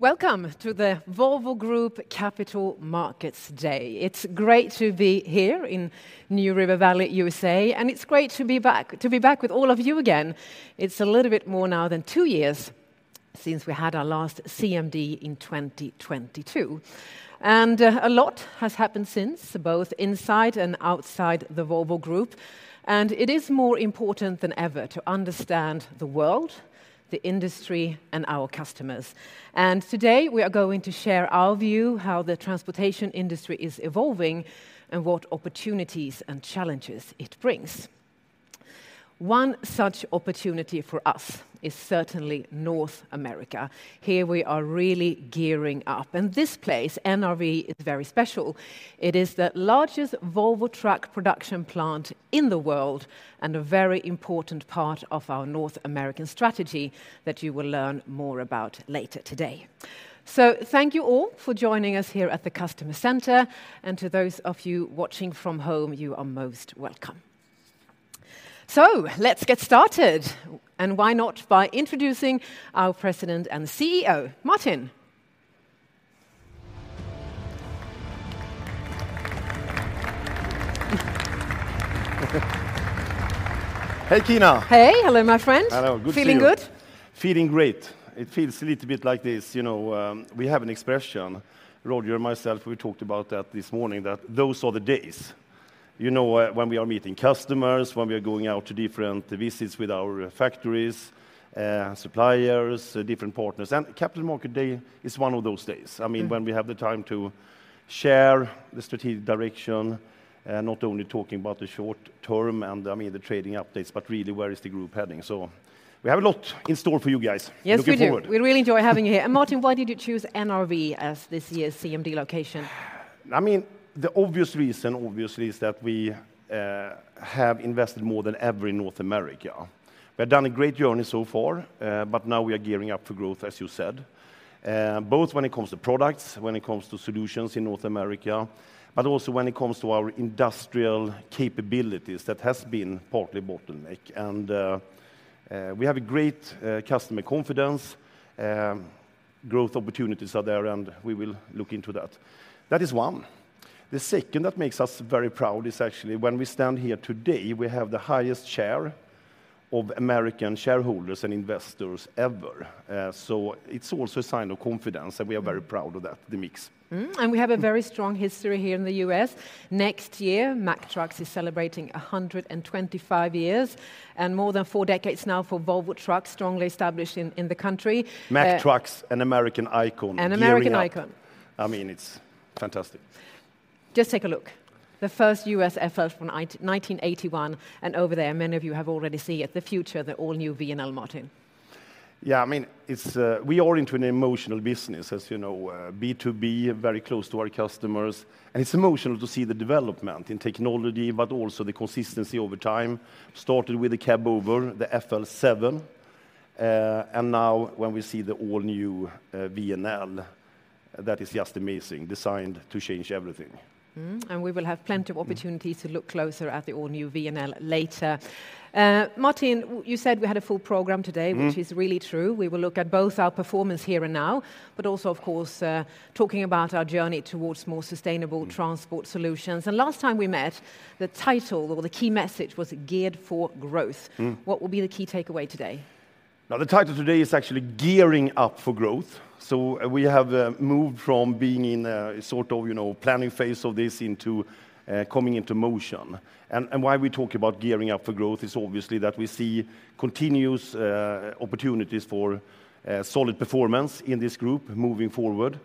Welcome to the Volvo Group Capital Markets Day. It's great to be here in New River Valley, USA, and it's great to be back with all of you again. It's a little bit more now than two years since we had our last CMD in 2022, and a lot has happened since, both inside and outside the Volvo Group, and it is more important than ever to understand the world, the industry, and our customers, and today we are going to share our view, how the transportation industry is evolving, and what opportunities and challenges it brings. One such opportunity for us is certainly North America. Here we are really gearing up, and this place, NRV, is very special. It is the largest Volvo truck production plant in the world and a very important part of our North American strategy that you will learn more about later today. Thank you all for joining us here at the Customer Center, and to those of you watching from home, you are most welcome. Let's get started, and why not by introducing our President and CEO, Martin. Hey, Kina. Hey, hello, my friend. Hello, good to see you. Feeling good? Feeling great. It feels a little bit like this, you know, we have an expression, Roger and myself, we talked about that this morning, that those are the days, you know, when we are meeting customers, when we are going out to different visits with our factories, suppliers, different partners, and Capital Markets Day is one of those days. I mean, when we have the time to share the strategic direction, not only talking about the short term and, I mean, the trading updates, but really where is the group heading, so we have a lot in store for you guys. Yes, we do. We really enjoy having you here, and Martin, why did you choose NRV as this year's CMD location? I mean, the obvious reason, obviously, is that we have invested more than ever in North America. We have done a great journey so far, but now we are gearing up for growth, as you said, both when it comes to products, when it comes to solutions in North America, but also when it comes to our industrial capabilities that have been partly bottleneck. And we have a great customer confidence. Growth opportunities are there, and we will look into that. That is one. The second that makes us very proud is actually when we stand here today, we have the highest share of American shareholders and investors ever. So it's also a sign of confidence, and we are very proud of that, the mix. And we have a very strong history here in the U.S. Next year, Mack Trucks is celebrating 125 years and more than four decades now for Volvo Trucks, strongly established in the country. Mack Trucks, an American icon. An American icon. I mean, it's fantastic. Just take a look. The first Volvo FL from 1981, and over there, many of you have already seen it, the future, the all-new VNL, Martin. Yeah, I mean, we are into an emotional business, as you know, B2B, very close to our customers. And it's emotional to see the development in technology, but also the consistency over time. Started with the cab over, the FL7, and now when we see the all-new VNL, that is just amazing, designed to change everything. We will have plenty of opportunities to look closer at the all-new VNL later. Martin, you said we had a full program today, which is really true. We will look at both our performance here and now, but also, of course, talking about our journey towards more sustainable transport solutions. Last time we met, the title or the key message was geared for growth. What will be the key takeaway today? Now, the title today is actually gearing up for growth. So we have moved from being in a sort of, you know, planning phase of this into coming into motion. And why we talk about gearing up for growth is obviously that we see continuous opportunities for solid performance in this group moving forward,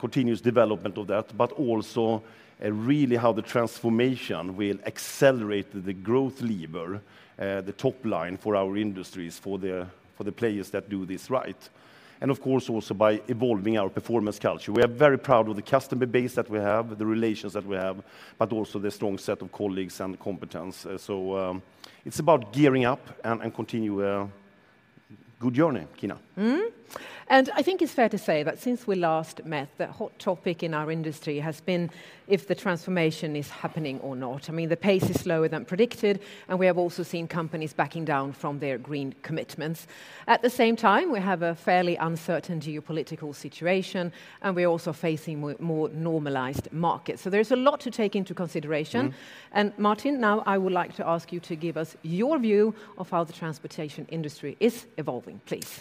continuous development of that, but also really how the transformation will accelerate the growth lever, the top line for our industries, for the players that do this right. And of course, also by evolving our performance culture. We are very proud of the customer base that we have, the relations that we have, but also the strong set of colleagues and competence. So it's about gearing up and continuing a good journey, Kina. I think it's fair to say that since we last met, the hot topic in our industry has been if the transformation is happening or not. I mean, the pace is slower than predicted, and we have also seen companies backing down from their green commitments. At the same time, we have a fairly uncertain geopolitical situation, and we are also facing more normalized markets. So there's a lot to take into consideration. Martin, now I would like to ask you to give us your view of how the transportation industry is evolving, please.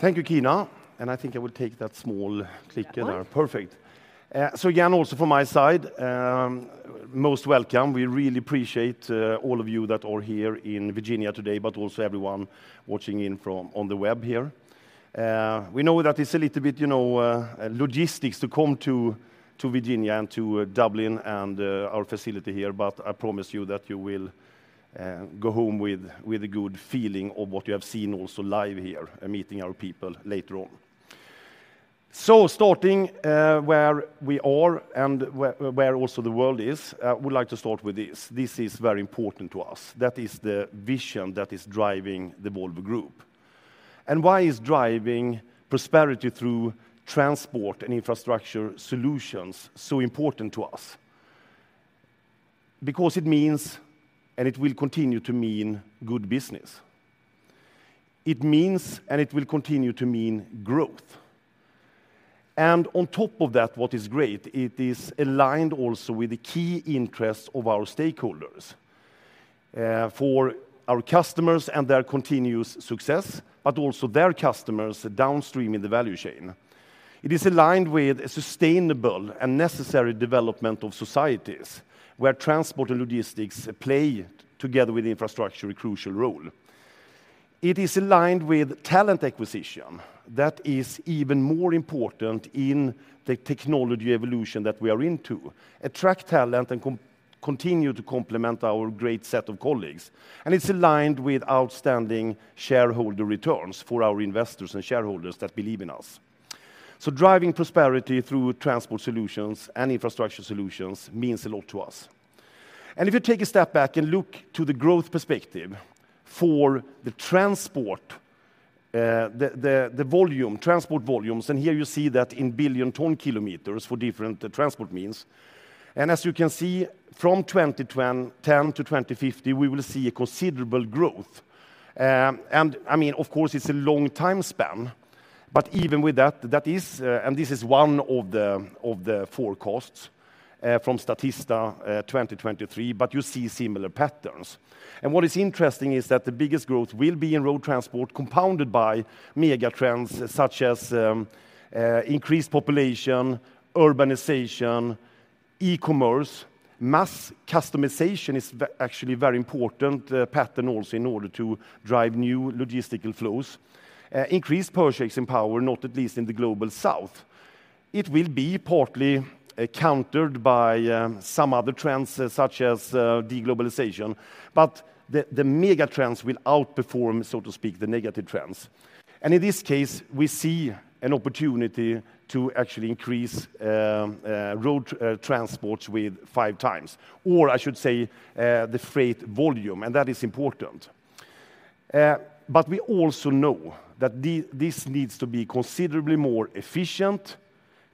Thank you, Kina. And I think I will take that small clicker there. Perfect. So again, also from my side, most welcome. We really appreciate all of you that are here in Virginia today, but also everyone watching in from on the web here. We know that it's a little bit, you know, logistics to come to Virginia and to Dublin and our facility here, but I promise you that you will go home with a good feeling of what you have seen also live here, meeting our people later on. So starting where we are and where also the world is, I would like to start with this. This is very important to us. That is the vision that is driving the Volvo Group. And why is driving prosperity through transport and infrastructure solutions so important to us? Because it means, and it will continue to mean, good business. It means, and it will continue to mean, growth. And on top of that, what is great, it is aligned also with the key interests of our stakeholders, for our customers and their continuous success, but also their customers downstream in the value chain. It is aligned with a sustainable and necessary development of societies where transport and logistics play together with infrastructure a crucial role. It is aligned with talent acquisition that is even more important in the technology evolution that we are into, attract talent and continue to complement our great set of colleagues. And it's aligned with outstanding shareholder returns for our investors and shareholders that believe in us. So driving prosperity through transport solutions and infrastructure solutions means a lot to us. If you take a step back and look to the growth perspective for the transport, the volume, transport volumes, and here you see that in billion ton kilometers for different transport means. As you can see, from 2010 to 2050, we will see a considerable growth. I mean, of course, it's a long time span, but even with that, that is, and this is one of the forecasts from Statista 2023, but you see similar patterns. What is interesting is that the biggest growth will be in road transport, compounded by mega trends such as increased population, urbanization, e-commerce. Mass customization is actually a very important pattern also in order to drive new logistical flows, increased purchasing power, not least in the Global South. It will be partly countered by some other trends such as deglobalization, but the mega trends will outperform, so to speak, the negative trends, and in this case, we see an opportunity to actually increase road transports with five times, or I should say the freight volume, and that is important, but we also know that this needs to be considerably more efficient,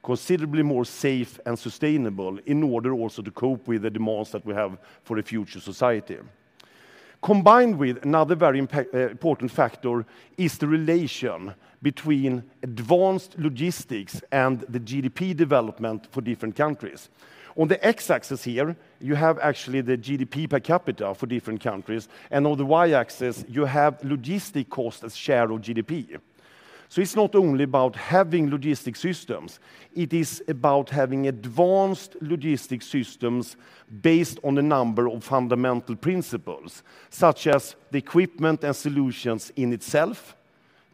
considerably more safe and sustainable in order also to cope with the demands that we have for a future society. Combined with another very important factor is the relation between advanced logistics and the GDP development for different countries. On the X-axis here, you have actually the GDP per capita for different countries, and on the Y-axis, you have logistics cost as share of GDP. It's not only about having logistics systems. It is about having advanced logistics systems based on a number of fundamental principles such as the equipment and solutions in itself.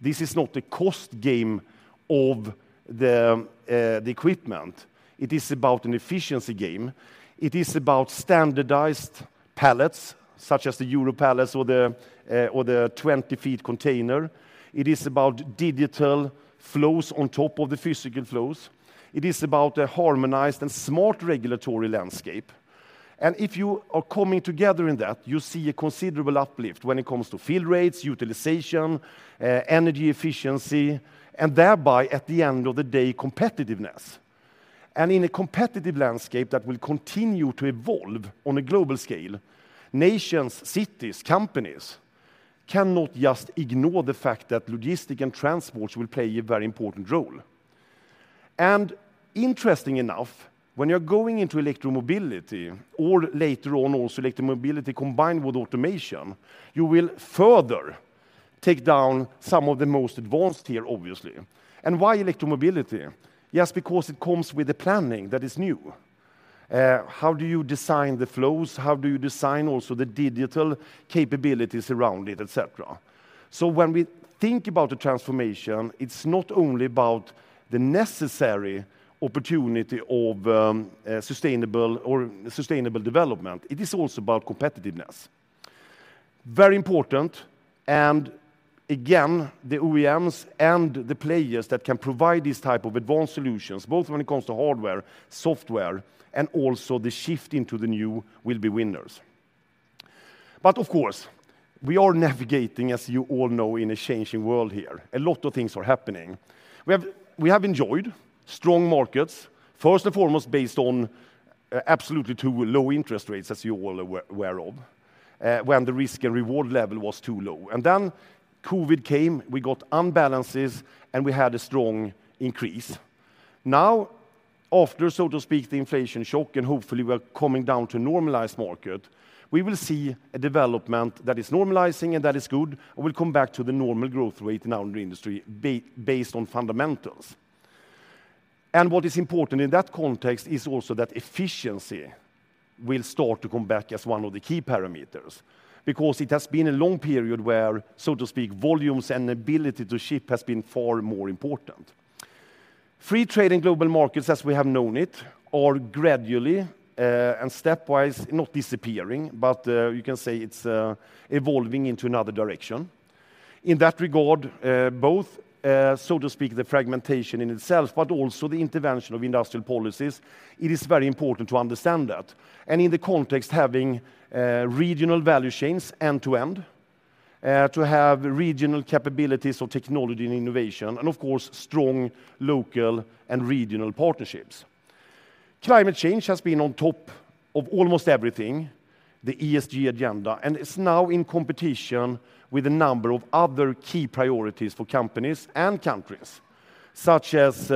This is not a cost game of the equipment. It is about an efficiency game. It is about standardized pallets, such as the Euro pallets or the 20-foot container. It is about digital flows on top of the physical flows. It is about a harmonized and smart regulatory landscape. If you are coming together in that, you see a considerable uplift when it comes to fill rates, utilization, energy efficiency, and thereby, at the end of the day, competitiveness. In a competitive landscape that will continue to evolve on a global scale, nations, cities, companies cannot just ignore the fact that logistics and transport will play a very important role. Interesting enough, when you're going into electromobility or later on also electromobility combined with automation, you will further take down some of the most advanced here, obviously. Why electromobility? Yes, because it comes with a planning that is new. How do you design the flows? How do you design also the digital capabilities around it, etc.? When we think about the transformation, it's not only about the necessary opportunity of sustainable development. It is also about competitiveness. Very important. The OEMs and the players that can provide these types of advanced solutions, both when it comes to hardware, software, and also the shift into the new will be winners. Of course, we are navigating, as you all know, in a changing world here. A lot of things are happening. We have enjoyed strong markets, first and foremost based on absolutely too low interest rates, as you all are aware of, when the risk and reward level was too low, and then COVID came, we got imbalances, and we had a strong increase. Now, after, so to speak, the inflation shock, and hopefully we're coming down to a normalized market, we will see a development that is normalizing and that is good, and we'll come back to the normal growth rate in our industry based on fundamentals, and what is important in that context is also that efficiency will start to come back as one of the key parameters because it has been a long period where, so to speak, volumes and ability to ship has been far more important. Free trade in global markets, as we have known it, are gradually and stepwise not disappearing, but you can say it's evolving into another direction. In that regard, both, so to speak, the fragmentation in itself, but also the intervention of industrial policies, it is very important to understand that. In the context of having regional value chains end to end, to have regional capabilities of technology and innovation, and of course, strong local and regional partnerships. Climate change has been on top of almost everything, the ESG agenda, and it's now in competition with a number of other key priorities for companies and countries, such as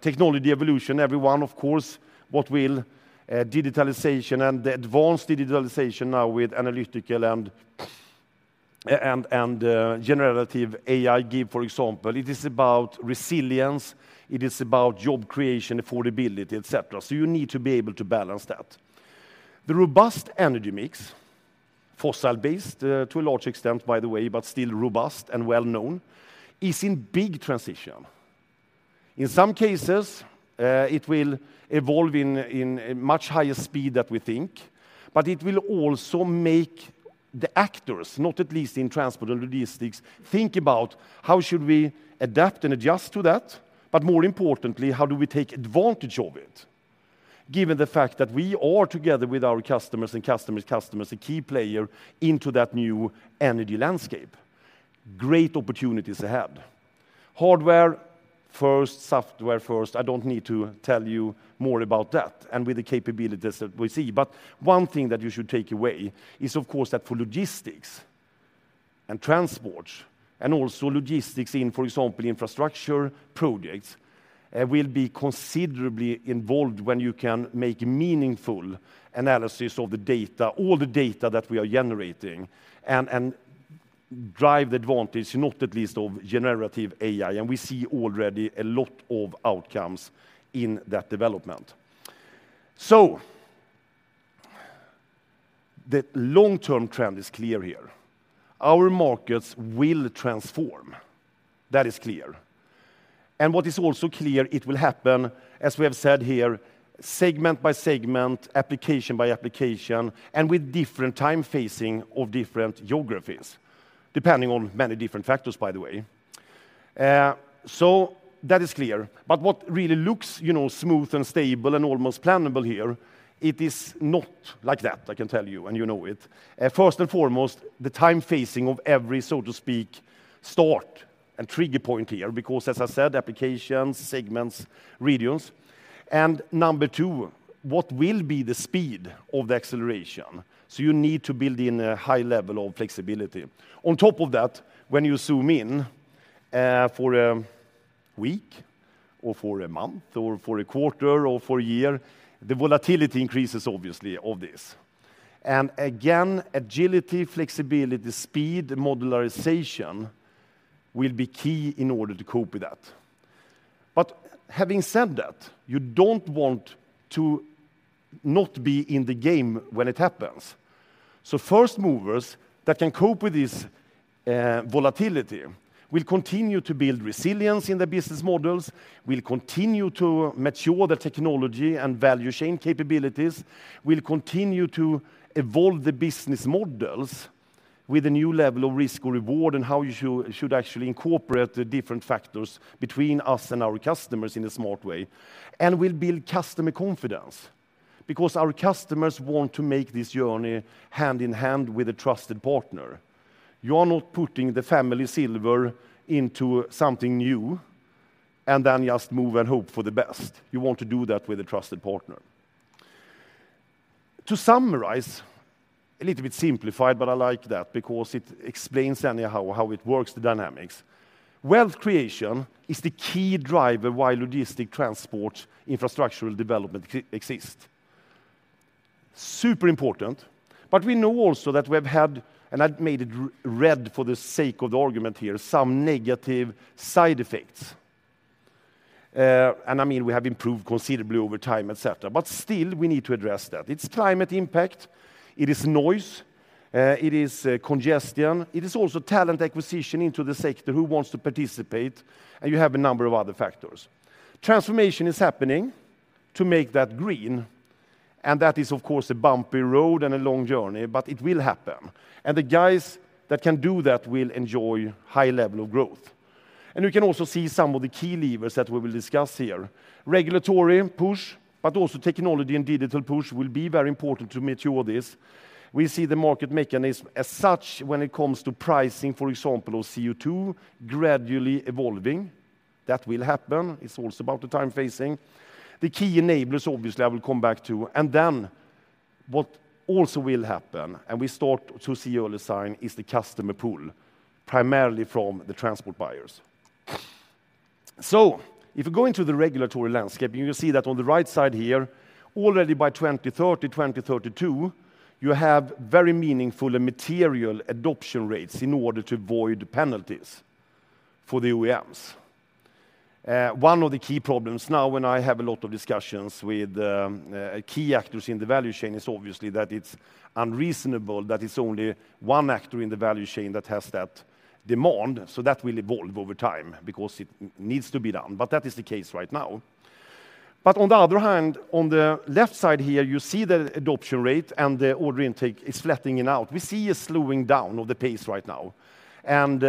technology evolution, everyone, of course, what will digitalization and the advanced digitalization now with analytical and generative AI, for example. It is about resilience. It is about job creation, affordability, etc. So you need to be able to balance that. The robust energy mix, fossil-based to a large extent, by the way, but still robust and well-known, is in big transition. In some cases, it will evolve in much higher speed than we think, but it will also make the actors, not at least in transport and logistics, think about how should we adapt and adjust to that, but more importantly, how do we take advantage of it, given the fact that we are together with our customers and customers, customers, a key player into that new energy landscape. Great opportunities ahead. Hardware first, software first. I don't need to tell you more about that and with the capabilities that we see. But one thing that you should take away is, of course, that for logistics and transport and also logistics in, for example, infrastructure projects will be considerably involved when you can make meaningful analysis of the data, all the data that we are generating, and drive the advantage, not at least of generative AI. And we see already a lot of outcomes in that development. So the long-term trend is clear here. Our markets will transform. That is clear. And what is also clear, it will happen, as we have said here, segment by segment, application by application, and with different time facing of different geographies, depending on many different factors, by the way. So that is clear. But what really looks, you know, smooth and stable and almost plannable here, it is not like that, I can tell you, and you know it. First and foremost, the time-phasing of every, so to speak, start and trigger point here, because, as I said, applications, segments, regions, and number two, what will be the speed of the acceleration, so you need to build in a high level of flexibility. On top of that, when you zoom in for a week or for a month or for a quarter or for a year, the volatility increases, obviously, of this, and again, agility, flexibility, speed, modularization will be key in order to cope with that, but having said that, you don't want to not be in the game when it happens. So first movers that can cope with this volatility will continue to build resilience in their business models, will continue to mature the technology and value chain capabilities, will continue to evolve the business models with a new level of risk or reward and how you should actually incorporate the different factors between us and our customers in a smart way, and will build customer confidence because our customers want to make this journey hand in hand with a trusted partner. You are not putting the family silver into something new and then just move and hope for the best. You want to do that with a trusted partner. To summarize, a little bit simplified, but I like that because it explains anyhow how it works, the dynamics. Wealth creation is the key driver why logistics transport infrastructure development exists. Super important. But we know also that we have had, and I've made it red for the sake of the argument here, some negative side effects. And I mean, we have improved considerably over time, etc. But still, we need to address that. It's climate impact. It is noise. It is congestion. It is also talent acquisition into the sector who wants to participate. And you have a number of other factors. Transformation is happening to make that green. And that is, of course, a bumpy road and a long journey, but it will happen. And the guys that can do that will enjoy a high level of growth. And we can also see some of the key levers that we will discuss here. Regulatory push, but also technology and digital push will be very important to mature this. We see the market mechanism as such when it comes to pricing, for example, of CO2 gradually evolving. That will happen. It's also about the timeframe. The key enablers, obviously, I will come back to. And then what also will happen, and we start to see early signs, is the customer pool, primarily from the transport buyers. So if we go into the regulatory landscape, you will see that on the right side here, already by 2030, 2032, you have very meaningful and material adoption rates in order to avoid penalties for the OEMs. One of the key problems now, when I have a lot of discussions with key actors in the value chain, is obviously that it's unreasonable that it's only one actor in the value chain that has that demand. So that will evolve over time because it needs to be done. But that is the case right now. But on the other hand, on the left side here, you see the adoption rate and the order intake is flattening out. We see a slowing down of the pace right now. And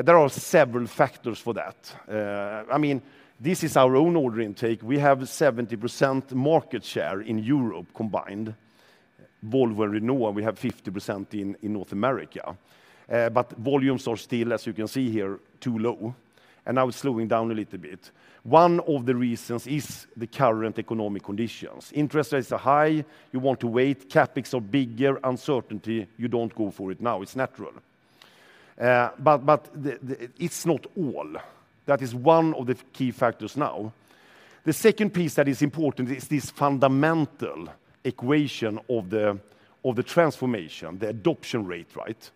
there are several factors for that. I mean, this is our own order intake. We have 70% market share in Europe combined. Volvo and Renault, we have 50% in North America. But volumes are still, as you can see here, too low. And now it's slowing down a little bit. One of the reasons is the current economic conditions. Interest rates are high. You want to wait. CapEx are bigger. Uncertainty. You don't go for it now. It's natural. But it's not all. That is one of the key factors now. The second piece that is important is this fundamental equation of the transformation, the adoption rate, right?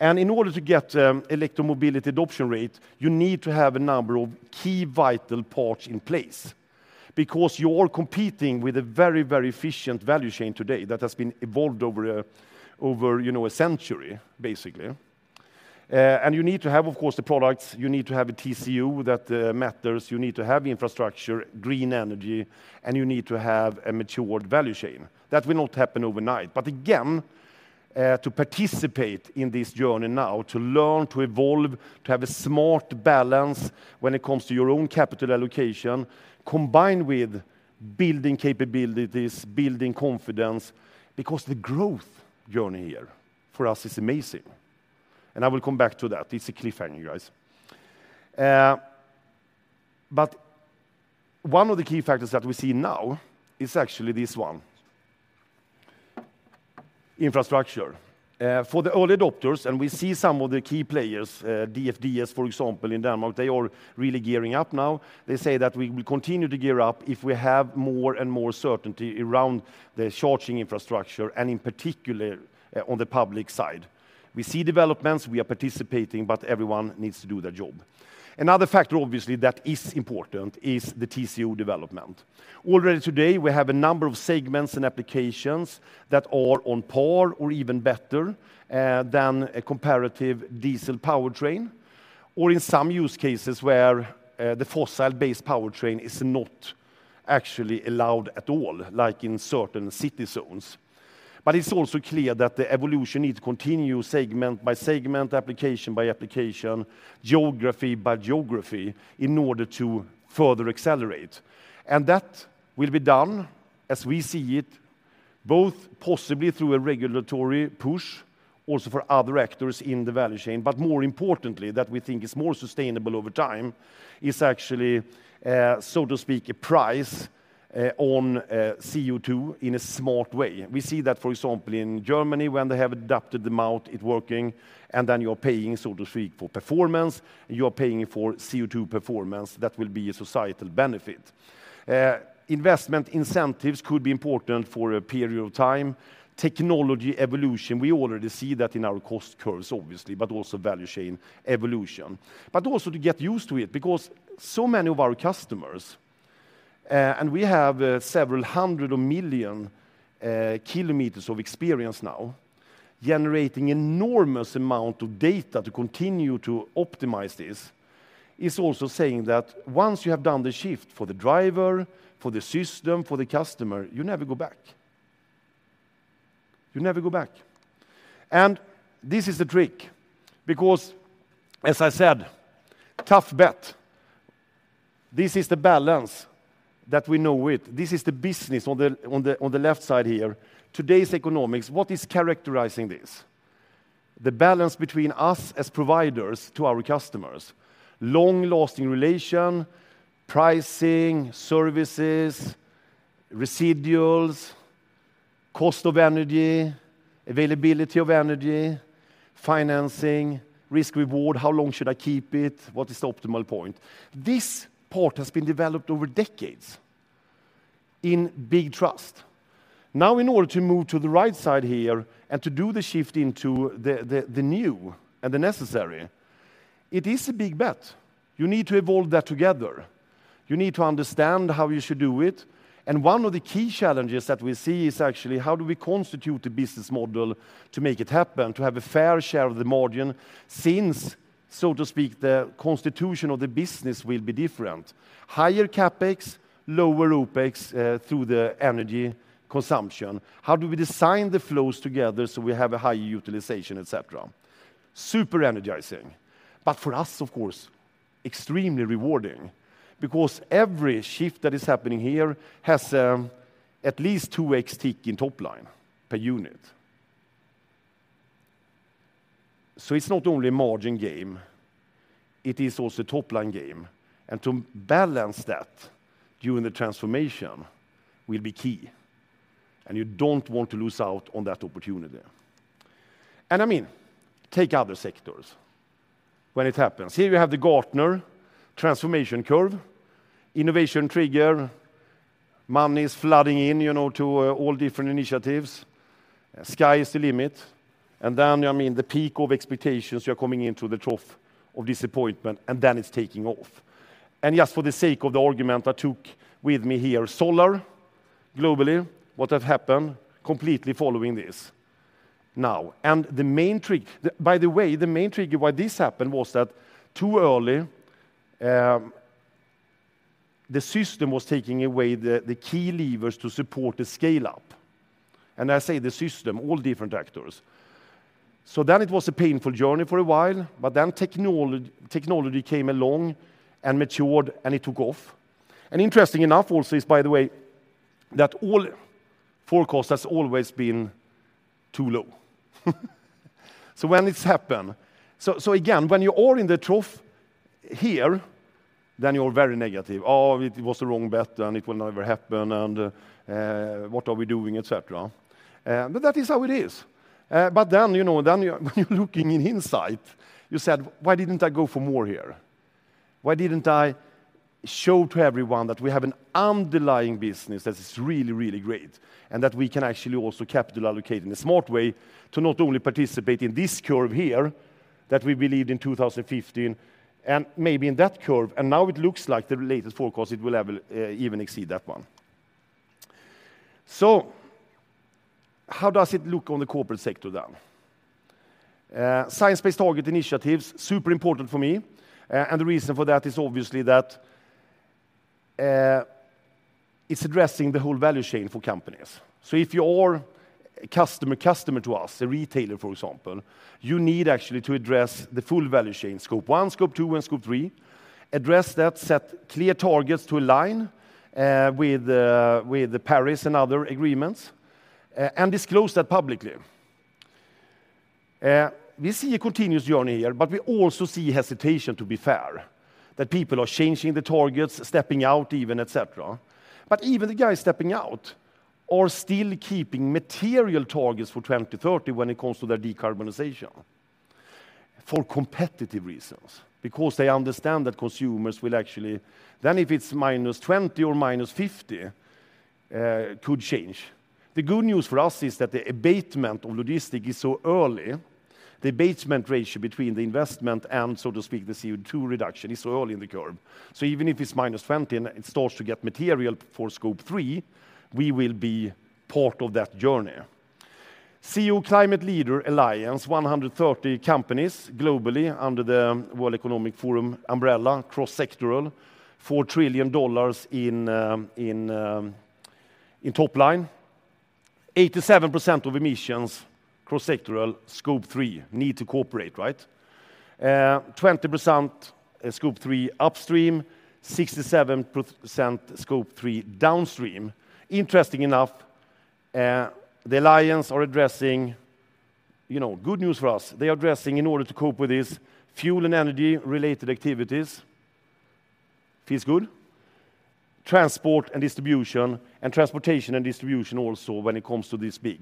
And in order to get electromobility adoption rate, you need to have a number of key vital parts in place because you are competing with a very, very efficient value chain today that has been evolved over a century, basically. And you need to have, of course, the products. You need to have a TCO that matters. You need to have infrastructure, green energy, and you need to have a matured value chain. That will not happen overnight. But again, to participate in this journey now, to learn, to evolve, to have a smart balance when it comes to your own capital allocation, combined with building capabilities, building confidence, because the growth journey here for us is amazing. And I will come back to that. It's a cliffhanger, guys. But one of the key factors that we see now is actually this one. Infrastructure. For the early adopters, and we see some of the key players, DFDS, for example, in Denmark, they are really gearing up now. They say that we will continue to gear up if we have more and more certainty around the charging infrastructure and in particular on the public side. We see developments. We are participating, but everyone needs to do their job. Another factor, obviously, that is important is the TCO development. Already today, we have a number of segments and applications that are on par or even better than a comparative diesel powertrain, or in some use cases where the fossil-based powertrain is not actually allowed at all, like in certain city zones. But it's also clear that the evolution needs to continue segment by segment, application by application, geography by geography in order to further accelerate. And that will be done, as we see it, both possibly through a regulatory push, also for other actors in the value chain, but more importantly, that we think is more sustainable over time is actually, so to speak, a price on CO2 in a smart way. We see that, for example, in Germany, when they have adopted the mechanism, it's working, and then you're paying, so to speak, for performance. You are paying for CO2 performance that will be a societal benefit. Investment incentives could be important for a period of time. Technology evolution. We already see that in our cost curves, obviously, but also value chain evolution. But also to get used to it because so many of our customers, and we have several hundred million kilometers of experience now, generating an enormous amount of data to continue to optimize this, is also saying that once you have done the shift for the driver, for the system, for the customer, you never go back. You never go back. And this is the trick because, as I said, tough bet. This is the balance that we know it. This is the business on the left side here. Today's economics, what is characterizing this? The balance between us as providers to our customers, long-lasting relation, pricing, services, residuals, cost of energy, availability of energy, financing, risk-reward, how long should I keep it, what is the optimal point? This part has been developed over decades in big trust. Now, in order to move to the right side here and to do the shift into the new and the necessary, it is a big bet. You need to evolve that together. You need to understand how you should do it. And one of the key challenges that we see is actually how do we constitute the business model to make it happen, to have a fair share of the margin since, so to speak, the constitution of the business will be different. Higher CapEx, lower OpEx through the energy consumption. How do we design the flows together so we have a higher utilization, etc.? Super energizing. But for us, of course, extremely rewarding because every shift that is happening here has at least two X tick in top line per unit. So it's not only a margin game. It is also a top line game. And to balance that during the transformation will be key. And you don't want to lose out on that opportunity. And I mean, take other sectors when it happens. Here you have the Gartner transformation curve. Innovation trigger. Money is flooding in, you know, to all different initiatives. Sky is the limit. And then, I mean, the peak of expectations you are coming into the trough of disappointment, and then it's taking off. And just for the sake of the argument, I took with me here solar globally, what has happened completely following this now. And the main trigger, by the way, why this happened was that too early, the system was taking away the key levers to support the scale-up. And I say the system, all different actors. So then it was a painful journey for a while, but then technology came along and matured, and it took off. And interesting enough also is, by the way, that all forecasts have always been too low. So when it's happened, so again, when you are in the trough here, then you're very negative. Oh, it was the wrong bet, and it will never happen, and what are we doing, etc. But that is how it is. But then, you know, then when you're looking in hindsight, you said, why didn't I go for more here? Why didn't I show to everyone that we have an underlying business that is really, really great and that we can actually also capital allocate in a smart way to not only participate in this curve here that we believed in 2015 and maybe in that curve. Now it looks like the latest forecast. It will even exceed that one. How does it look on the corporate sector then? Science Based Targets initiatives are super important for me. The reason for that is obviously that it's addressing the whole value chain for companies. If you are a customer to us, a retailer, for example, you need actually to address the full value chain Scope 1, Scope 2, and Scope 3, address that, set clear targets to align with Paris and other agreements, and disclose that publicly. We see a continuous journey here, but we also see hesitation, to be fair, that people are changing the targets, stepping out even, etc. But even the guys stepping out are still keeping material targets for 2030 when it comes to their decarbonization for competitive reasons, because they understand that consumers will actually then, if it's -20% or -50%, could change. The good news for us is that the abatement of logistics is so early. The abatement ratio between the investment and, so to speak, the CO2 reduction is so early in the curve. So even if it's -20% and it starts to get material for Scope 3, we will be part of that journey. CEO Climate Leaders Alliance, 130 companies globally under the World Economic Forum umbrella, cross-sectoral, $4 trillion in top line. 87% of emissions cross-sectoral, Scope 3, need to cooperate, right? 20% Scope 3 upstream, 67% Scope 3 downstream. Interesting enough, the alliance are addressing, you know, good news for us. They are addressing in order to cope with these fuel and energy-related activities. Feels good. Transport and distribution and transportation and distribution also when it comes to this big.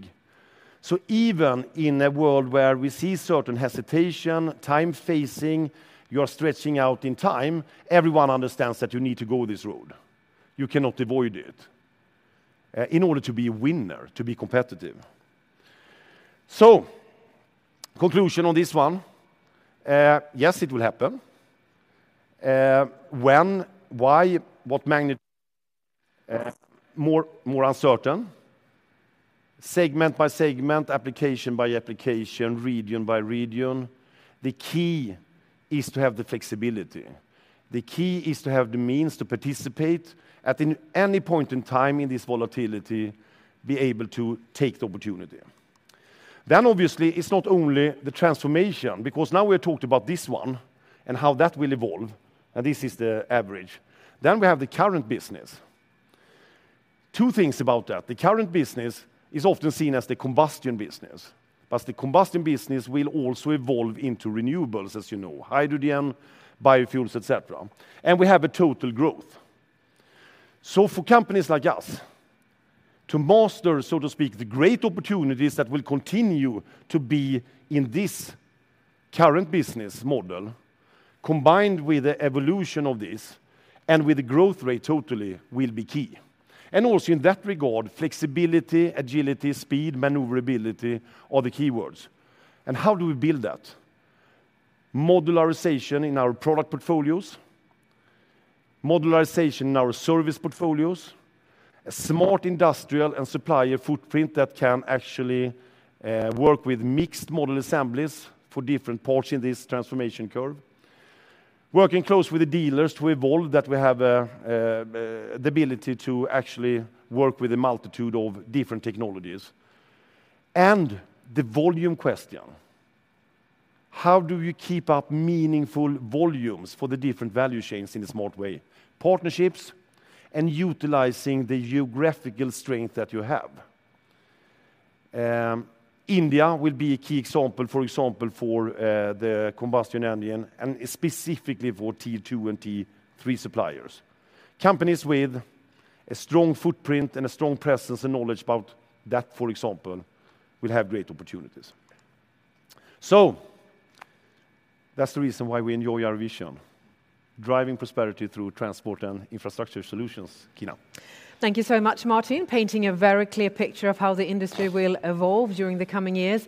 So even in a world where we see certain hesitation, time facing, you are stretching out in time, everyone understands that you need to go this road. You cannot avoid it in order to be a winner, to be competitive. So conclusion on this one. Yes, it will happen. When, why, what magnitude? More uncertain. Segment by segment, application by application, region by region. The key is to have the flexibility. The key is to have the means to participate at any point in time in this volatility, be able to take the opportunity. Then obviously, it's not only the transformation because now we are talking about this one and how that will evolve, and this is the average. We have the current business. Two things about that. The current business is often seen as the combustion business, but the combustion business will also evolve into renewables, as you know, hydrogen, biofuels, etc. We have a total growth. So for companies like us to master, so to speak, the great opportunities that will continue to be in this current business model, combined with the evolution of this and with the growth rate totally, will be key. Also in that regard, flexibility, agility, speed, maneuverability are the keywords. How do we build that? Modularization in our product portfolios, modularization in our service portfolios, a smart industrial and supplier footprint that can actually work with mixed model assemblies for different parts in this transformation curve, working close with the dealers to evolve that we have the ability to actually work with a multitude of different technologies. The volume question, how do you keep up meaningful volumes for the different value chains in a smart way? Partnerships and utilizing the geographical strength that you have. India will be a key example, for example, for the combustion engine and specifically for T2 and T3 suppliers. Companies with a strong footprint and a strong presence and knowledge about that, for example, will have great opportunities. So that's the reason why we enjoy our vision, driving prosperity through transport and infrastructure solutions, Kina. Thank you so much, Martin. Painting a very clear picture of how the industry will evolve during the coming years.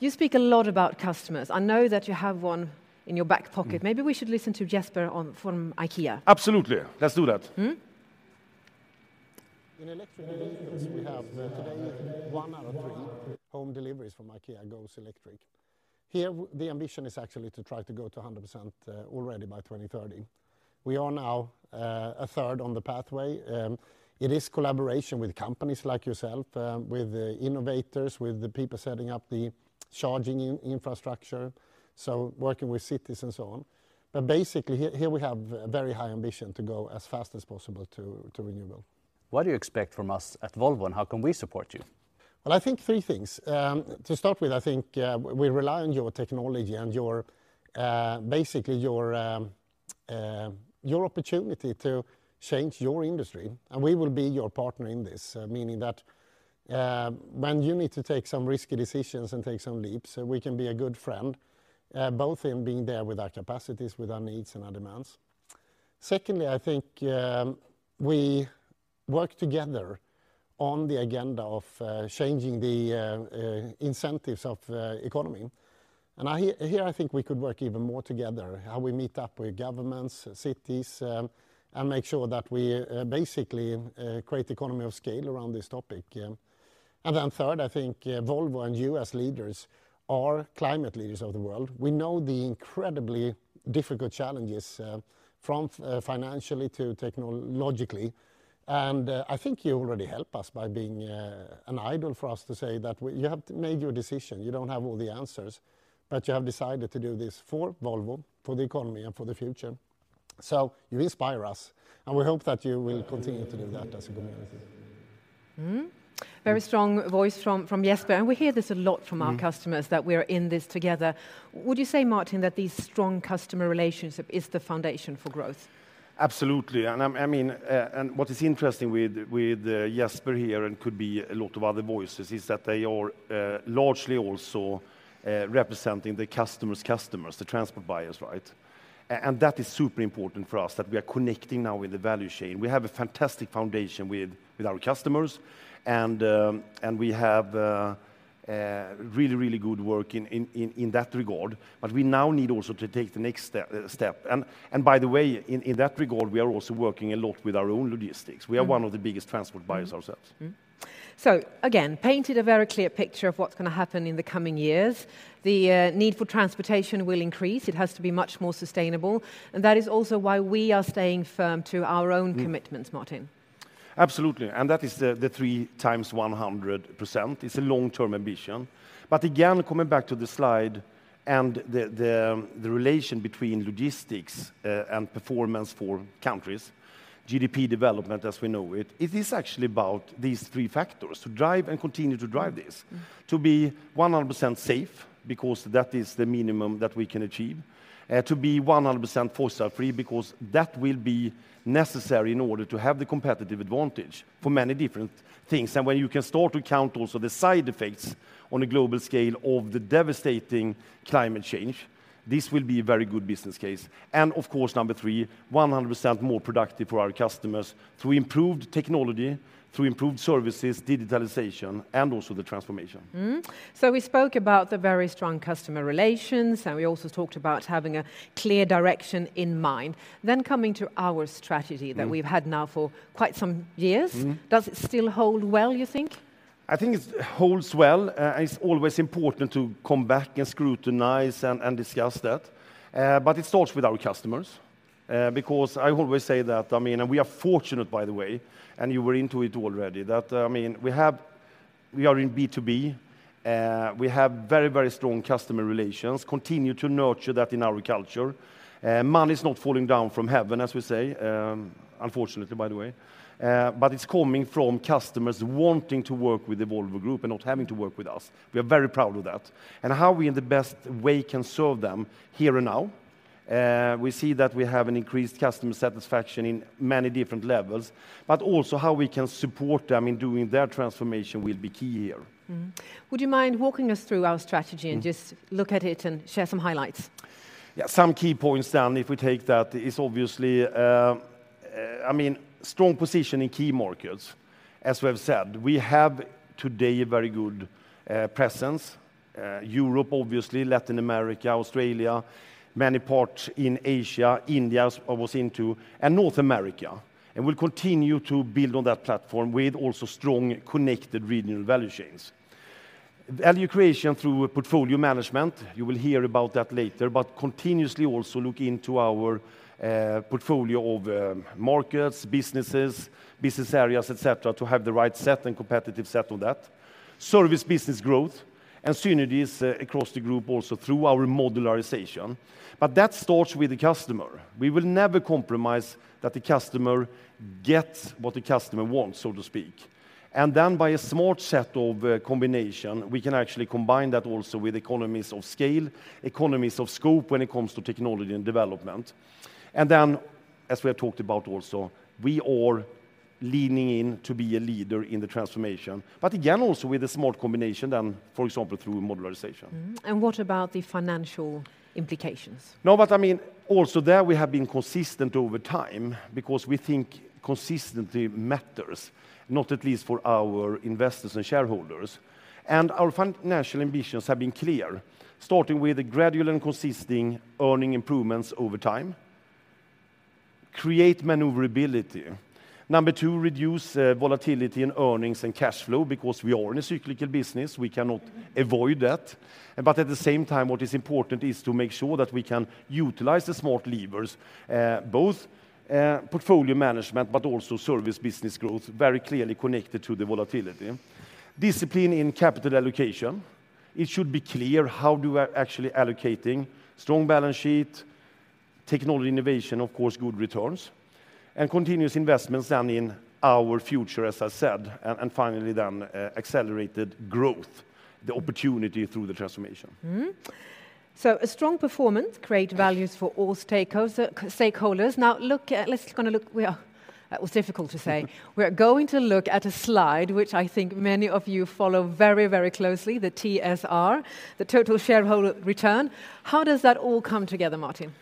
You speak a lot about customers. I know that you have one in your back pocket. Maybe we should listen to Jesper from IKEA. Absolutely. Let's do that. In electric vehicles, we have today one out of three home deliveries from IKEA goes electric. Here, the ambition is actually to try to go to 100% already by 2030. We are now a third on the pathway. It is collaboration with companies like yourself, with the innovators, with the people setting up the charging infrastructure, so working with cities and so on. But basically, here we have a very high ambition to go as fast as possible to renewable. What do you expect from us at Volvo and how can we support you? Well, I think three things. To start with, I think we rely on your technology and basically your opportunity to change your industry. And we will be your partner in this, meaning that when you need to take some risky decisions and take some leaps, we can be a good friend, both in being there with our capacities, with our needs and our demands. Secondly, I think we work together on the agenda of changing the incentives of the economy. And here, I think we could work even more together, how we meet up with governments, cities, and make sure that we basically create economy of scale around this topic. And then third, I think Volvo and U.S. leaders are climate leaders of the world. We know the incredibly difficult challenges from financially to technologically. And I think you already help us by being an idol for us to say that you have made your decision. You don't have all the answers, but you have decided to do this for Volvo, for the economy and for the future. So you inspire us, and we hope that you will continue to do that as a community. Very strong voice from Jesper. And we hear this a lot from our customers that we're in this together. Would you say, Martin, that these strong customer relationships are the foundation for growth? Absolutely. And I mean, and what is interesting with Jesper here and could be a lot of other voices is that they are largely also representing the customer's customers, the transport buyers, right? And that is super important for us that we are connecting now with the value chain. We have a fantastic foundation with our customers, and we have really, really good work in that regard. But we now need also to take the next step. And by the way, in that regard, we are also working a lot with our own logistics. We are one of the biggest transport buyers ourselves. So again, painted a very clear picture of what's going to happen in the coming years. The need for transportation will increase. It has to be much more sustainable. That is also why we are staying firm to our own commitments, Martin. Absolutely. That is the three times 100%. It is a long-term ambition. Again, coming back to the slide and the relation between logistics and performance for countries, GDP development as we know it, it is actually about these three factors to drive and continue to drive this. To be 100% safe because that is the minimum that we can achieve. To be 100% fossil-free because that will be necessary in order to have the competitive advantage for many different things. When you can start to count also the side effects on a global scale of the devastating climate change, this will be a very good business case. Of course, number three, 100% more productive for our customers through improved technology, through improved services, digitalization, and also the transformation. So we spoke about the very strong customer relations, and we also talked about having a clear direction in mind. Then coming to our strategy that we've had now for quite some years, does it still hold well, you think? I think it holds well. It's always important to come back and scrutinize and discuss that. But it starts with our customers because I always say that, I mean, and we are fortunate, by the way, and you were into it already, that, I mean, we are in B2B. We have very, very strong customer relations, continue to nurture that in our culture. Money is not falling down from heaven, as we say, unfortunately, by the way. But it's coming from customers wanting to work with the Volvo Group and not having to work with us. We are very proud of that. How we in the best way can serve them here and now. We see that we have an increased customer satisfaction in many different levels, but also how we can support them in doing their transformation will be key here. Would you mind walking us through our strategy and just look at it and share some highlights? Yeah, some key points then if we take that is obviously, I mean, strong position in key markets. As we have said, we have today a very good presence, Europe, obviously, Latin America, Australia, many parts in Asia, India I was into, and North America. We'll continue to build on that platform with also strong connected regional value chains. Value creation through portfolio management. You will hear about that later, but continuously also look into our portfolio of markets, businesses, business areas, etc., to have the right set and competitive set on that. Service business growth and synergies across the group also through our modularization. That starts with the customer. We will never compromise that the customer gets what the customer wants, so to speak. Then by a smart set of combination, we can actually combine that also with economies of scale, economies of scope when it comes to technology and development. Then, as we have talked about also, we are leaning in to be a leader in the transformation. Again, also with a smart combination then, for example, through modularization. What about the financial implications? No, but I mean, also there we have been consistent over time because we think consistency matters, not least for our investors and shareholders. Our financial ambitions have been clear, starting with a gradual and consistent earnings improvements over time. Create maneuverability. Number two, reduce volatility in earnings and cash flow because we are in a cyclical business. We cannot avoid that. But at the same time, what is important is to make sure that we can utilize the smart levers, both portfolio management, but also service business growth, very clearly connected to the volatility. Discipline in capital allocation. It should be clear how do we actually allocating. Strong balance sheet, technology innovation, of course, good returns. And continuous investments then in our future, as I said. And finally then accelerated growth, the opportunity through the transformation. So strong performance, great values for all stakeholders. Now look, it was difficult to say. We are going to look at a slide which I think many of you follow very, very closely, the TSR, the total shareholder return. How does that all come together, Martin?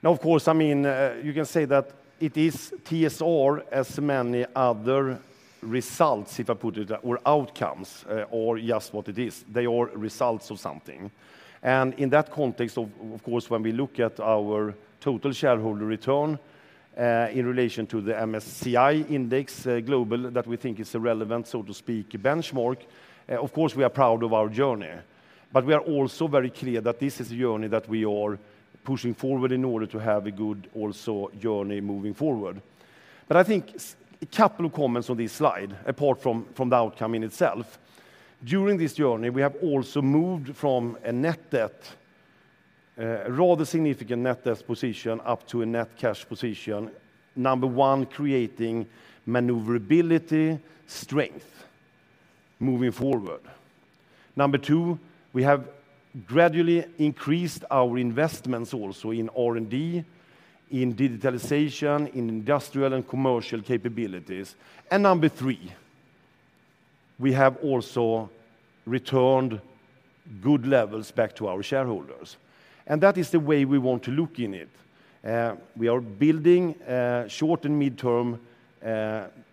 No, of course, I mean, you can say that it is TSR as many other results, if I put it that way, or outcomes, or just what it is. They are results of something. And in that context, of course, when we look at our total shareholder return in relation to the MSCI Index Global that we think is a relevant, so to speak, benchmark, of course, we are proud of our journey. But we are also very clear that this is a journey that we are pushing forward in order to have a good also journey moving forward. But I think a couple of comments on this slide, apart from the outcome in itself. During this journey, we have also moved from a net debt, rather significant net debt position up to a net cash position. Number one, creating maneuverability strength moving forward. Number two, we have gradually increased our investments also in R&D, in digitalization, in industrial and commercial capabilities. And number three, we have also returned good levels back to our shareholders. And that is the way we want to look in it. We are building short and mid-term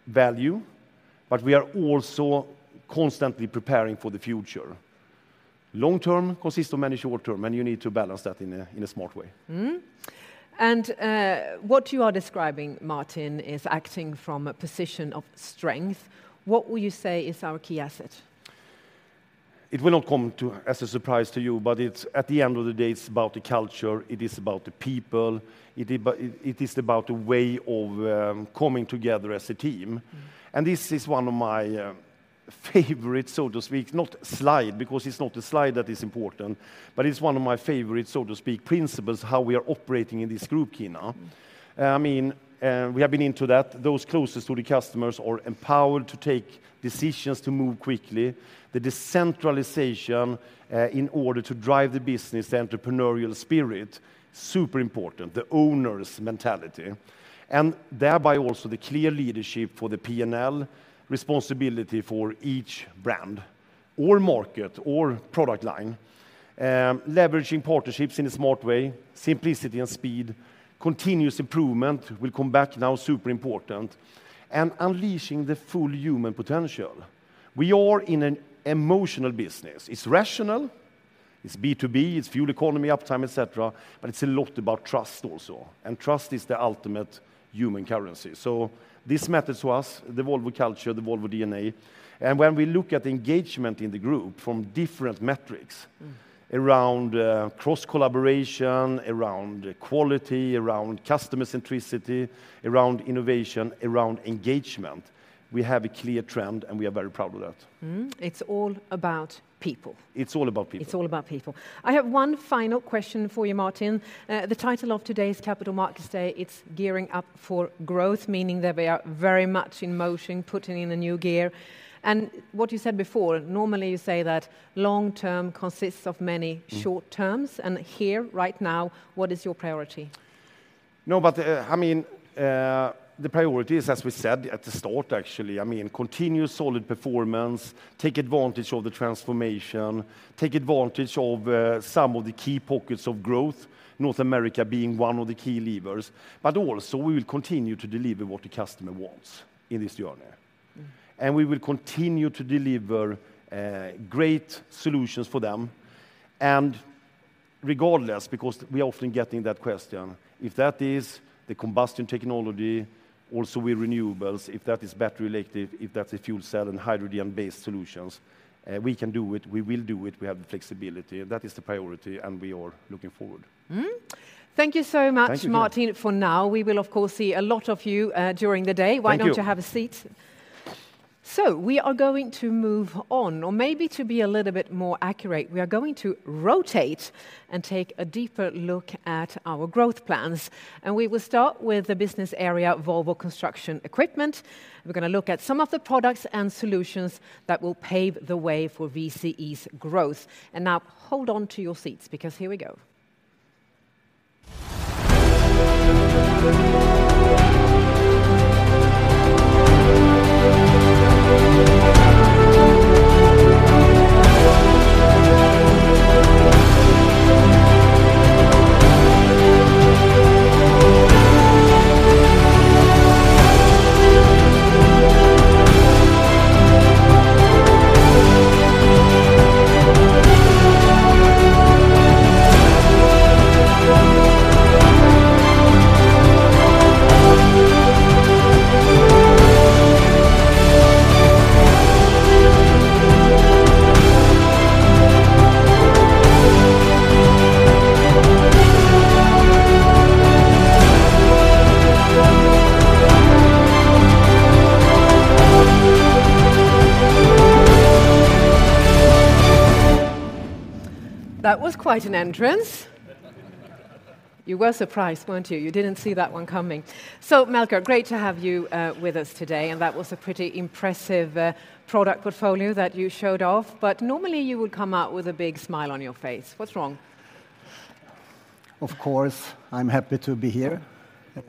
value, but we are also constantly preparing for the future. Long-term consists of many short-term, and you need to balance that in a smart way. And what you are describing, Martin, is acting from a position of strength. What will you say is our key asset? It will not come as a surprise to you, but at the end of the day, it's about the culture. It is about the people. It is about the way of coming together as a team. And this is one of my favorites, so to speak, not slide, because it's not a slide that is important, but it's one of my favorites, so to speak, principles, how we are operating in this group, Kina. I mean, we have been into that. Those closest to the customers are empowered to take decisions to move quickly. The decentralization in order to drive the business, the entrepreneurial spirit, super important, the owners' mentality. And thereby also the clear leadership for the P&L, responsibility for each brand or market or product line, leveraging partnerships in a smart way, simplicity and speed, continuous improvement will come back now, super important, and unleashing the full human potential. We are in an emotional business. It's rational, it's B2B, it's fuel economy, uptime, etc., but it's a lot about trust also. And trust is the ultimate human currency. So this matters to us, the Volvo culture, the Volvo DNA. And when we look at engagement in the group from different metrics around cross-collaboration, around quality, around customer centricity, around innovation, around engagement, we have a clear trend and we are very proud of that. It's all about people. It's all about people. It's all about people. I have one final question for you, Martin. The title of today's Capital Markets Day, it's gearing up for growth, meaning that we are very much in motion, putting in a new gear. And what you said before, normally you say that long-term consists of many short-terms. And here right now, what is your priority? No, but I mean, the priority is, as we said at the start, actually, I mean, continue solid performance, take advantage of the transformation, take advantage of some of the key pockets of growth, North America being one of the key levers. But also we will continue to deliver what the customer wants in this journey. And we will continue to deliver great solutions for them. And regardless, because we are often getting that question, if that is the combustion technology, also with renewables, if that is battery electric, if that's a fuel cell and hydrogen-based solutions, we can do it, we will do it, we have the flexibility. And that is the priority and we are looking forward. Thank you so much, Martin, for now. We will, of course, see a lot of you during the day. Why don't you have a seat? So we are going to move on, or maybe to be a little bit more accurate, we are going to rotate and take a deeper look at our growth plans. And we will start with the business area Volvo Construction Equipment. We're going to look at some of the products and solutions that will pave the way for VCE's growth. And now hold on to your seats because here we go. That was quite an entrance. You were surprised, weren't you? You didn't see that one coming. So Melker, great to have you with us today. And that was a pretty impressive product portfolio that you showed off. But normally you would come out with a big smile on your face. What's wrong? Of course, I'm happy to be here.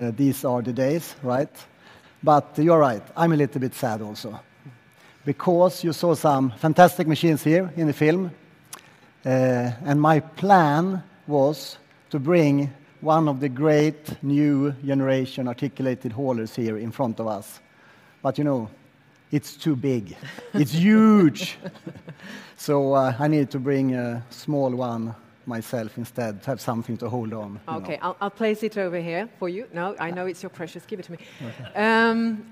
These are the days, right? But you're right. I'm a little bit sad also because you saw some fantastic machines here in the film. And my plan was to bring one of the great new generation articulated haulers here in front of us. But you know, it's too big. It's huge. So I need to bring a small one myself instead to have something to hold on. Okay, I'll place it over here for you. No, I know it's your precious. Give it to me.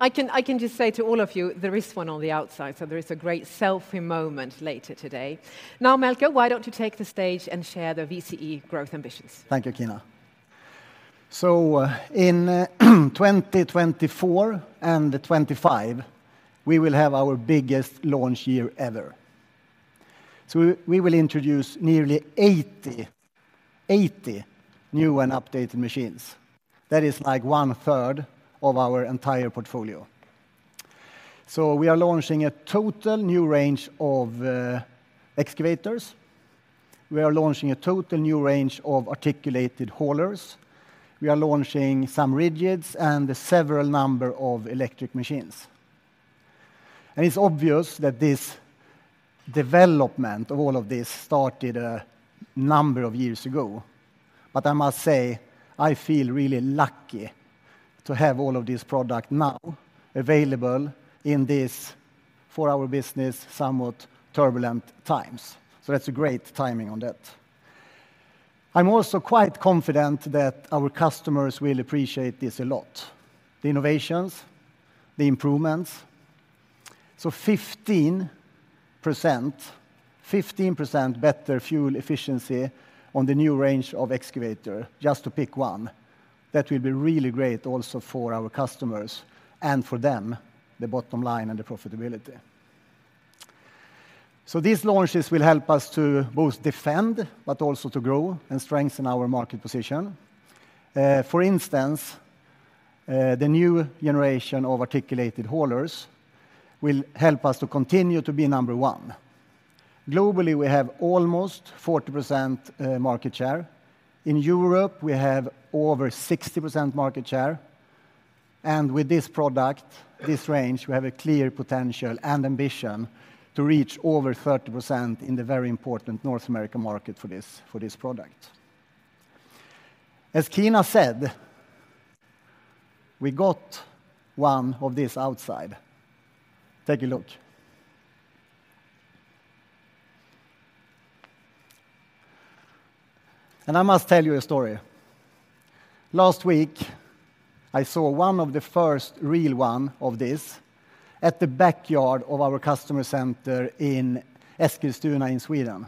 I can just say to all of you, there is one on the outside, so there is a great selfie moment later today. Now, Melker, why don't you take the stage and share the VCE growth ambitions? Thank you, Kina. In 2024 and 2025, we will have our biggest launch year ever, so we will introduce nearly 80 new and updated machines. That is like one third of our entire portfolio, so we are launching a total new range of excavators. We are launching a total new range of articulated haulers. We are launching some rigids and several numbers of electric machines, and it's obvious that this development of all of this started a number of years ago, but I must say, I feel really lucky to have all of this product now available in this, for our business, somewhat turbulent times, so that's a great timing on that. I'm also quite confident that our customers will appreciate this a lot, the innovations, the improvements. So 15%, 15% better fuel efficiency on the new range of excavator, just to pick one. That will be really great also for our customers and for them, the bottom line and the profitability. So these launches will help us to both defend, but also to grow and strengthen our market position. For instance, the new generation of articulated haulers will help us to continue to be number one. Globally, we have almost 40% market share. In Europe, we have over 60% market share. And with this product, this range, we have a clear potential and ambition to reach over 30% in the very important North America market for this product. As Kina said, we got one of this outside. Take a look. And I must tell you a story. Last week, I saw one of the first real ones of this at the backyard of our customer center in Eskilstuna in Sweden,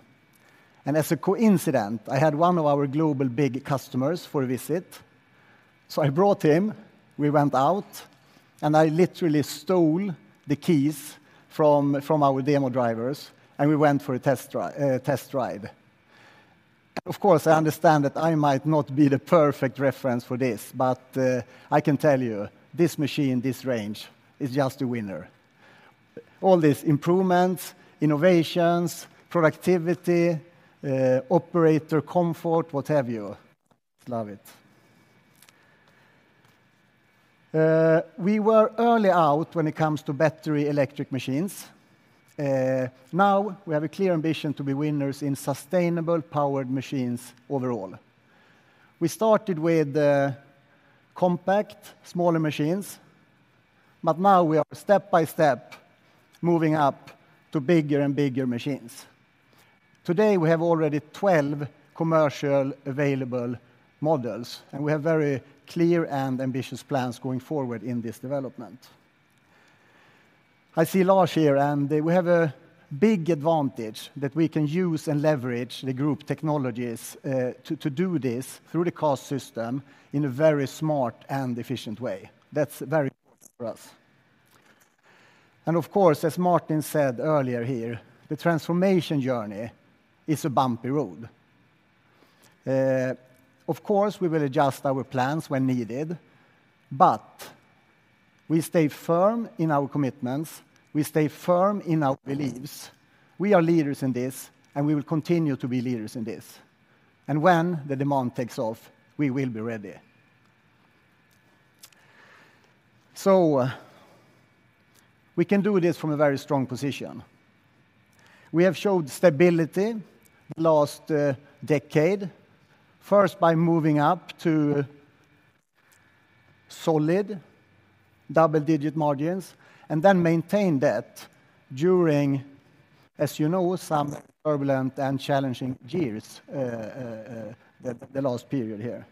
and as a coincidence, I had one of our global big customers for a visit, so I brought him, we went out, and I literally stole the keys from our demo drivers, and we went for a test drive, and of course, I understand that I might not be the perfect reference for this, but I can tell you this machine, this range, is just a winner. All these improvements, innovations, productivity, operator comfort, what have you. Love it. We were early out when it comes to battery electric machines. Now we have a clear ambition to be winners in sustainable powered machines overall. We started with compact, smaller machines, but now we are step by step moving up to bigger and bigger machines. Today, we have already 12 commercially available models, and we have very clear and ambitious plans going forward in this development. I see large here, and we have a big advantage that we can use and leverage the group technologies to do this through the CAST system in a very smart and efficient way. That's very important for us. And of course, as Martin said earlier here, the transformation journey is a bumpy road. Of course, we will adjust our plans when needed, but we stay firm in our commitments. We stay firm in our beliefs. We are leaders in this, and we will continue to be leaders in this. And when the demand takes off, we will be ready. So we can do this from a very strong position. We have showed stability the last decade, first by moving up to solid double-digit margins and then maintained that during, as you know, some turbulent and challenging years the last period here,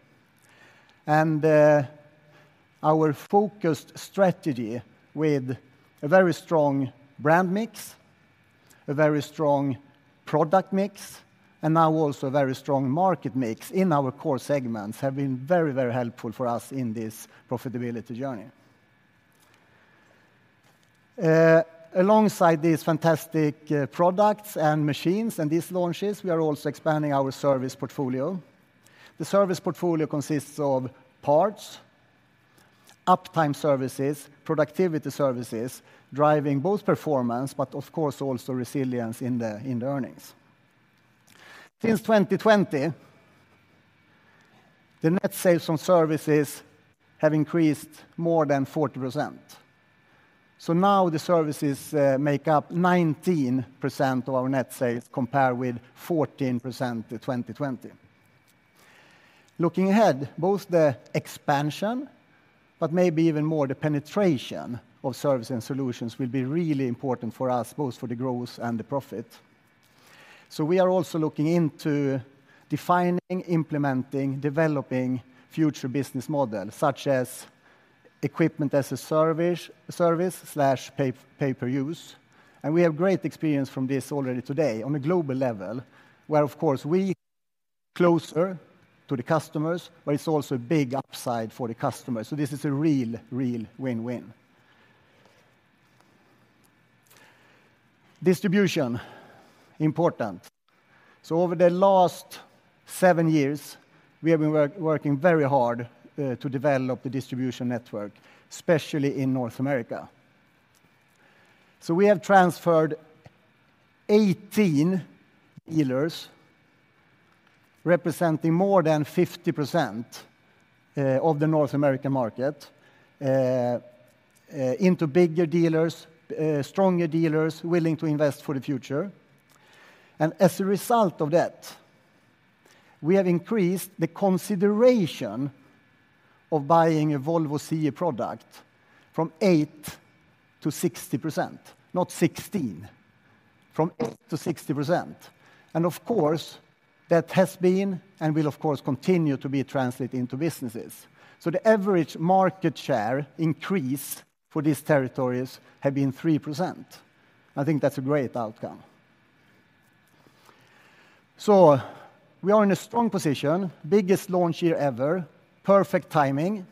and our focused strategy with a very strong brand mix, a very strong product mix, and now also a very strong market mix in our core segments have been very, very helpful for us in this profitability journey. Alongside these fantastic products and machines and these launches, we are also expanding our service portfolio. The service portfolio consists of parts, uptime services, productivity services, driving both performance, but of course also resilience in the earnings. Since 2020, the net sales on services have increased more than 40%, so now the services make up 19% of our net sales compared with 14% in 2020. Looking ahead, both the expansion, but maybe even more the penetration of services and solutions will be really important for us, both for the growth and the profit. So we are also looking into defining, implementing, developing future business models such as equipment as a service slash pay-per-use. And we have great experience from this already today on a global level, where of course we are closer to the customers, but it's also a big upside for the customers. So this is a real, real win-win. Distribution, important. So over the last seven years, we have been working very hard to develop the distribution network, especially in North America. So we have transferred 18 dealers representing more than 50% of the North American market into bigger dealers, stronger dealers willing to invest for the future. As a result of that, we have increased the consideration of buying a Volvo CE product from 8% to 60%, not 16, from 8% to 60%. Of course, that has been and will of course continue to be translated into businesses. The average market share increase for these territories has been 3%. I think that's a great outcome. We are in a strong position, biggest launch year ever, perfect timing.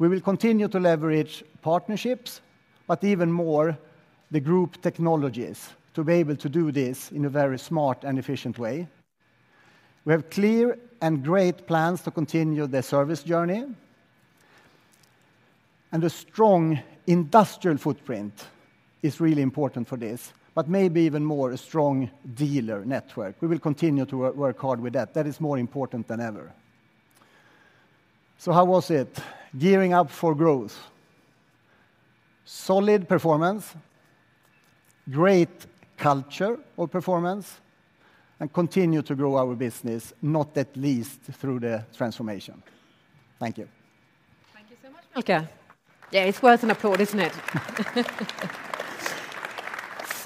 We will continue to leverage partnerships, but even more the group technologies to be able to do this in a very smart and efficient way. We have clear and great plans to continue the service journey. A strong industrial footprint is really important for this, but maybe even more a strong dealer network. We will continue to work hard with that. That is more important than ever. How was it? Gearing up for growth. Solid performance, great culture of performance, and continue to grow our business, not at least through the transformation. Thank you. Thank you so much, Melker. Yeah, it's worth an applause, isn't it?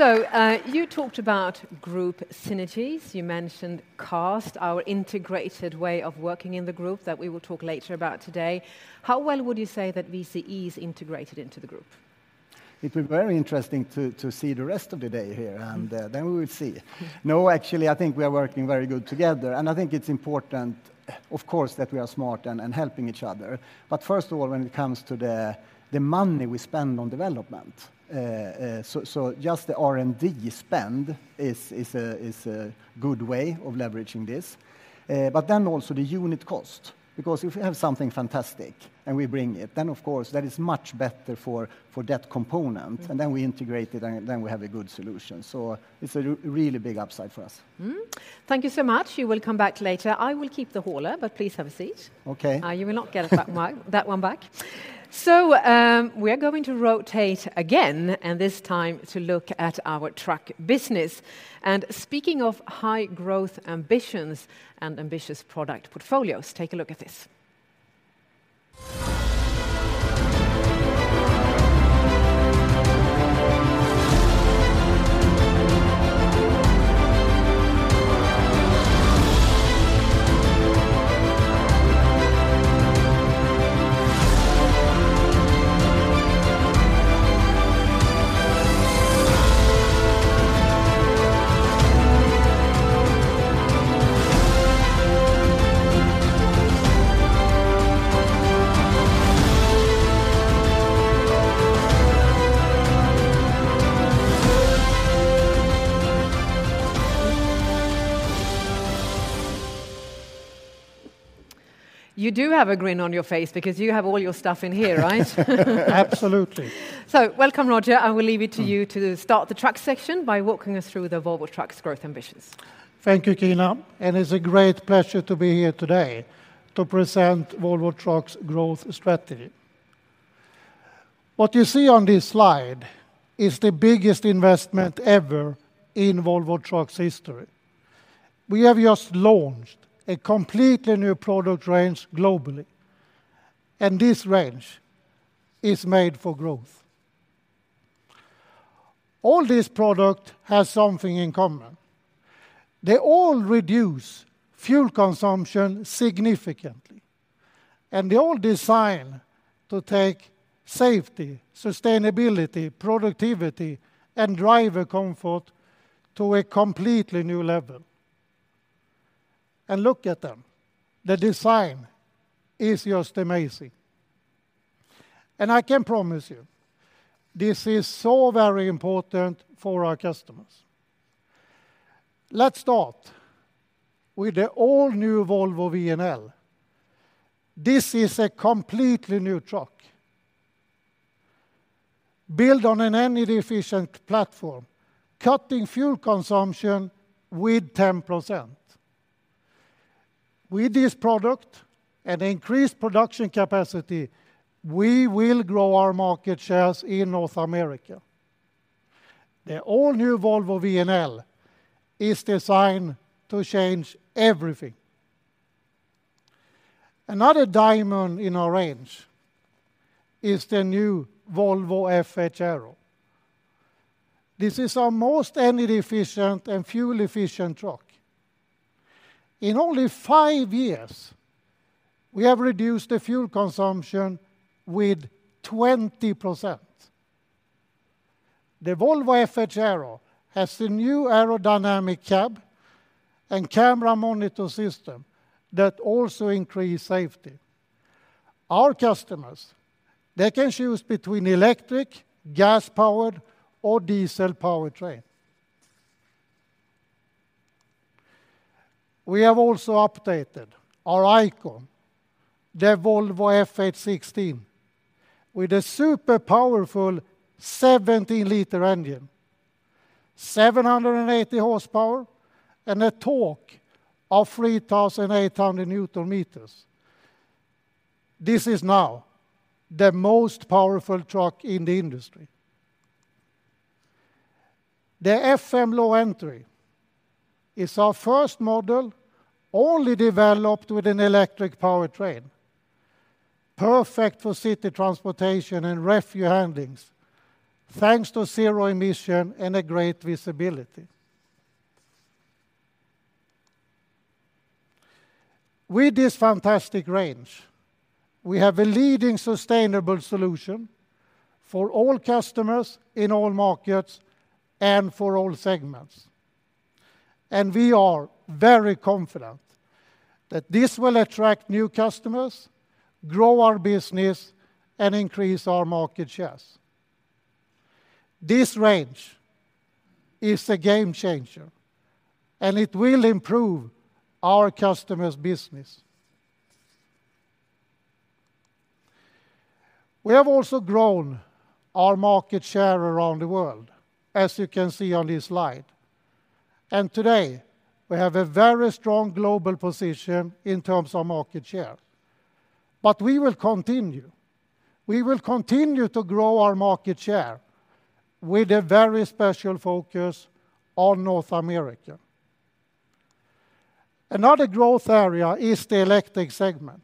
So you talked about group synergies. You mentioned cost, our integrated way of working in the group that we will talk later about today. How well would you say that VCE is integrated into the group? It will be very interesting to see the rest of the day here, and then we will see. No, actually, I think we are working very good together. And I think it's important, of course, that we are smart and helping each other. But first of all, when it comes to the money we spend on development, so just the R&D spend is a good way of leveraging this. But then also the unit cost, because if we have something fantastic and we bring it, then of course that is much better for that component. And then we integrate it, and then we have a good solution. So it's a really big upside for us. Thank you so much. You will come back later. I will keep the hauler, but please have a seat. Okay. You will not get that one back. So we are going to rotate again, and this time to look at our truck business. And speaking of high growth ambitions and ambitious product portfolios, take a look at this. You do have a grin on your face because you have all your stuff in here, right? Absolutely. So welcome, Roger. I will leave it to you to start the truck section by walking us through the Volvo Trucks growth ambitions. Thank you, Kina. It's a great pleasure to be here today to present Volvo Trucks' growth strategy. What you see on this slide is the biggest investment ever in Volvo Trucks history. We have just launched a completely new product range globally, and this range is made for growth. All this product has something in common. They all reduce fuel consumption significantly, and they all design to take safety, sustainability, productivity, and driver comfort to a completely new level. Look at them. The design is just amazing. I can promise you, this is so very important for our customers. Let's start with the all-new Volvo VNL. This is a completely new truck, built on an energy-efficient platform, cutting fuel consumption with 10%. With this product and increased production capacity, we will grow our market shares in North America. The all-new Volvo VNL is designed to change everything. Another diamond in our range is the new Volvo FH Aero. This is our most energy-efficient and fuel-efficient truck. In only five years, we have reduced the fuel consumption with 20%. The Volvo FH Aero has a new aerodynamic cab and camera monitor system that also increases safety. Our customers, they can choose between electric, gas-powered, or diesel powertrain. We have also updated our icon, the Volvo FH16, with a super powerful 17-liter engine, 780 horsepower, and a torque of 3,800 Newton meters. This is now the most powerful truck in the industry. The FM Low Entry is our first model only developed with an electric powertrain, perfect for city transportation and refuse handlings, thanks to zero emission and a great visibility. With this fantastic range, we have a leading sustainable solution for all customers in all markets and for all segments. We are very confident that this will attract new customers, grow our business, and increase our market shares. This range is a game changer, and it will improve our customers' business. We have also grown our market share around the world, as you can see on this slide. Today, we have a very strong global position in terms of market share. We will continue. We will continue to grow our market share with a very special focus on North America. Another growth area is the electric segment.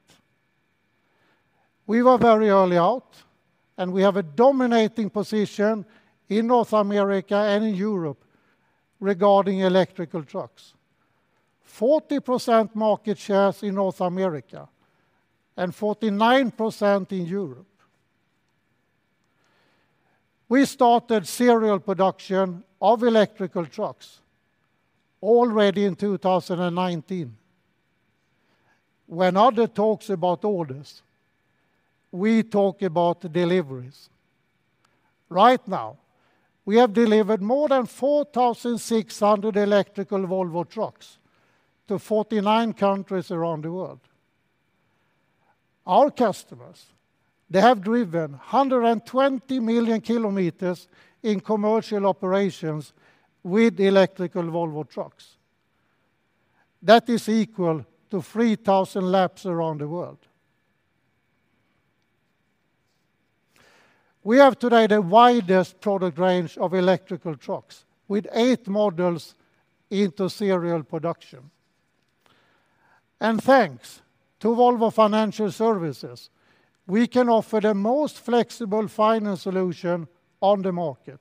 We were very early out, and we have a dominating position in North America and in Europe regarding electric trucks: 40% market shares in North America and 49% in Europe. We started serial production of electric trucks already in 2019. When others talk about orders, we talk about deliveries. Right now, we have delivered more than 4,600 electric Volvo trucks to 49 countries around the world. Our customers, they have driven 120 million kilometers in commercial operations with electric Volvo trucks. That is equal to 3,000 laps around the world. We have today the widest product range of electric trucks with eight models into serial production. And thanks to Volvo Financial Services, we can offer the most flexible finance solution on the market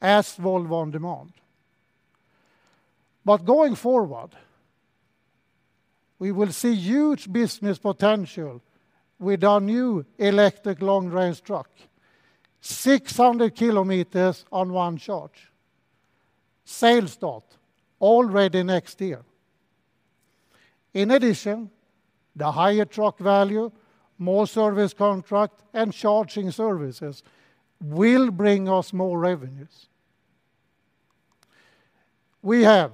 as Volvo On Demand. But going forward, we will see huge business potential with our new electric long-range truck: 600 kilometers on one charge. Sales start already next year. In addition, the higher truck value, more service contract, and charging services will bring us more revenues. We have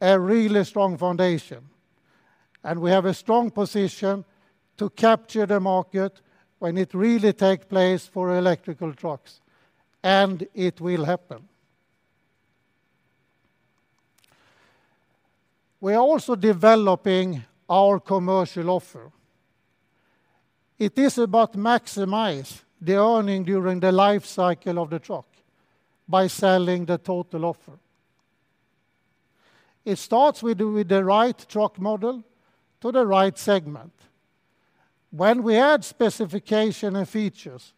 a really strong foundation, and we have a strong position to capture the market when it really takes place for electric trucks, and it will happen. We are also developing our commercial offer. It is about maximizing the earnings during the life cycle of the truck by selling the total offer. It starts with the right truck model to the right segment. When we add specification and features,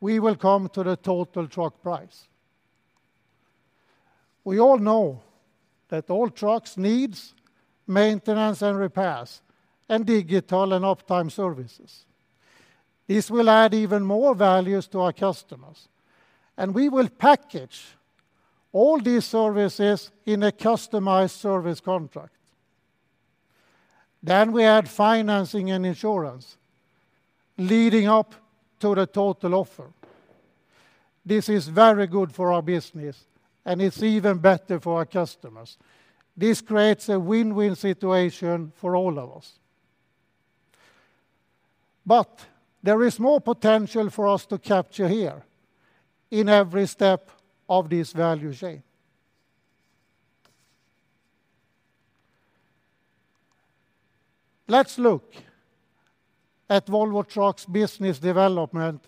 we will come to the total truck price. We all know that all trucks need maintenance and repairs and digital and uptime services. This will add even more values to our customers, and we will package all these services in a customized service contract. Then we add financing and insurance leading up to the total offer. This is very good for our business, and it's even better for our customers. This creates a win-win situation for all of us. But there is more potential for us to capture here in every step of this value chain. Let's look at Volvo Trucks business development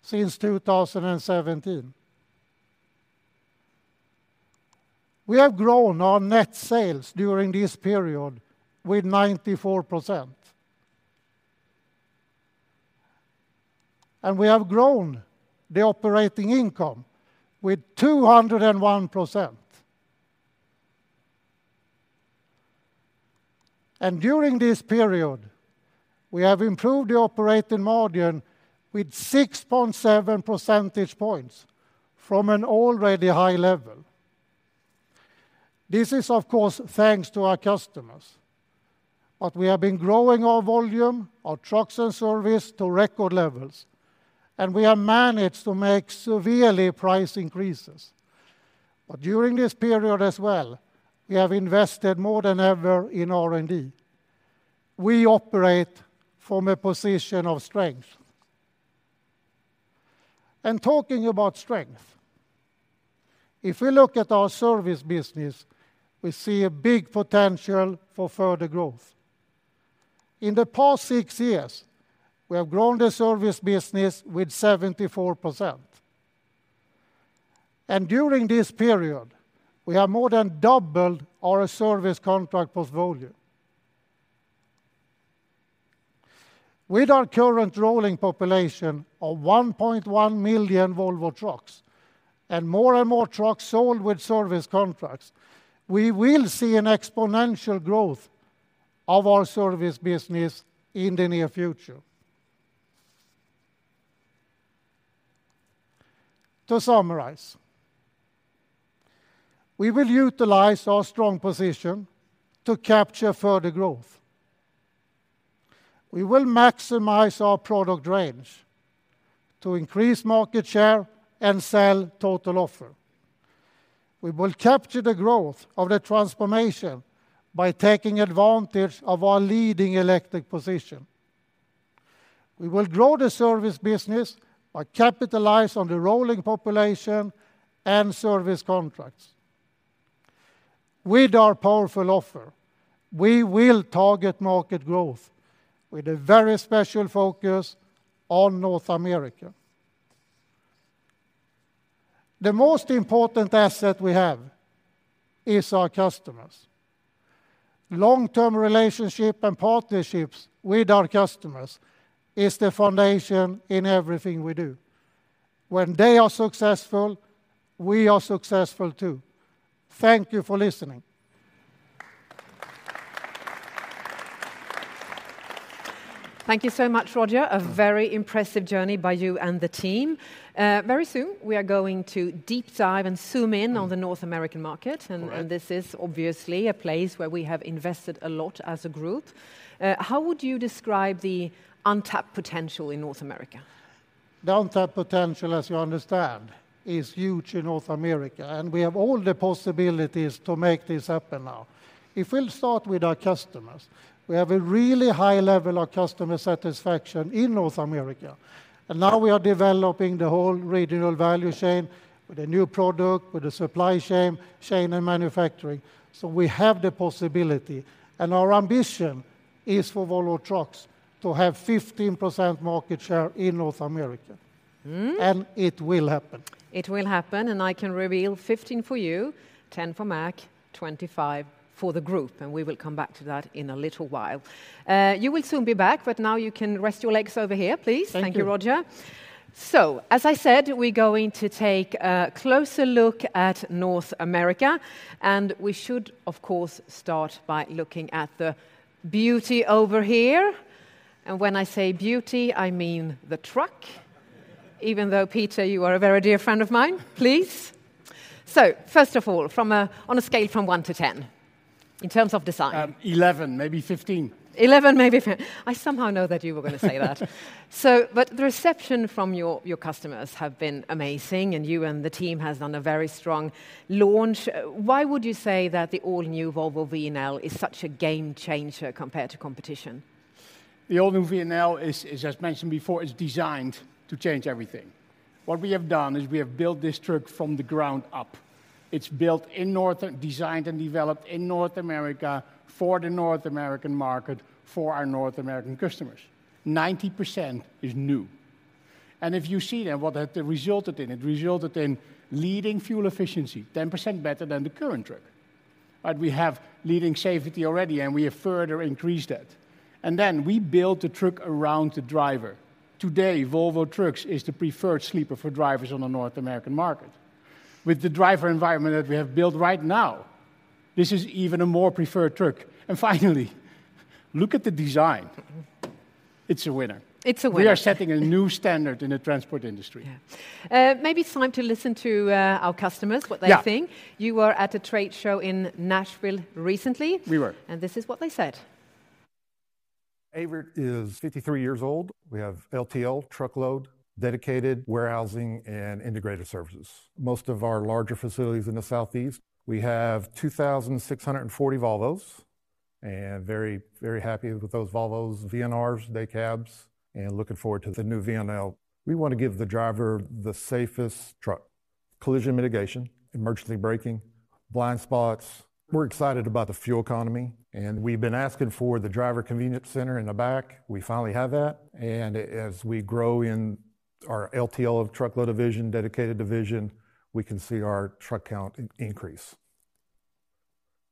since 2017. We have grown our net sales during this period with 94%, and we have grown the operating income with 201%, and during this period, we have improved the operating margin with 6.7 percentage points from an already high level. This is, of course, thanks to our customers, but we have been growing our volume, our trucks and service to record levels, and we have managed to make several price increases, but during this period as well, we have invested more than ever in R&D. We operate from a position of strength, and talking about strength, if we look at our service business, we see a big potential for further growth. In the past six years, we have grown the service business with 74%, and during this period, we have more than doubled our service contract portfolio. With our current rolling population of 1.1 million Volvo Trucks and more and more trucks sold with service contracts, we will see an exponential growth of our service business in the near future. To summarize, we will utilize our strong position to capture further growth. We will maximize our product range to increase market share and sell total offer. We will capture the growth of the transformation by taking advantage of our leading electric position. We will grow the service business by capitalizing on the rolling population and service contracts. With our powerful offer, we will target market growth with a very special focus on North America. The most important asset we have is our customers. Long-term relationships and partnerships with our customers are the foundation in everything we do. When they are successful, we are successful too. Thank you for listening. Thank you so much, Roger. A very impressive journey by you and the team. Very soon, we are going to deep dive and zoom in on the North American market. And this is obviously a place where we have invested a lot as a group. How would you describe the untapped potential in North America? The untapped potential, as you understand, is huge in North America, and we have all the possibilities to make this happen now. If we'll start with our customers, we have a really high level of customer satisfaction in North America. And now we are developing the whole regional value chain with a new product, with a supply chain and manufacturing. So we have the possibility. And our ambition is for Volvo Trucks to have 15% market share in North America. And it will happen. It will happen. I can reveal 15 for you, 10 for Mack, 25 for the group. We will come back to that in a little while. You will soon be back, but now you can rest your legs over here, please. Thank you, Roger. As I said, we're going to take a closer look at North America. We should, of course, start by looking at the beauty over here. When I say beauty, I mean the truck, even though, Peter, you are a very dear friend of mine. Please. First of all, on a scale from one to 10, in terms of design. 11, maybe 15. 11, maybe 15. I somehow know that you were going to say that, but the reception from your customers has been amazing, and you and the team have done a very strong launch. Why would you say that the all-new Volvo VNL is such a game changer compared to competition? The all-new VNL is, as mentioned before, designed to change everything. What we have done is we have built this truck from the ground up. It's built in North America, designed and developed in North America for the North American market, for our North American customers. 90% is new. And if you see what it resulted in, it resulted in leading fuel efficiency, 10% better than the current truck. But we have leading safety already, and we have further increased that. And then we built the truck around the driver. Today, Volvo Trucks is the preferred sleeper for drivers on the North American market. With the driver environment that we have built right now, this is even a more preferred truck. And finally, look at the design. It's a winner. It's a winner. We are setting a new standard in the transport industry. Maybe it's time to listen to our customers, what they think. You were at a trade show in Nashville recently. We were. And this is what they said. Averitt is 53 years old. We have LTL truckload, dedicated warehousing, and integrated services. Most of our larger facilities in the Southeast, we have 2,640 Volvos. And very, very happy with those Volvos, VNRs, day cabs, and looking forward to the new VNL. We want to give the driver the safest truck. Collision mitigation, emergency braking, blind spots. We're excited about the fuel economy. And we've been asking for the driver convenience center in the back. We finally have that. And as we grow in our LTL truckload division, dedicated division, we can see our truck count increase.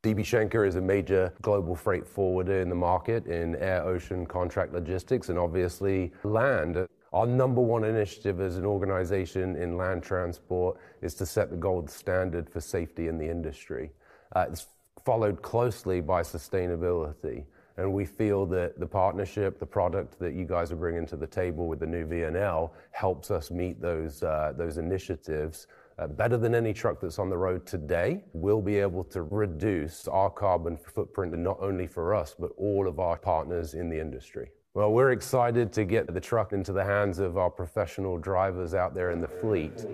DB Schenker is a major global freight forwarder in the market in air-ocean contract logistics and obviously land. Our number one initiative as an organization in land transport is to set the gold standard for safety in the industry. It's followed closely by sustainability. And we feel that the partnership, the product that you guys are bringing to the table with the new VNL helps us meet those initiatives better than any truck that's on the road today. We'll be able to reduce our carbon footprint not only for us, but all of our partners in the industry. Well, we're excited to get the truck into the hands of our professional drivers out there in the fleet.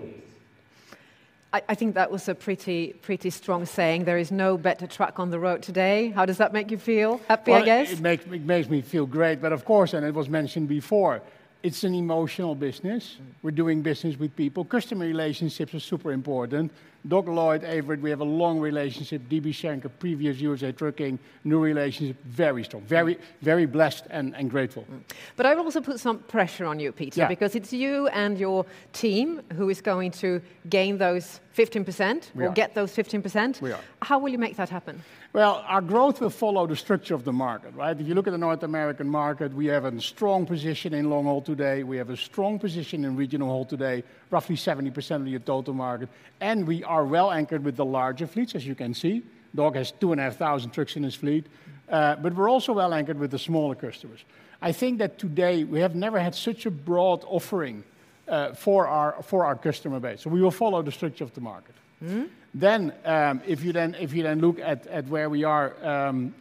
I think that was a pretty strong saying. There is no better truck on the road today. How does that make you feel? Happy, I guess. It makes me feel great. But of course, and it was mentioned before, it's an emotional business. We're doing business with people. Customer relationships are super important. Doug Lloyd, Averitt, we have a long relationship. DB Schenker, previous USA Trucking, new relationship, very strong, very blessed and grateful. But I will also put some pressure on you, Peter, because it's you and your team who is going to gain those 15% or get those 15%. How will you make that happen? Well, our growth will follow the structure of the market, right? If you look at the North American market, we have a strong position in long haul today. We have a strong position in regional haul today, roughly 70% of your total market. And we are well anchored with the larger fleets, as you can see. Doug has 2,500 trucks in his fleet. We're also well anchored with the smaller customers. I think that today we have never had such a broad offering for our customer base. We will follow the structure of the market. If you look at where we are,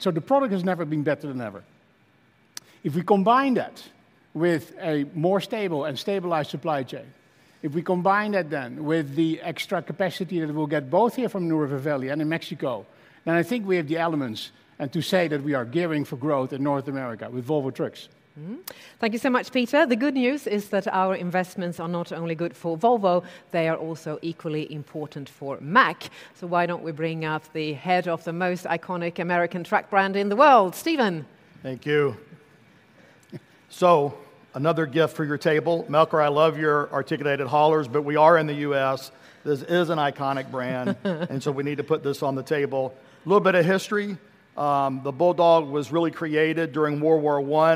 the product has never been better than ever. If we combine that with a more stable and stabilized supply chain, if we combine that then with the extra capacity that we'll get both here from New River Valley and in Mexico, then I think we have the elements to say that we are gearing for growth in North America with Volvo Trucks. Thank you so much, Peter. The good news is that our investments are not only good for Volvo, they are also equally important for Mack. Why don't we bring up the head of the most iconic American truck brand in the world, Stephen? Thank you. So another gift for your table. Melker, I love your articulated haulers, but we are in the U.S. This is an iconic brand, and so we need to put this on the table. A little bit of history. The Bulldog was really created during World War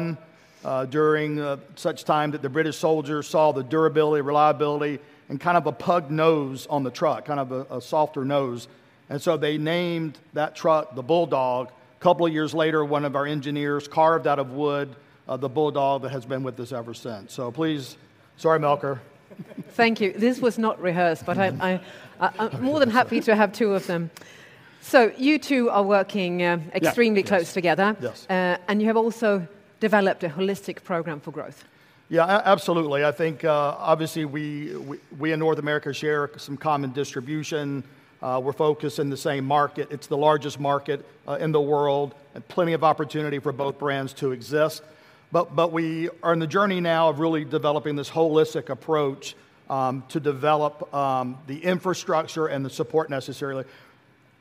I, during such times that the British soldiers saw the durability, reliability, and kind of a pug nose on the truck, kind of a softer nose. And so they named that truck the Bulldog. A couple of years later, one of our engineers carved out of wood the Bulldog that has been with us ever since. So please, sorry, Melker. Thank you. This was not rehearsed, but I'm more than happy to have two of them. So you two are working extremely close together. And you have also developed a holistic program for growth. Yeah, absolutely. I think obviously we in North America share some common distribution. We're focused in the same market. It's the largest market in the world and plenty of opportunity for both brands to exist. But we are on the journey now of really developing this holistic approach to develop the infrastructure and the support necessarily.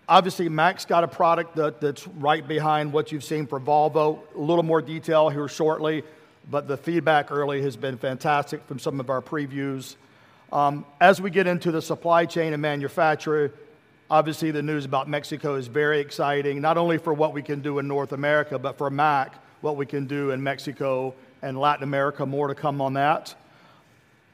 Obviously, Mack's got a product that's right behind what you've seen for Volvo. A little more detail here shortly, but the feedback early has been fantastic from some of our previews. As we get into the supply chain and manufacturer, obviously the news about Mexico is very exciting, not only for what we can do in North America, but for Mack, what we can do in Mexico and Latin America, more to come on that.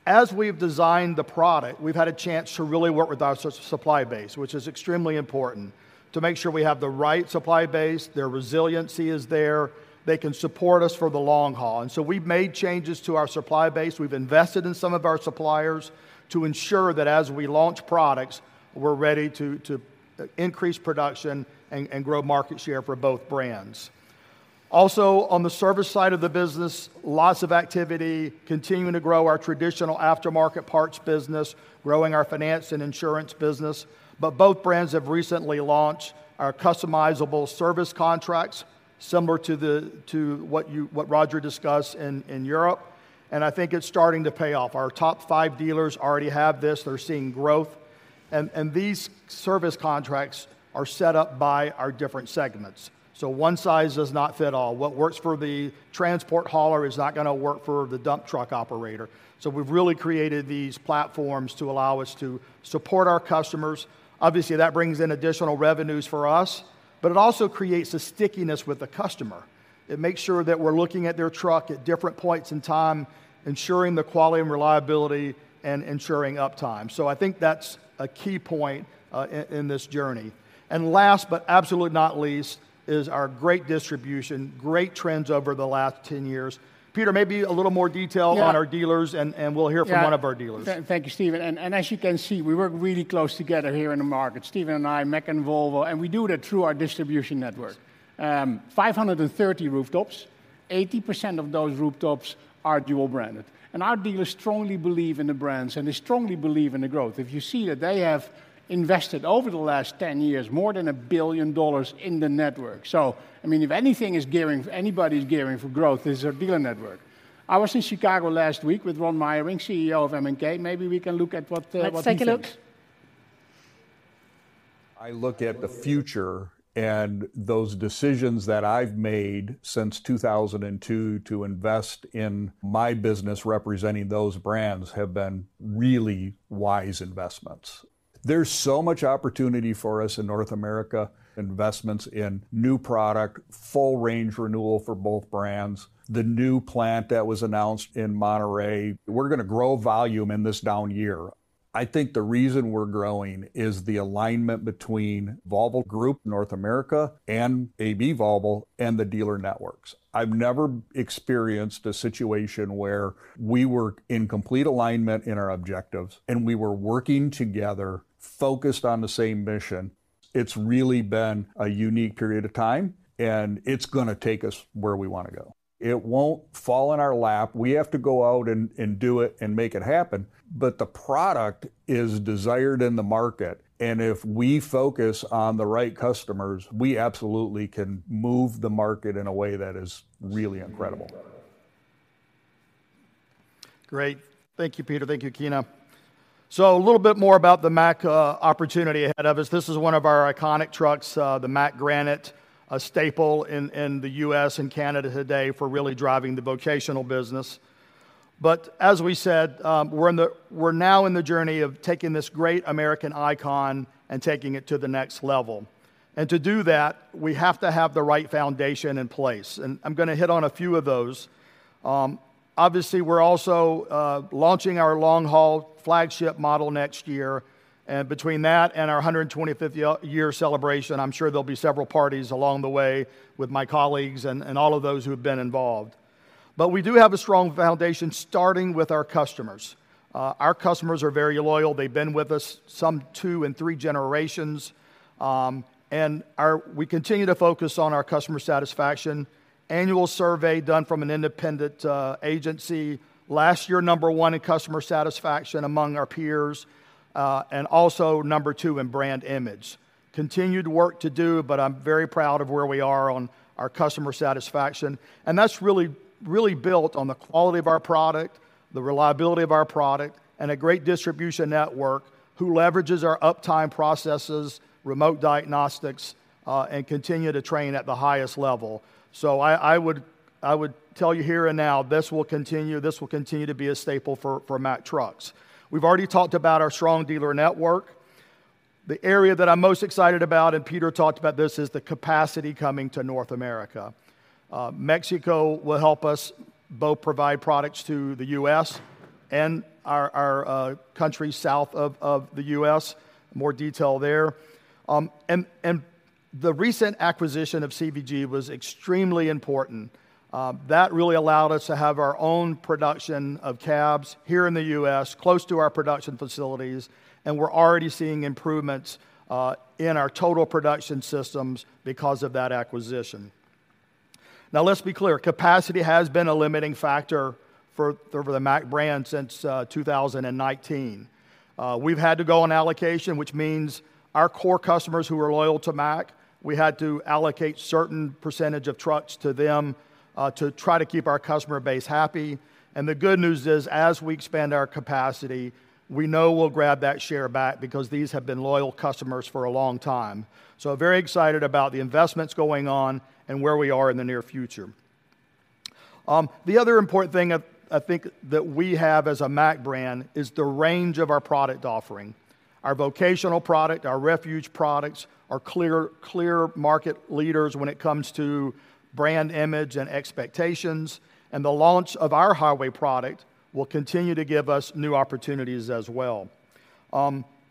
As we've designed the product, we've had a chance to really work with our supply base, which is extremely important to make sure we have the right supply base. Their resiliency is there. They can support us for the long haul, and so we've made changes to our supply base. We've invested in some of our suppliers to ensure that as we launch products, we're ready to increase production and grow market share for both brands. Also, on the service side of the business, lots of activity, continuing to grow our traditional aftermarket parts business, growing our finance and insurance business, but both brands have recently launched our customizable service contracts, similar to what Roger discussed in Europe, and I think it's starting to pay off. Our top five dealers already have this. They're seeing growth, and these service contracts are set up by our different segments. So one size does not fit all. What works for the transport hauler is not going to work for the dump truck operator. So we've really created these platforms to allow us to support our customers. Obviously, that brings in additional revenues for us, but it also creates a stickiness with the customer. It makes sure that we're looking at their truck at different points in time, ensuring the quality and reliability and ensuring uptime. So I think that's a key point in this journey. And last, but absolutely not least, is our great distribution, great trends over the last 10 years. Peter, maybe a little more detail on our dealers, and we'll hear from one of our dealers. Thank you, Stephen. And as you can see, we work really close together here in the market, Stephen and I, Mack and Volvo, and we do that through our distribution network. 530 rooftops, 80% of those rooftops are dual-branded. And our dealers strongly believe in the brands and they strongly believe in the growth. If you see that they have invested over the last 10 years more than $1 billion in the network. So, I mean, if anything is gearing, anybody's gearing for growth, it's our dealer network. I was in Chicago last week with Ron Meyering, CEO of M&K. Maybe we can look at what's happening. Let's take a look. I look at the future, and those decisions that I've made since 2002 to invest in my business representing those brands have been really wise investments. There's so much opportunity for us in North America, investments in new product, full range renewal for both brands. The new plant that was announced in Monterrey, we're going to grow volume in this down year. I think the reason we're growing is the alignment between Volvo Group, North America, and AB Volvo and the dealer networks. I've never experienced a situation where we were in complete alignment in our objectives and we were working together, focused on the same mission. It's really been a unique period of time, and it's going to take us where we want to go. It won't fall in our lap. We have to go out and do it and make it happen. But the product is desired in the market. And if we focus on the right customers, we absolutely can move the market in a way that is really incredible. Great. Thank you, Peter. Thank you, Kina. So a little bit more about the Mack opportunity ahead of us. This is one of our iconic trucks, the Mack Granite, a staple in the U.S. and Canada today for really driving the vocational business, but as we said, we're now in the journey of taking this great American icon and taking it to the next level, and to do that, we have to have the right foundation in place, and I'm going to hit on a few of those. Obviously, we're also launching our long haul flagship model next year, and between that and our 125th year celebration, I'm sure there'll be several parties along the way with my colleagues and all of those who have been involved. But we do have a strong foundation starting with our customers. Our customers are very loyal. They've been with us some two and three generations, and we continue to focus on our customer satisfaction, annual survey done from an independent agency. Last year, number one in customer satisfaction among our peers and also number two in brand image. Continued work to do, but I'm very proud of where we are on our customer satisfaction. And that's really built on the quality of our product, the reliability of our product, and a great distribution network who leverages our uptime processes, remote diagnostics, and continue to train at the highest level. So I would tell you here and now, this will continue. This will continue to be a staple for Mack Trucks. We've already talked about our strong dealer network. The area that I'm most excited about, and Peter talked about this, is the capacity coming to North America. Mexico will help us both provide products to the U.S. and our country south of the U.S. More detail there. And the recent acquisition of CVG was extremely important. That really allowed us to have our own production of cabs here in the U.S., close to our production facilities. And we're already seeing improvements in our total production systems because of that acquisition. Now, let's be clear. Capacity has been a limiting factor for the Mack brand since 2019. We've had to go on allocation, which means our core customers who are loyal to Mack, we had to allocate a certain percentage of trucks to them to try to keep our customer base happy. And the good news is, as we expand our capacity, we know we'll grab that share back because these have been loyal customers for a long time. So very excited about the investments going on and where we are in the near future. The other important thing I think that we have as a Mack brand is the range of our product offering. Our vocational product, our rugged products are clear market leaders when it comes to brand image and expectations. And the launch of our highway product will continue to give us new opportunities as well.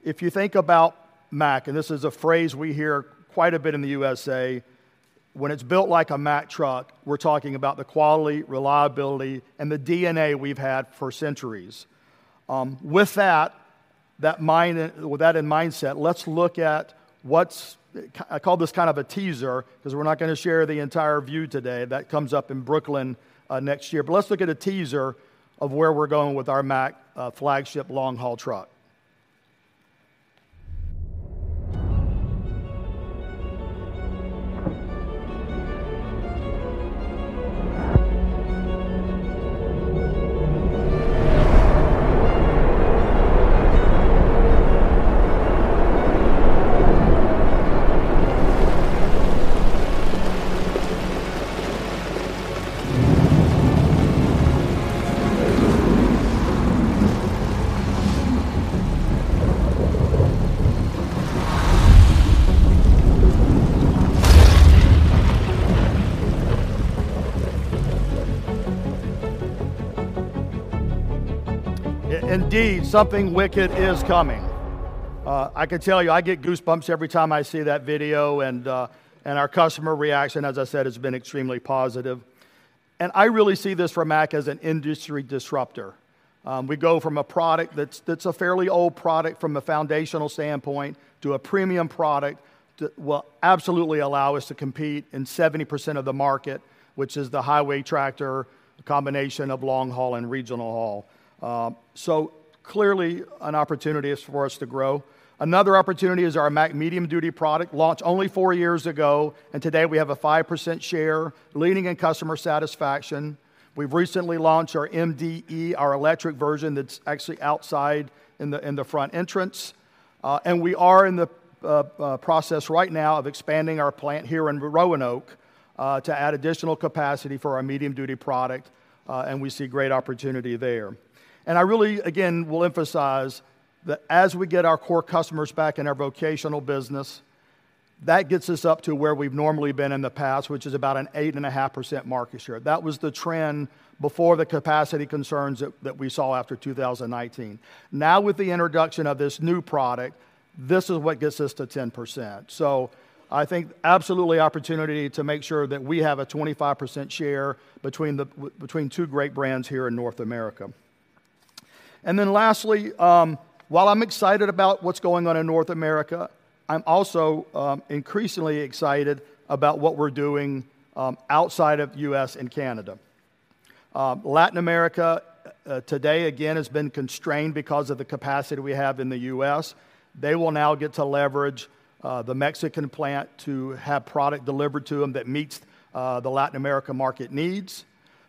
If you think about Mack, and this is a phrase we hear quite a bit in the USA, when it's built like a Mack truck, we're talking about the quality, reliability, and the DNA we've had for centuries. With that in mind, let's look at what I call this kind of a teaser because we're not going to share the entire view today that comes up in Brooklyn next year. But let's look at a teaser of where we're going with our Mack flagship long haul truck. Indeed, something wicked is coming. I can tell you, I get goosebumps every time I see that video. And our customer reaction, as I said, has been extremely positive. And I really see this for Mack as an industry disruptor. We go from a product that's a fairly old product from a foundational standpoint to a premium product that will absolutely allow us to compete in 70% of the market, which is the highway tractor, a combination of long haul and regional haul. So clearly, an opportunity for us to grow. Another opportunity is our Mack medium duty product launched only four years ago. And today we have a 5% share, leading in customer satisfaction. We've recently launched our MDE, our electric version that's actually outside in the front entrance. And we are in the process right now of expanding our plant here in Roanoke to add additional capacity for our medium duty product. And we see great opportunity there. I really, again, will emphasize that as we get our core customers back in our vocational business, that gets us up to where we've normally been in the past, which is about an 8.5% market share. That was the trend before the capacity concerns that we saw after 2019. Now, with the introduction of this new product, this is what gets us to 10%. So I think absolutely opportunity to make sure that we have a 25% share between two great brands here in North America. And then lastly, while I'm excited about what's going on in North America, I'm also increasingly excited about what we're doing outside of the U.S. and Canada. Latin America today, again, has been constrained because of the capacity we have in the U.S. They will now get to leverage the Mexican plant to have product delivered to them that meets the Latin America market needs.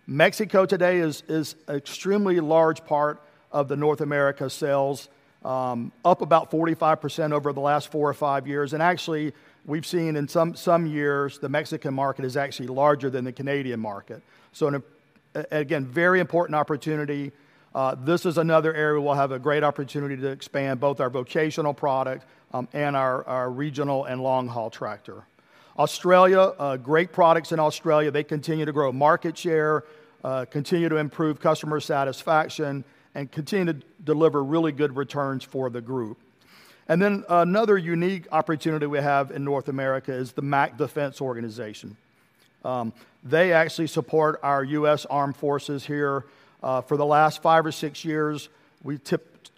Mexico today is an extremely large part of the North America sales, up about 45% over the last four or five years. And actually, we've seen in some years, the Mexican market is actually larger than the Canadian market. So again, very important opportunity. This is another area we'll have a great opportunity to expand both our vocational product and our regional and long haul tractor. Australia, great products in Australia. They continue to grow market share, continue to improve customer satisfaction, and continue to deliver really good returns for the group. And then another unique opportunity we have in North America is the Mack Defense organization. They actually support our U.S. Armed Forces here. For the last five or six years, we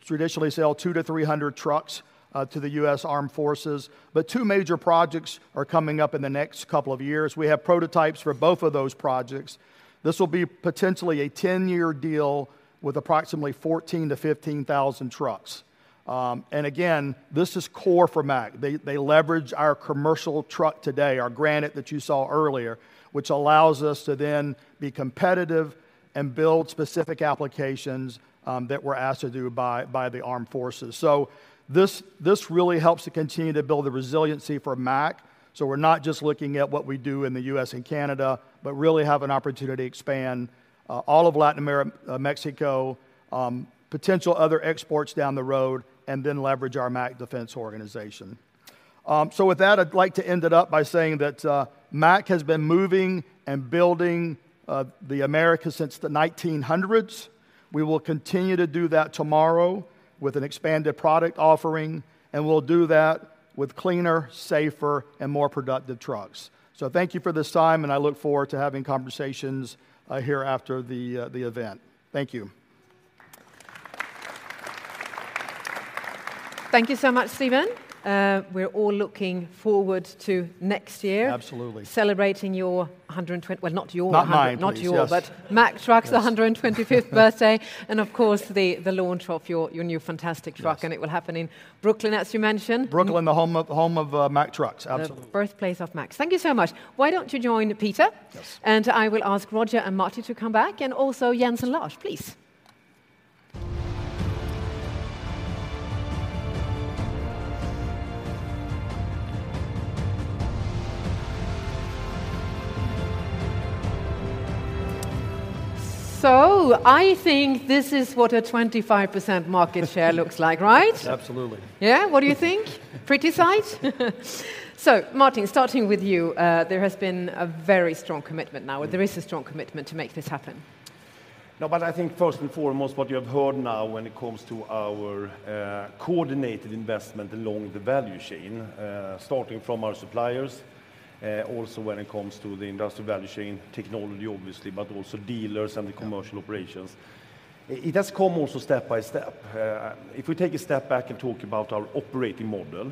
traditionally sell two to three hundred trucks to the U.S. Armed Forces. But two major projects are coming up in the next couple of years. We have prototypes for both of those projects. This will be potentially a 10-year deal with approximately 14,000-15,000 trucks. And again, this is core for Mack. They leverage our commercial truck today, our Granite that you saw earlier, which allows us to then be competitive and build specific applications that were asked to do by the Armed Forces. So this really helps to continue to build the resiliency for Mack. So we're not just looking at what we do in the U.S. and Canada, but really have an opportunity to expand all of Latin America, Mexico, potential other exports down the road, and then leverage our Mack Defense organization. With that, I'd like to end it up by saying that Mack has been moving and building America since the 1900s. We will continue to do that tomorrow with an expanded product offering, and we'll do that with cleaner, safer, and more productive trucks. So thank you for this time, and I look forward to having conversations here after the event. Thank you. Thank you so much, Stephen. We're all looking forward to next year. Absolutely. Celebrating your 120, well, not yours, but Mack Trucks' 125th birthday. And of course, the launch of your new fantastic truck, and it will happen in Brooklyn, as you mentioned. Brooklyn, the home of Mack Trucks. Absolutely. Birthplace of Mack. Thank you so much. Why don't you join Peter? Yes. And I will ask Roger and Marty to come back and also Jens and Lars, please. So I think this is what a 25% market share looks like, right? Absolutely. Yeah? What do you think? Pretty sight? So Martin, starting with you, there has been a very strong commitment now. There is a strong commitment to make this happen. No, but I think first and foremost, what you have heard now when it comes to our coordinated investment along the value chain, starting from our suppliers, also when it comes to the industrial value chain technology, obviously, but also dealers and the commercial operations. It has come also step by step. If we take a step back and talk about our operating model,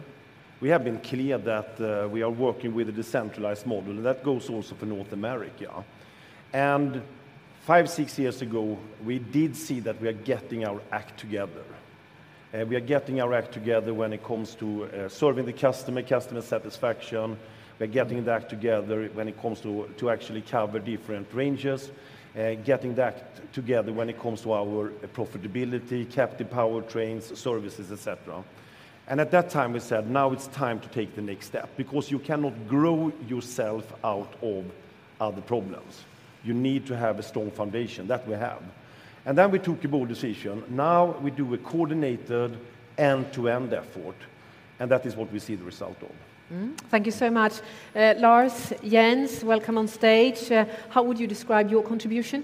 we have been clear that we are working with a decentralized model, and that goes also for North America. And five, six years ago, we did see that we are getting our act together. We are getting our act together when it comes to serving the customer, customer satisfaction. We are getting that together when it comes to actually cover different ranges, getting that together when it comes to our profitability, captive powertrains, services, etc. And at that time, we said, now it's time to take the next step because you cannot grow yourself out of other problems. You need to have a strong foundation that we have. And then we took a bold decision. Now we do a coordinated end-to-end effort, and that is what we see the result of. Thank you so much. Lars, Jens, welcome on stage. How would you describe your contribution?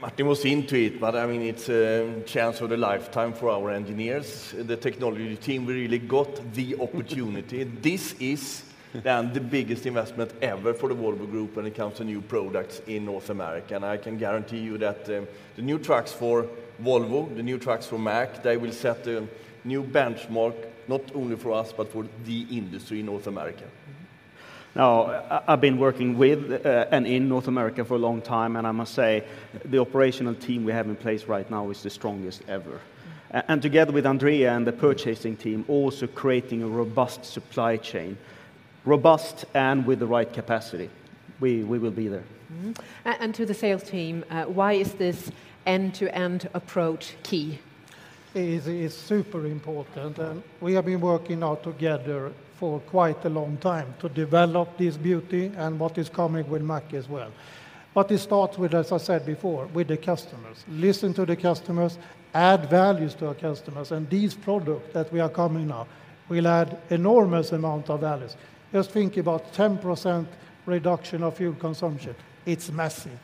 Martin was into it, but I mean, it's a chance of a lifetime for our engineers. The technology team, we really got the opportunity. This is the biggest investment ever for the Volvo Group when it comes to new products in North America, and I can guarantee you that the new trucks for Volvo, the new trucks for Mack, they will set a new benchmark, not only for us, but for the industry in North America. Now, I've been working with and in North America for a long time, and I must say the operational team we have in place right now is the strongest ever, and together with Andrea and the purchasing team, also creating a robust supply chain, robust and with the right capacity, we will be there. And to the sales team, why is this end-to-end approach key? It's super important. We have been working now together for quite a long time to develop this beauty and what is coming with Mack as well But it starts with, as I said before, with the customers. Listen to the customers, add values to our customers. And these products that we are coming now will add an enormous amount of values. Just think about 10% reduction of fuel consumption. It's massive.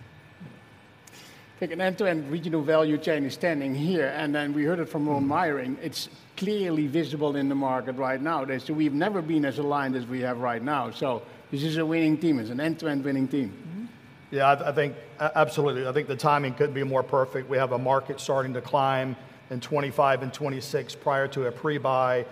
Taking end-to-end regional value chain is standing here. And then we heard it from Ron Meyering. It's clearly visible in the market right now. So we've never been as aligned as we have right now. So this is a winning team. It's an end-to-end winning team. Yeah, I think absolutely. I think the timing couldn't be more perfect. We have a market starting to climb in 2025 and 2026 prior to a pre-buy.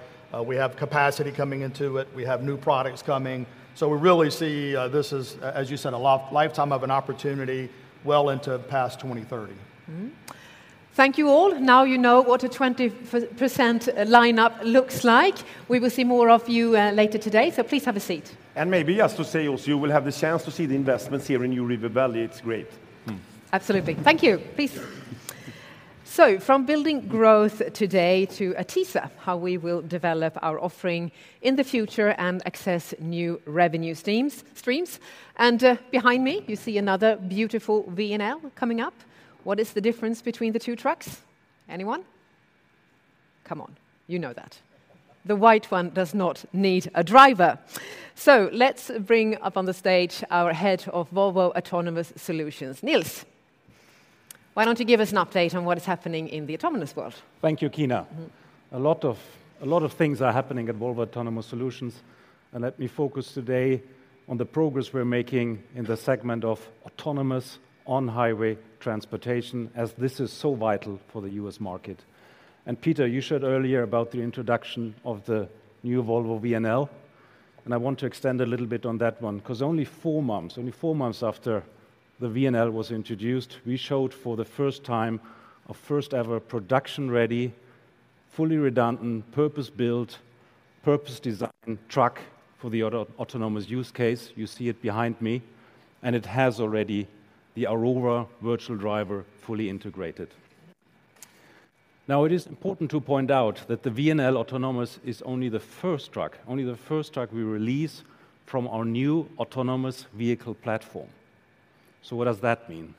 We have capacity coming into it. We have new products coming. So we really see this is, as you said, a lifetime of an opportunity well into past 2030. Thank you all. Now you know what a 20% lineup looks like. We will see more of you later today. So please have a seat. And maybe as the sales you will have the chance to see the investments here in New River Valley. It's great. Absolutely. Thank you. Please. So from building growth today to a teaser, how we will develop our offering in the future and access new revenue streams. And behind me, you see another beautiful VNL coming up. What is the difference between the two trucks? Anyone? Come on, you know that. The white one does not need a driver. So let's bring up on the stage our head of Volvo Autonomous Solutions, Nils. Why don't you give us an update on what is happening in the autonomous world? Thank you, Kina. A lot of things are happening at Volvo Autonomous Solutions. Let me focus today on the progress we're making in the segment of autonomous on-highway transportation, as this is so vital for the U.S. market. Peter, you shared earlier about the introduction of the new Volvo VNL. I want to extend a little bit on that one because only four months, only four months after the VNL was introduced, we showed for the first time a first-ever production-ready, fully redundant, purpose-built, purpose-designed truck for the autonomous use case. You see it behind me. It has already the Aurora virtual driver fully integrated. Now, it is important to point out that the VNL autonomous is only the first truck, only the first truck we release from our new autonomous vehicle platform. What does that mean?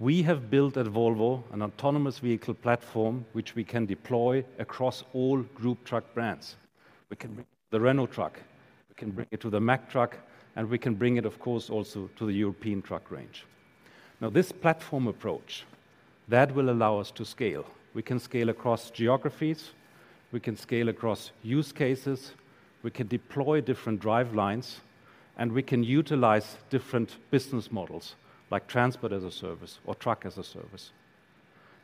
We have built at Volvo an autonomous vehicle platform, which we can deploy across all group truck brands. We can bring the Renault truck, we can bring it to the Mack truck, and we can bring it, of course, also to the European truck range. Now, this platform approach, that will allow us to scale. We can scale across geographies, we can scale across use cases, we can deploy different drivelines, and we can utilize different business models like transport as a service or truck as a service.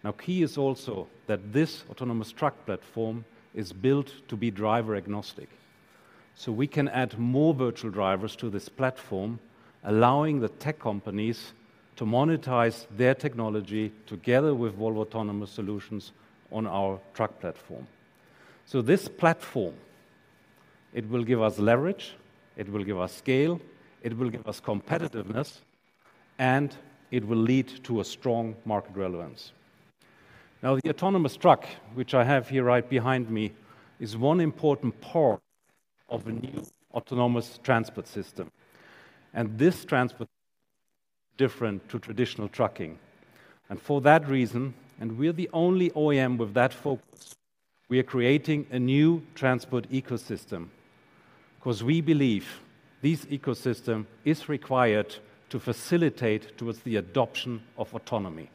Now, key is also that this autonomous truck platform is built to be driver-agnostic. So we can add more virtual drivers to this platform, allowing the tech companies to monetize their technology together with Volvo Autonomous Solutions on our truck platform. So this platform, it will give us leverage, it will give us scale, it will give us competitiveness, and it will lead to a strong market relevance. Now, the autonomous truck, which I have here right behind me, is one important part of a new autonomous transport system. And this transport is different from traditional trucking. And for that reason, and we're the only OEM with that focus, we are creating a new transport ecosystem because we believe this ecosystem is required to facilitate towards the adoption of autonomy.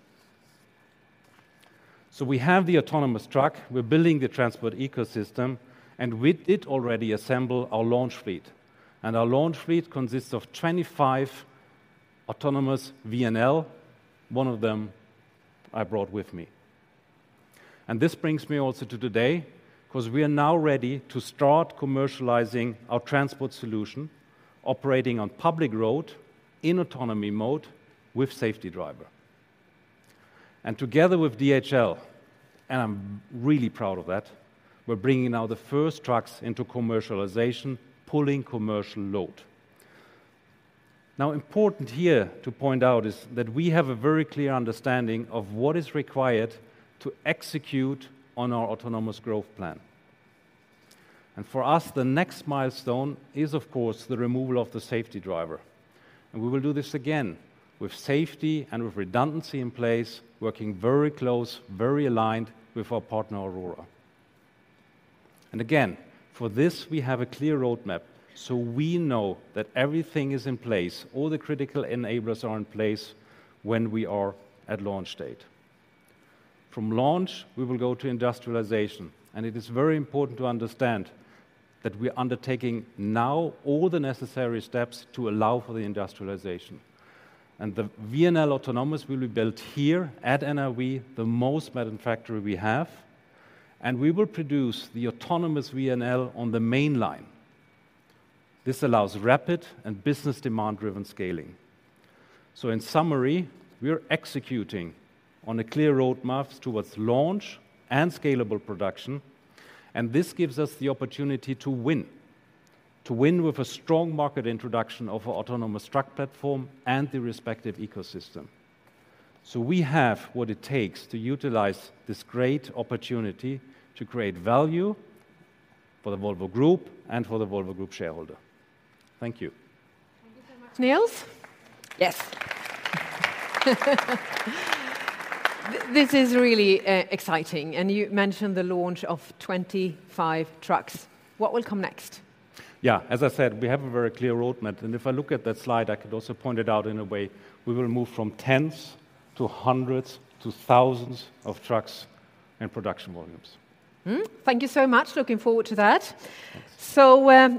So we have the autonomous truck, we're building the transport ecosystem, and with it already assembled our launch fleet. And our launch fleet consists of 25 autonomous VNL, one of them I brought with me. And this brings me also to today because we are now ready to start commercializing our transport solution, operating on public road in autonomy mode with safety driver. And together with DHL, and I'm really proud of that, we're bringing now the first trucks into commercialization, pulling commercial load. Now, important here to point out is that we have a very clear understanding of what is required to execute on our autonomous growth plan. For us, the next milestone is, of course, the removal of the safety driver. We will do this again with safety and with redundancy in place, working very close, very aligned with our partner Aurora. Again, for this, we have a clear roadmap, so we know that everything is in place, all the critical enablers are in place when we are at launch date. From launch, we will go to industrialization, and it is very important to understand that we are undertaking now all the necessary steps to allow for the industrialization. The VNL autonomous will be built here at NRV, the most modern factory we have, and we will produce the autonomous VNL on the mainline. This allows rapid and business demand-driven scaling. So in summary, we are executing on a clear roadmap towards launch and scalable production, and this gives us the opportunity to win, to win with a strong market introduction of our autonomous truck platform and the respective ecosystem. So we have what it takes to utilize this great opportunity to create value for the Volvo Group and for the Volvo Group shareholder. Thank you. Thank you so much. Nils? Yes. This is really exciting. And you mentioned the launch of 25 trucks. What will come next? Yeah, as I said, we have a very clear roadmap. And if I look at that slide, I could also point it out in a way. We will move from tens to hundreds to thousands of trucks and production volumes. Thank you so much. Looking forward to that.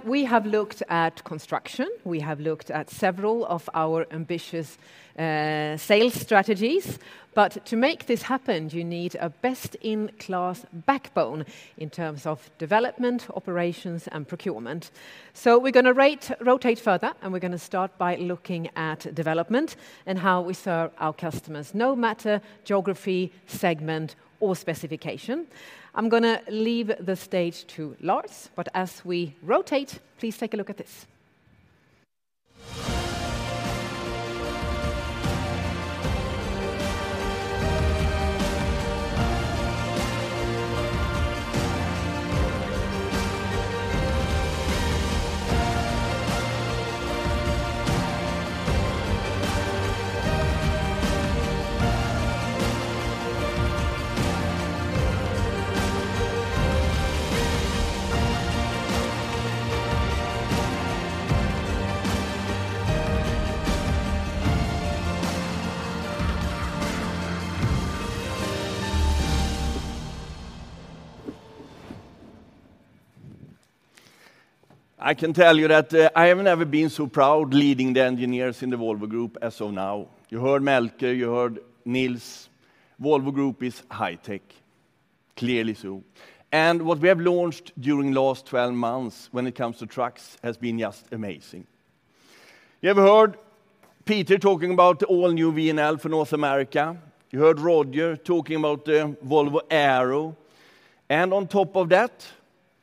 We have looked at construction. We have looked at several of our ambitious sales strategies. But to make this happen, you need a best-in-class backbone in terms of development, operations, and procurement. We are going to rotate further, and we are going to start by looking at development and how we serve our customers, no matter geography, segment, or specification. I am going to leave the stage to Lars, but as we rotate, please take a look at this. I can tell you that I have never been so proud leading the engineers in the Volvo Group as of now. You heard Melker. You heard Nils. Volvo Group is high-tech, clearly so. What we have launched during the last 12 months when it comes to trucks has been just amazing. You have heard Peter talking about the all-new VNL for North America. You heard Roger talking about the Volvo Aero. And on top of that,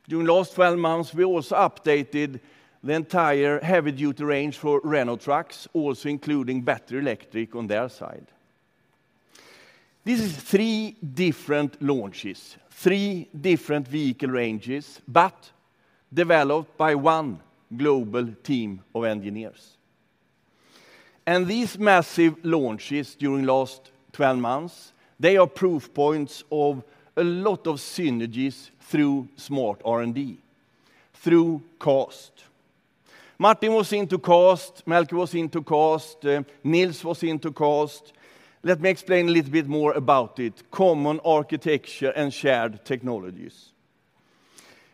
during the last 12 months, we also updated the entire heavy-duty range for Renault Trucks, also including battery electric on their side. This is three different launches, three different vehicle ranges, but developed by one global team of engineers. And these massive launches during the last 12 months, they are proof points of a lot of synergies through smart R&D, through cost. Martin was into cost. Melker was into cost. Nils was into cost. Let me explain a little bit more about it. Common architecture and shared technologies.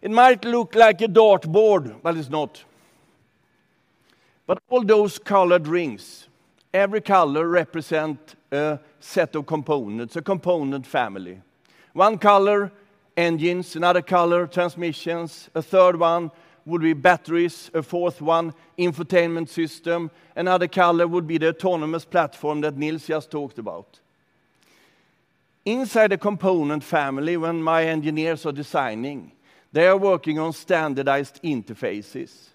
It might look like a dartboard, but it's not. But all those colored rings, every color represents a set of components, a component family. One color, engines. Another color, transmissions. A third one would be batteries. A fourth one, infotainment system. Another color would be the autonomous platform that Nils just talked about. Inside the component family, when my engineers are designing, they are working on standardized interfaces.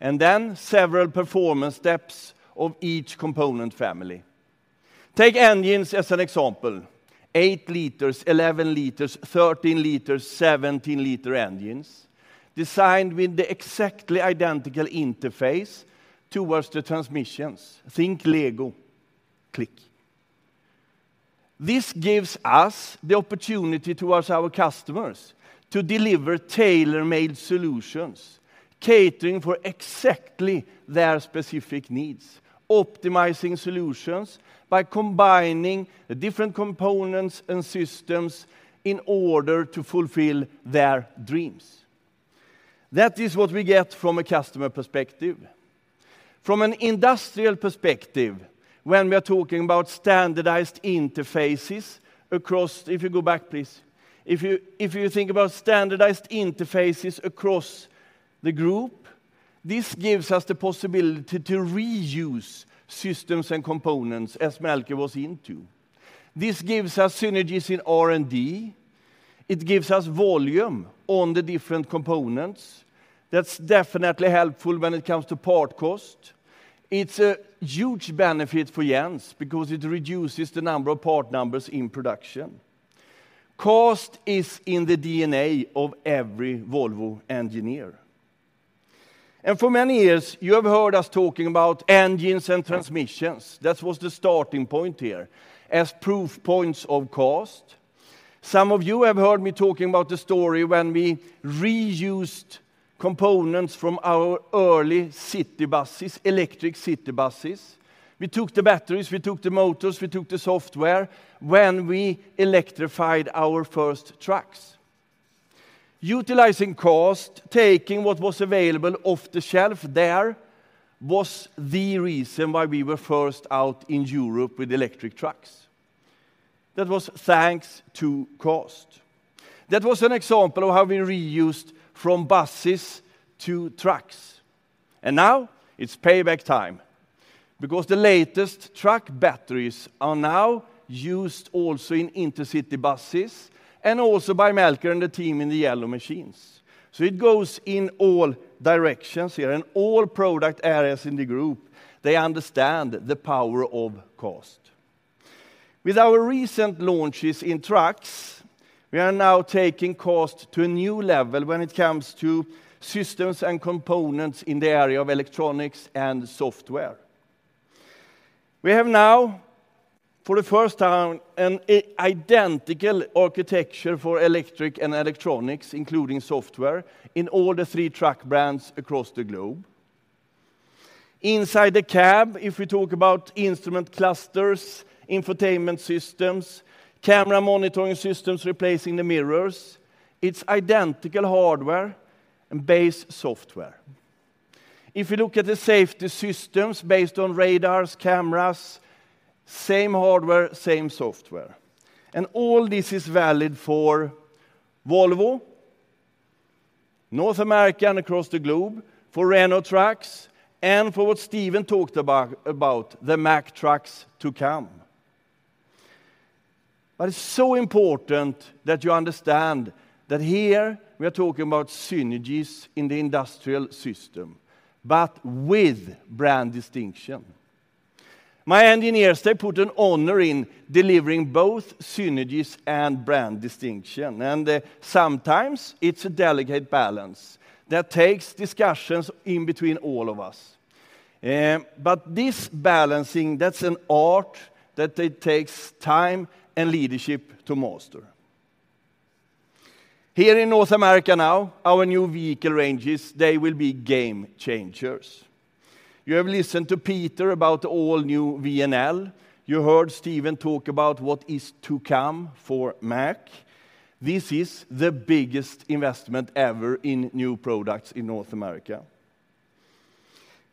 And then several performance steps of each component family. Take engines as an example, eight liters, 11 liters, 13 liters, 17-liter engines, designed with the exactly identical interface towards the transmissions. Think Lego, click. This gives us the opportunity towards our customers to deliver tailor-made solutions, catering for exactly their specific needs, optimizing solutions by combining different components and systems in order to fulfill their dreams. That is what we get from a customer perspective. From an industrial perspective, when we are talking about standardized interfaces across, if you go back, please, if you think about standardized interfaces across the group, this gives us the possibility to reuse systems and components as Melker was into. This gives us synergies in R&D. It gives us volume on the different components. That's definitely helpful when it comes to part cost. It's a huge benefit for Jens because it reduces the number of part numbers in production. Cost is in the DNA of every Volvo engineer. And for many years, you have heard us talking about engines and transmissions. That was the starting point here as proof points of cost. Some of you have heard me talking about the story when we reused components from our early city buses, electric city buses. We took the batteries, we took the motors, we took the software when we electrified our first trucks. Utilizing cost, taking what was available off the shelf there was the reason why we were first out in Europe with electric trucks. That was thanks to cost. That was an example of how we reused from buses to trucks. Now it's payback time because the latest truck batteries are now used also in intercity buses and also by Melker and the team in the yellow machines. It goes in all directions here and all product areas in the group. They understand the power of cost. With our recent launches in trucks, we are now taking cost to a new level when it comes to systems and components in the area of electronics and software. We have now, for the first time, an identical architecture for electric and electronics, including software in all the three truck brands across the globe. Inside the cab, if we talk about instrument clusters, infotainment systems, camera monitoring systems replacing the mirrors, it's identical hardware and base software. If you look at the safety systems based on radars, cameras, same hardware, same software. All this is valid for Volvo, North America and across the globe for Renault Trucks and for what Stephen talked about, the Mack Trucks to come. But it's so important that you understand that here we are talking about synergies in the industrial system, but with brand distinction. My engineers, they put an honor in delivering both synergies and brand distinction. And sometimes it's a delicate balance that takes discussions in between all of us. But this balancing, that's an art that takes time and leadership to master. Here in North America now, our new vehicle ranges, they will be game changers. You have listened to Peter about the all-new VNL. You heard Stephen talk about what is to come for Mack. This is the biggest investment ever in new products in North America.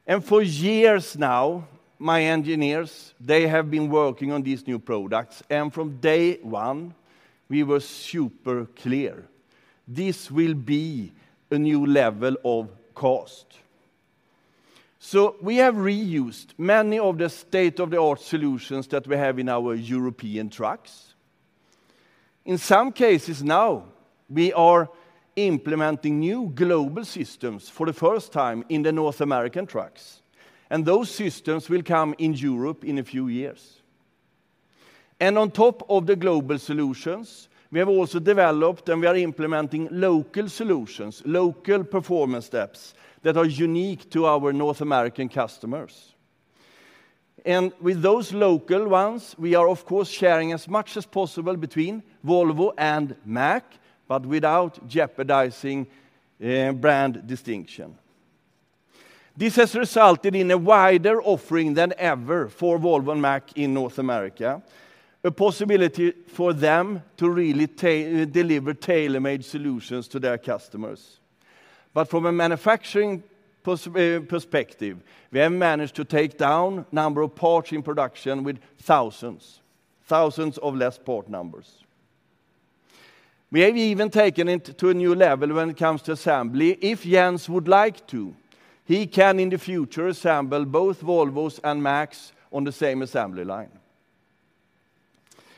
And for years now, my engineers, they have been working on these new products. From day one, we were super clear. This will be a new level of cost. We have reused many of the state-of-the-art solutions that we have in our European trucks. In some cases now, we are implementing new global systems for the first time in the North American trucks. Those systems will come in Europe in a few years. On top of the global solutions, we have also developed and we are implementing local solutions, local performance steps that are unique to our North American customers. With those local ones, we are, of course, sharing as much as possible between Volvo and Mack, but without jeopardizing brand distinction. This has resulted in a wider offering than ever for Volvo and Mack in North America, a possibility for them to really deliver tailor-made solutions to their customers. But from a manufacturing perspective, we have managed to take down a number of parts in production with thousands, thousands of less part numbers. We have even taken it to a new level when it comes to assembly. If Jens would like to, he can in the future assemble both Volvos and Macks on the same assembly line.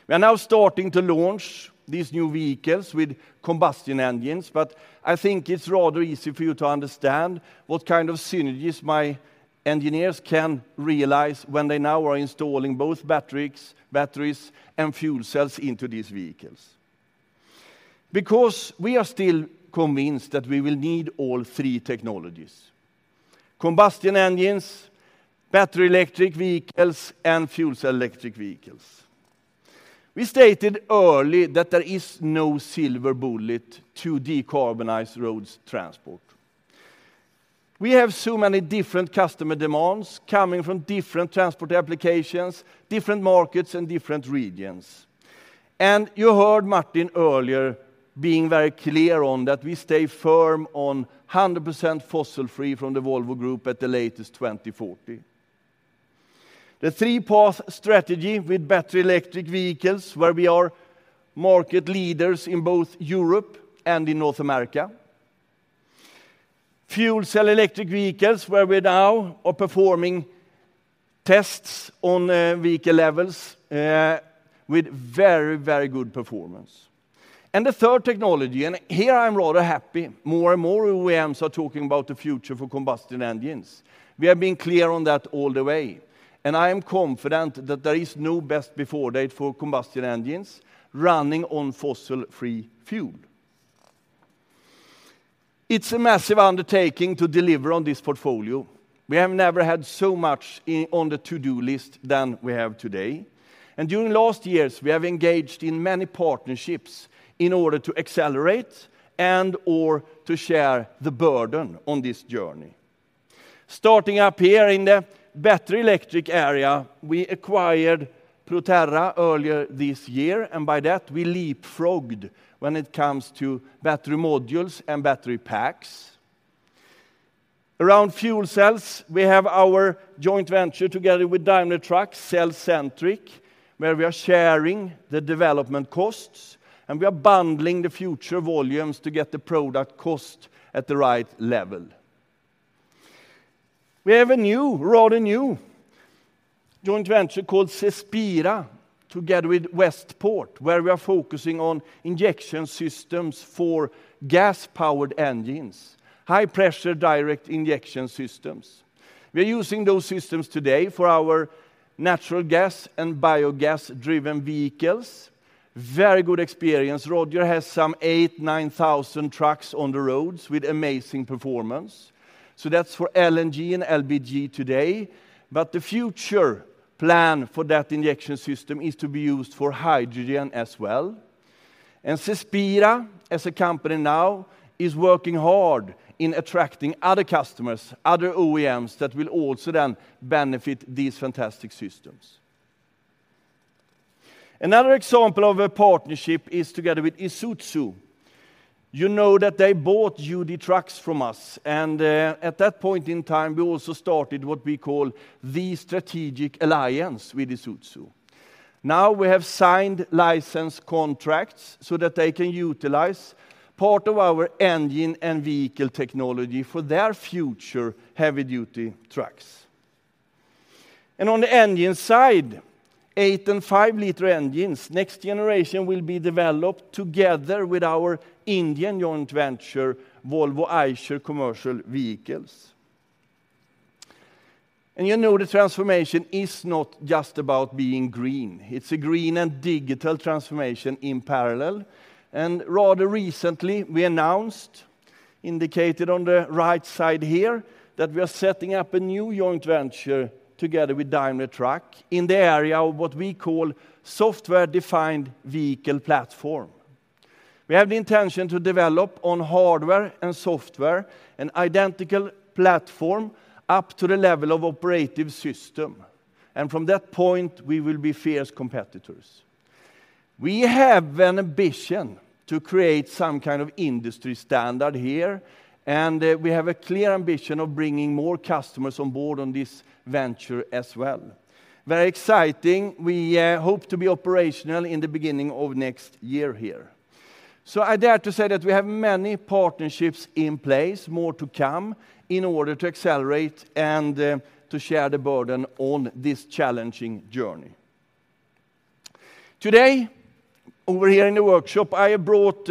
We are now starting to launch these new vehicles with combustion engines, but I think it's rather easy for you to understand what kind of synergies my engineers can realize when they now are installing both batteries and fuel cells into these vehicles. Because we are still convinced that we will need all three technologies: combustion engines, battery electric vehicles, and fuel cell electric vehicles. We stated early that there is no silver bullet to decarbonize roads transport. We have so many different customer demands coming from different transport applications, different markets, and different regions, and you heard Martin earlier being very clear on that we stay firm on 100% fossil-free from the Volvo Group at the latest 2040. The three-path strategy with battery electric vehicles where we are market leaders in both Europe and in North America. Fuel cell electric vehicles where we now are performing tests on vehicle levels with very, very good performance, and the third technology, and here I'm rather happy, more and more OEMs are talking about the future for combustion engines. We have been clear on that all the way, and I am confident that there is no best before date for combustion engines running on fossil-free fuel. It's a massive undertaking to deliver on this portfolio. We have never had so much on the to-do list than we have today. During last years, we have engaged in many partnerships in order to accelerate and/or to share the burden on this journey. Starting up here in the battery electric area, we acquired Proterra earlier this year, and by that, we leapfrogged when it comes to battery modules and battery packs. Around fuel cells, we have our joint venture together with Daimler Truck, cellcentric, where we are sharing the development costs, and we are bundling the future volumes to get the product cost at the right level. We have a new, rather new joint venture called Cespira together with Westport, where we are focusing on injection systems for gas-powered engines, high-pressure direct injection systems. We are using those systems today for our natural gas and biogas-driven vehicles. Very good experience. Roger has some 8,000-9,000 trucks on the roads with amazing performance. So that's for LNG and LPG today. But the future plan for that injection system is to be used for hydrogen as well. And Cespira, as a company now, is working hard in attracting other customers, other OEMs that will also then benefit these fantastic systems. Another example of a partnership is together with Isuzu. You know that they bought UD Trucks from us, and at that point in time, we also started what we call the strategic alliance with Isuzu. Now we have signed license contracts so that they can utilize part of our engine and vehicle technology for their future heavy-duty trucks. And on the engine side, eight- and five-liter engines, next generation will be developed together with our Indian joint venture, Volvo Eicher Commercial Vehicles. And you know the transformation is not just about being green. It's a green and digital transformation in parallel. Rather recently, we announced, indicated on the right side here, that we are setting up a new joint venture together with Daimler Truck in the area of what we call software-defined vehicle platform. We have the intention to develop on hardware and software an identical platform up to the level of operating system. From that point, we will be fierce competitors. We have an ambition to create some kind of industry standard here, and we have a clear ambition of bringing more customers on board on this venture as well. Very exciting. We hope to be operational in the beginning of next year here. I dare to say that we have many partnerships in place, more to come, in order to accelerate and to share the burden on this challenging journey. Today, over here in the workshop, I have brought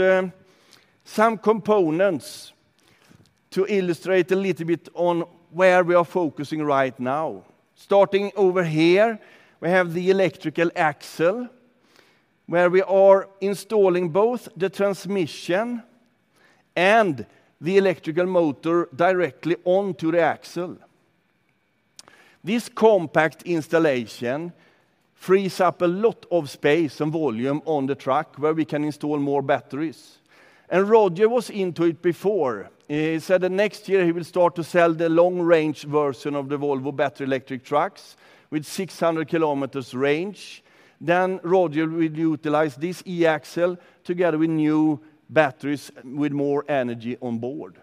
some components to illustrate a little bit on where we are focusing right now. Starting over here, we have the electric axle, where we are installing both the transmission and the electric motor directly onto the axle. This compact installation frees up a lot of space and volume on the truck where we can install more batteries. And Roger was into it before. He said that next year he will start to sell the long-range version of the Volvo battery electric trucks with 600 km range. Then Roger will utilize this E-axle together with new batteries with more energy on board.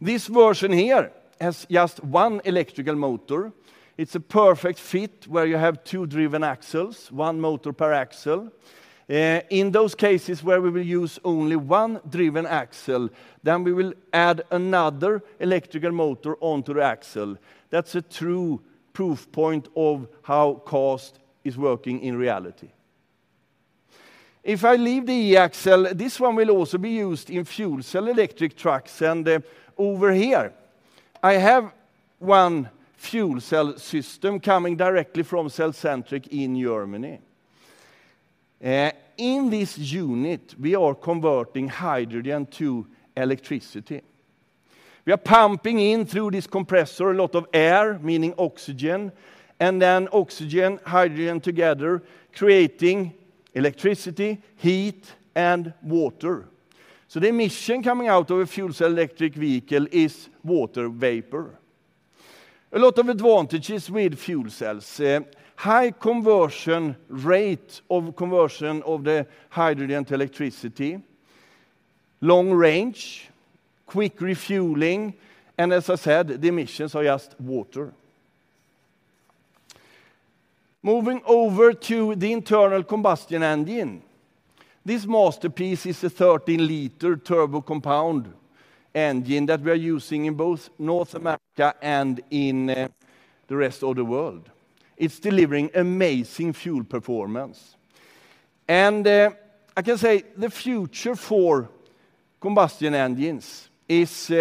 This version here has just one electric motor. It's a perfect fit where you have two driven axles, one motor per axle. In those cases where we will use only one driven axle, then we will add another electrical motor onto the axle. That's a true proof point of how cost is working in reality. If I leave the E-axle, this one will also be used in fuel cell electric trucks. And over here, I have one fuel cell system coming directly from cellcentric in Germany. In this unit, we are converting hydrogen to electricity. We are pumping in through this compressor a lot of air, meaning oxygen, and then oxygen and hydrogen together, creating electricity, heat, and water. So the emission coming out of a fuel cell electric vehicle is water vapor. A lot of advantages with fuel cells. High conversion rate of conversion of the hydrogen to electricity. Long range, quick refueling, and as I said, the emissions are just water. Moving over to the internal combustion engine. This masterpiece is a 13-liter Turbo Compound engine that we are using in both North America and in the rest of the world. It's delivering amazing fuel performance. I can say the future for combustion engines is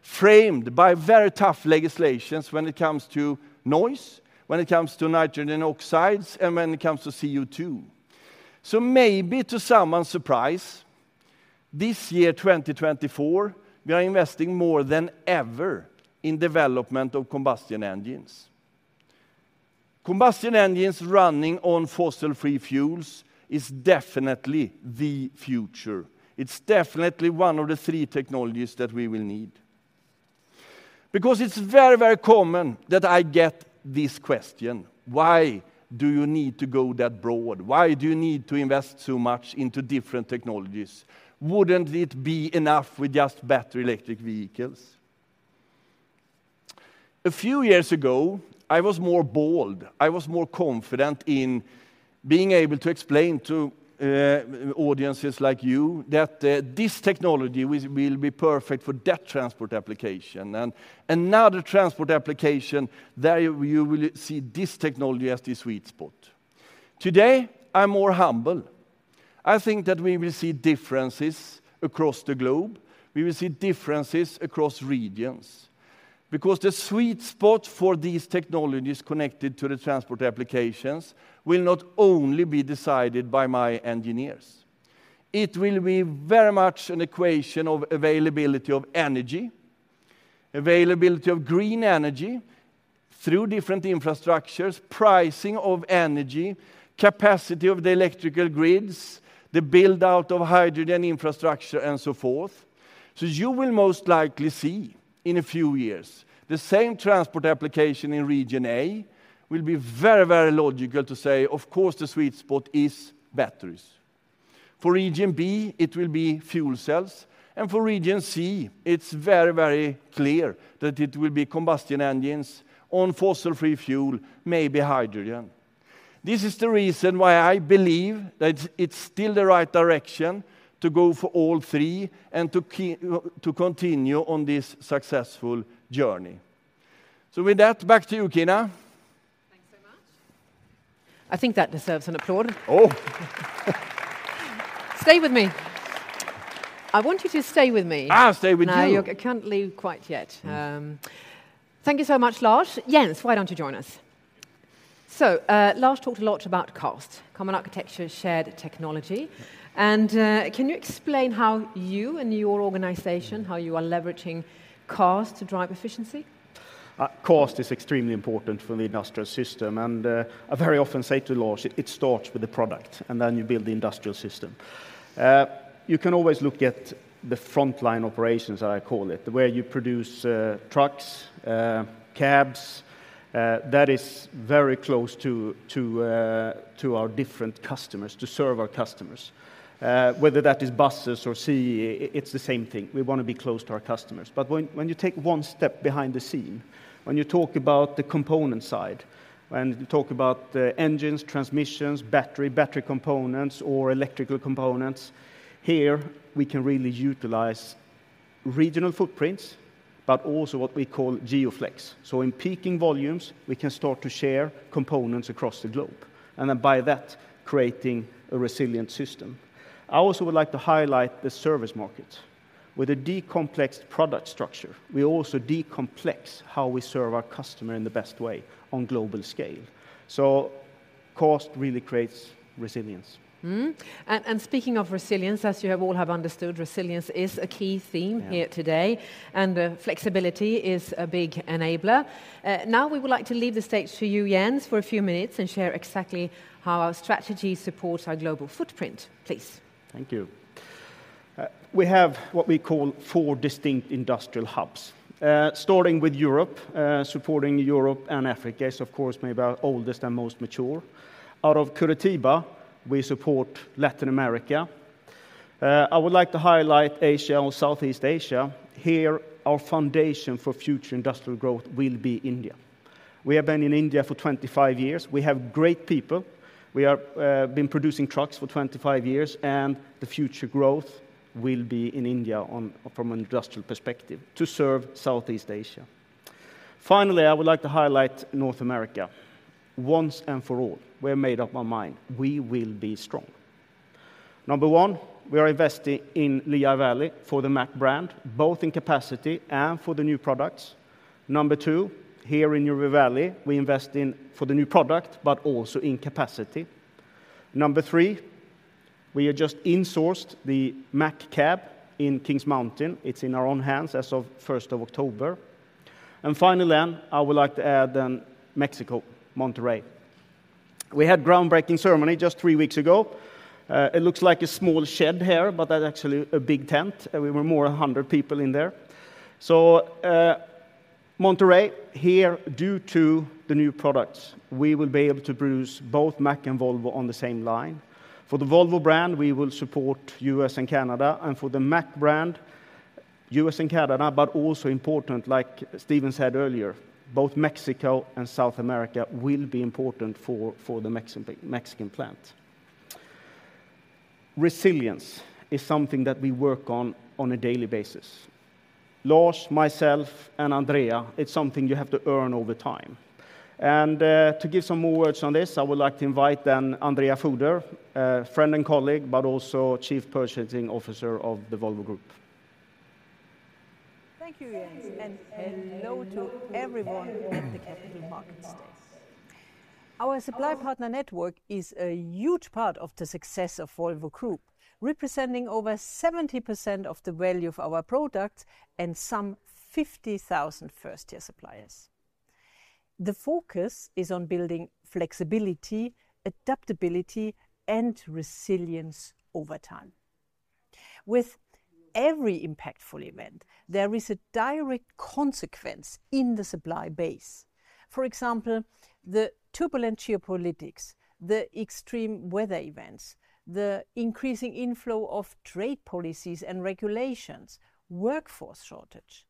framed by very tough legislations when it comes to noise, when it comes to nitrogen oxides, and when it comes to CO2. Maybe to someone's surprise, this year, 2024, we are investing more than ever in the development of combustion engines. Combustion engines running on fossil-free fuels is definitely the future. It's definitely one of the three technologies that we will need. Because it's very, very common that I get this question. Why do you need to go that broad? Why do you need to invest so much into different technologies? Wouldn't it be enough with just battery electric vehicles? A few years ago, I was more bold. I was more confident in being able to explain to audiences like you that this technology will be perfect for that transport application and another transport application where you will see this technology as the sweet spot. Today, I'm more humble. I think that we will see differences across the globe. We will see differences across regions. Because the sweet spot for these technologies connected to the transport applications will not only be decided by my engineers. It will be very much an equation of availability of energy, availability of green energy through different infrastructures, pricing of energy, capacity of the electrical grids, the build-out of hydrogen infrastructure, and so forth. So you will most likely see in a few years the same transport application in Region A will be very, very logical to say, of course, the sweet spot is batteries. For Region B, it will be fuel cells. And for Region C, it's very, very clear that it will be combustion engines on fossil-free fuel, maybe hydrogen. This is the reason why I believe that it's still the right direction to go for all three and to continue on this successful journey. So with that, back to you, Kina. Thanks so much. I think that deserves an applause. Oh. Stay with me. I want you to stay with me. I'll stay with you. No, you can't leave quite yet. Thank you so much, Lars. Jens, why don't you join us? So Lars talked a lot about cost, common architecture, shared technology. And can you explain how you and your organization, how you are leveraging cost to drive efficiency? Cost is extremely important for the industrial system. And I very often say to Lars, it starts with the product, and then you build the industrial system. You can always look at the frontline operations, as I call it, where you produce trucks, cabs. That is very close to our different customers, to serve our customers. Whether that is buses or CE, it's the same thing. We want to be close to our customers. But when you take one step behind the scenes, when you talk about the component side, when you talk about engines, transmissions, battery, battery components, or electrical components, here we can really utilize regional footprints, but also what we call GeoFlex. So in peaking volumes, we can start to share components across the globe, and then by that, creating a resilient system. I also would like to highlight the service markets. With a decomplexed product structure, we also decomplex how we serve our customer in the best way on global scale. So cost really creates resilience. Speaking of resilience, as you all have understood, resilience is a key theme here today. Flexibility is a big enabler. Now we would like to leave the stage to you, Jens, for a few minutes and share exactly how our strategy supports our global footprint. Please. Thank you. We have what we call four distinct industrial hubs, starting with Europe. Supporting Europe and Africa is, of course, maybe our oldest and most mature. Out of Curitiba, we support Latin America. I would like to highlight Asia or Southeast Asia. Here, our foundation for future industrial growth will be India. We have been in India for 25 years. We have great people. We have been producing trucks for 25 years, and the future growth will be in India from an industrial perspective to serve Southeast Asia. Finally, I would like to highlight North America once and for all. We've made up our mind. We will be strong. Number one, we are investing in Lehigh Valley for the Mack brand, both in capacity and for the new products. Number two, here in New River Valley, we invest in for the new product, but also in capacity. Number three, we are just insourced the Mack cab in Kings Mountain. It's in our own hands as of 1st of October. And finally, then I would like to add then Mexico, Monterrey. We had a groundbreaking ceremony just three weeks ago. It looks like a small shed here, but that's actually a big tent. We were more than 100 people in there. So Monterrey, here, due to the new products, we will be able to produce both Mack and Volvo on the same line. For the Volvo brand, we will support U.S. and Canada. For the Mack brand, US and Canada, but also important, like Steven said earlier, both Mexico and South America will be important for the Mexican plant. Resilience is something that we work on a daily basis. Lars, myself, and Andrea, it's something you have to earn over time. To give some more words on this, I would like to invite Andrea Fuder, friend and colleague, but also Chief Purchasing Officer of the Volvo Group. Thank you, Jens. Hello to everyone at the Capital Markets Day. Our supply partner network is a huge part of the success of Volvo Group, representing over 70% of the value of our products and some 50,000 first-tier suppliers. The focus is on building flexibility, adaptability, and resilience over time. With every impactful event, there is a direct consequence in the supply base. For example, the turbulent geopolitics, the extreme weather events, the increasing inflow of trade policies and regulations, workforce shortage,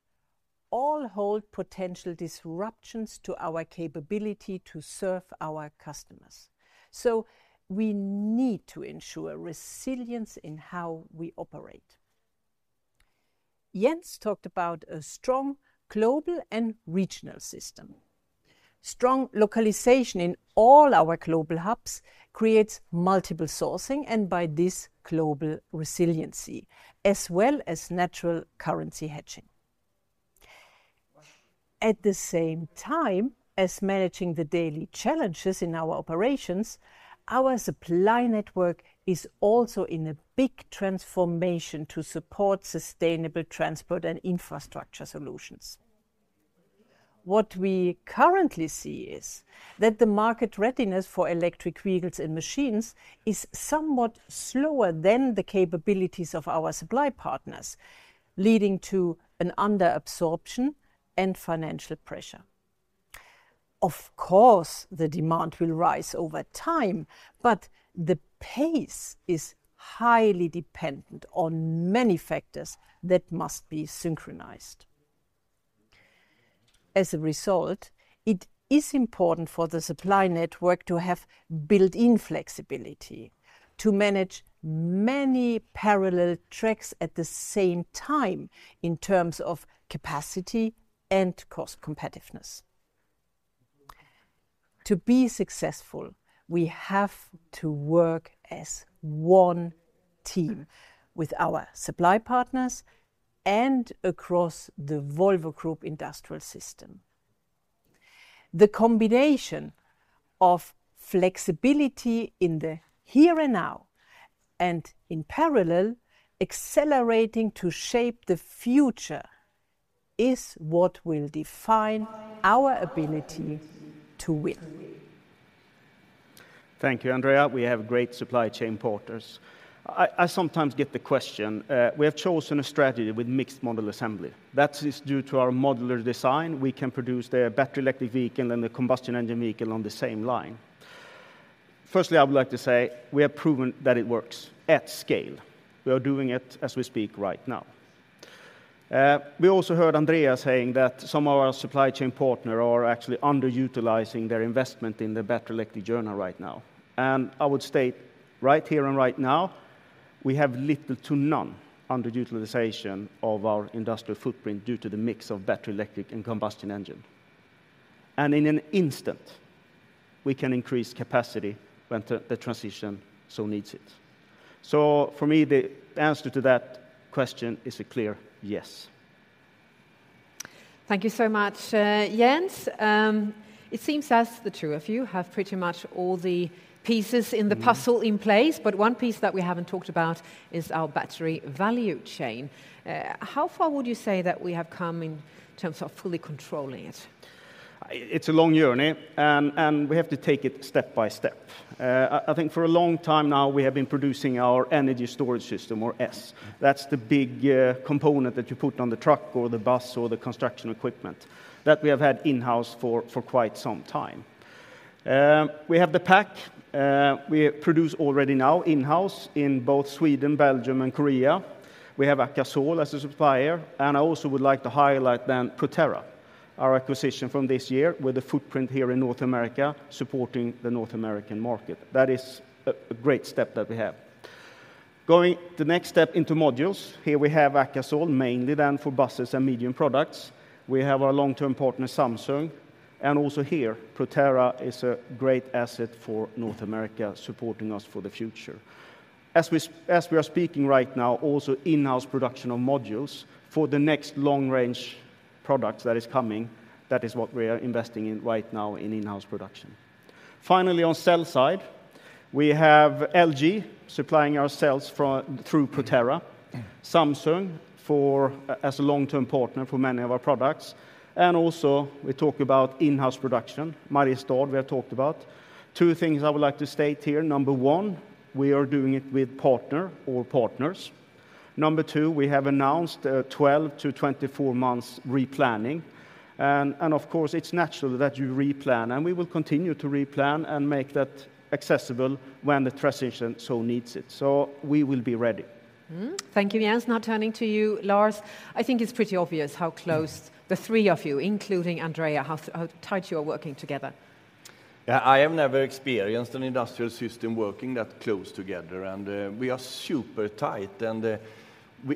all hold potential disruptions to our capability to serve our customers. So we need to ensure resilience in how we operate. Jens talked about a strong global and regional system. Strong localization in all our global hubs creates multiple sourcing and by this global resiliency, as well as natural currency hedging. At the same time as managing the daily challenges in our operations, our supply network is also in a big transformation to support sustainable transport and infrastructure solutions. What we currently see is that the market readiness for electric vehicles and machines is somewhat slower than the capabilities of our supply partners, leading to an under-absorption and financial pressure. Of course, the demand will rise over time, but the pace is highly dependent on many factors that must be synchronized. As a result, it is important for the supply network to have built-in flexibility to manage many parallel tracks at the same time in terms of capacity and cost competitiveness. To be successful, we have to work as one team with our supply partners and across the Volvo Group industrial system. The combination of flexibility in the here and now and in parallel, accelerating to shape the future, is what will define our ability to win. Thank you, Andrea. We have great supply chain partners. I sometimes get the question. We have chosen a strategy with mixed model assembly. That is due to our modular design. We can produce the battery electric vehicle and the combustion engine vehicle on the same line. Firstly, I would like to say we have proven that it works at scale. We are doing it as we speak right now. We also heard Andrea saying that some of our supply chain partners are actually underutilizing their investment in the battery electric journey right now. And I would state right here and right now, we have little to none underutilization of our industrial footprint due to the mix of battery electric and combustion engine. And in an instant, we can increase capacity when the transition so needs it. So for me, the answer to that question is a clear yes. Thank you so much, Jens. It seems as the two of you have pretty much all the pieces in the puzzle in place, but one piece that we haven't talked about is our battery value chain. How far would you say that we have come in terms of fully controlling it? It's a long journey, and we have to take it step by step. I think for a long time now, we have been producing our energy storage system, or ES. That's the big component that you put on the truck or the bus or the construction equipment that we have had in-house for quite some time. We have the pack. We produce already now in-house in both Sweden, Belgium, and Korea. We have Akasol as a supplier. And I also would like to highlight then Proterra, our acquisition from this year with a footprint here in North America supporting the North American market. That is a great step that we have. Going the next step into modules, here we have Akasol mainly then for buses and medium products. We have our long-term partner Samsung. And also here, Proterra is a great asset for North America supporting us for the future. As we are speaking right now, also in-house production of modules for the next long-range products that is coming, that is what we are investing in right now in-house production. Finally, on sell side, we have LG supplying our cells through Proterra, Samsung as a long-term partner for many of our products. And also we talk about in-house production, Mariestad we have talked about. Two things I would like to state here. Number one, we are doing it with partner or partners. Number two, we have announced 12 to 24 months replanning. And of course, it's natural that you replan, and we will continue to replan and make that accessible when the transition so needs it. So we will be ready. Thank you, Jens. Now turning to you, Lars. I think it's pretty obvious how close the three of you, including Andrea, how tight you are working together. Yeah, I have never experienced an industrial system working that close together, and we are super tight, and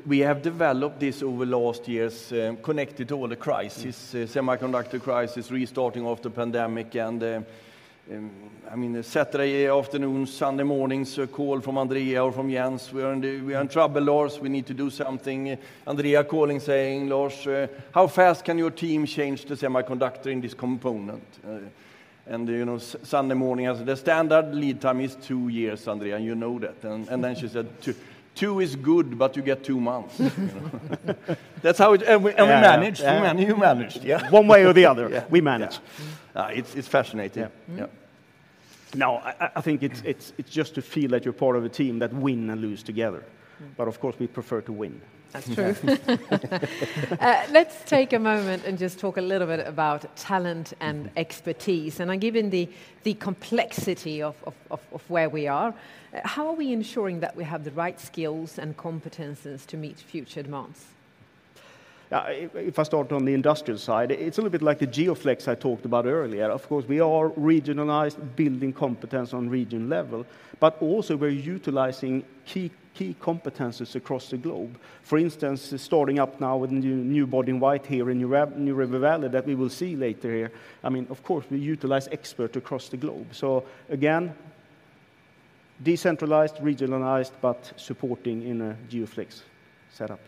we have developed this over the last years connected to all the crises, semiconductor crisis, restarting of the pandemic. I mean, Saturday afternoon, Sunday mornings, call from Andrea or from Jens. We are in trouble, Lars. We need to do something. Andrea calling saying, Lars, how fast can your team change the semiconductor in this component? And you know, Sunday morning, the standard lead time is two years, Andrea, and you know that. And then she said, two is good, but you get two months. That's how it is. And we managed. You managed. One way or the other, we managed. It's fascinating. Now, I think it's just to feel that you're part of a team that win and lose together. But of course, we prefer to win. That's true. Let's take a moment and just talk a little bit about talent and expertise, and, given the complexity of where we are, how are we ensuring that we have the right skills and competencies to meet future demands? If I start on the industrial side, it's a little bit like the GeoFlex I talked about earlier. Of course, we are regionalized, building competence on region level, but also we're utilizing key competencies across the globe. For instance, starting up now with a new body in white here in New River Valley that we will see later here. I mean, of course, we utilize experts across the globe. So again, decentralized, regionalized, but supporting in a GeoFlex setup.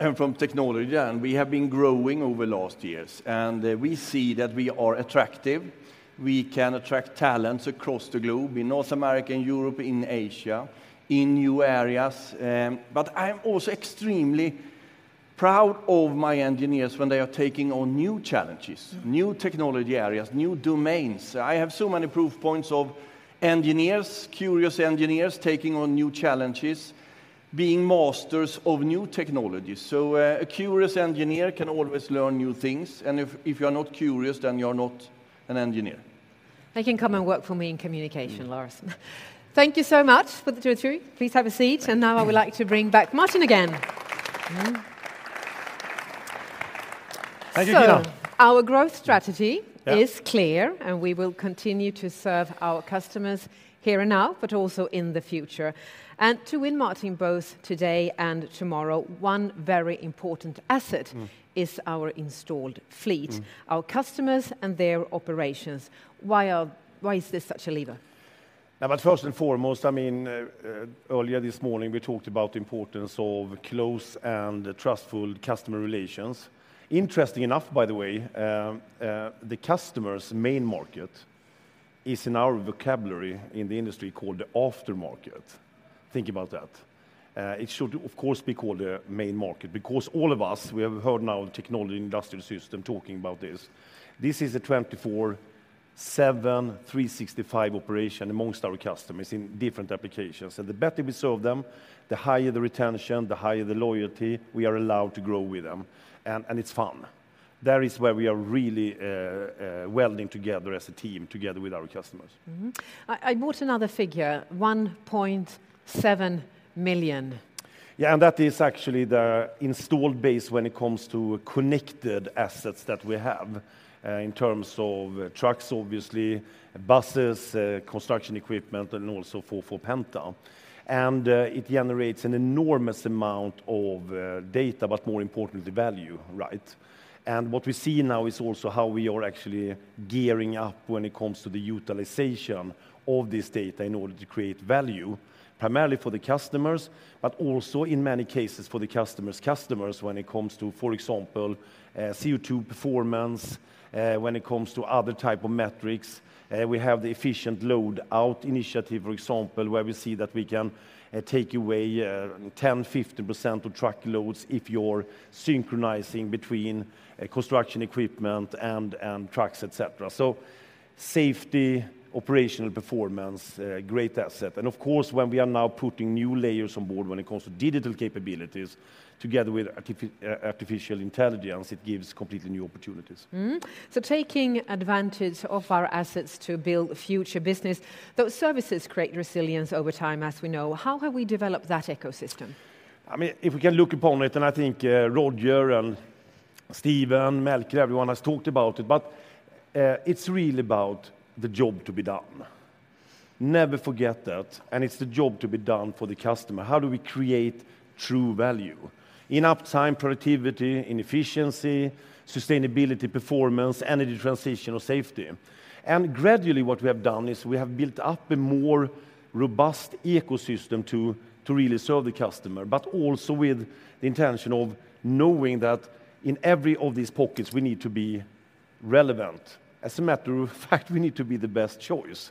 And from technology, we have been growing over the last years, and we see that we are attractive. We can attract talents across the globe in North America, in Europe, in Asia, in new areas. But I'm also extremely proud of my engineers when they are taking on new challenges, new technology areas, new domains. I have so many proof points of engineers, curious engineers taking on new challenges, being masters of new technologies. So a curious engineer can always learn new things. And if you are not curious, then you are not an engineer. They can come and work for me in communication, Lars. Thank you so much for the two or three. Please have a seat. And now I would like to bring back Martin again. Thank you, Kina. So our growth strategy is clear, and we will continue to serve our customers here and now, but also in the future. To win, Martin, both today and tomorrow, one very important asset is our installed fleet, our customers and their operations. Why is this such a lever? Now, but first and foremost, I mean, earlier this morning, we talked about the importance of close and trustful customer relations. Interesting enough, by the way, the customer's main market is in our vocabulary in the industry called the aftermarket. Think about that. It should, of course, be called the main market because all of us, we have heard now the technology industrial system talking about this. This is a 24/7, 365 operation among our customers in different applications. And the better we serve them, the higher the retention, the higher the loyalty we are allowed to grow with them. And it's fun. That is where we are really welding together as a team, together with our customers. I brought another figure, 1.7 million. Yeah, and that is actually the installed base when it comes to connected assets that we have in terms of trucks, obviously, buses, construction equipment, and also for Penta. And it generates an enormous amount of data, but more importantly, value, right? And what we see now is also how we are actually gearing up when it comes to the utilization of this data in order to create value, primarily for the customers, but also in many cases for the customer's customers when it comes to, for example, CO2 performance, when it comes to other types of metrics. We have the Efficient Load Out initiative, for example, where we see that we can take away 10%-15% of truck loads if you're synchronizing between construction equipment and trucks, etc. So safety, operational performance, great asset. And of course, when we are now putting new layers on board when it comes to digital capabilities, together with artificial intelligence, it gives completely new opportunities. So taking advantage of our assets to build future business, those services create resilience over time, as we know. How have we developed that ecosystem? I mean, if we can look upon it, and I think Roger, and Stephen, Melker, everyone has talked about it, but it's really about the job to be done. Never forget that. And it's the job to be done for the customer. How do we create true value? In uptime, productivity, in efficiency, sustainability, performance, energy transition, or safety. And gradually, what we have done is we have built up a more robust ecosystem to really serve the customer, but also with the intention of knowing that in every of these pockets, we need to be relevant. As a matter of fact, we need to be the best choice.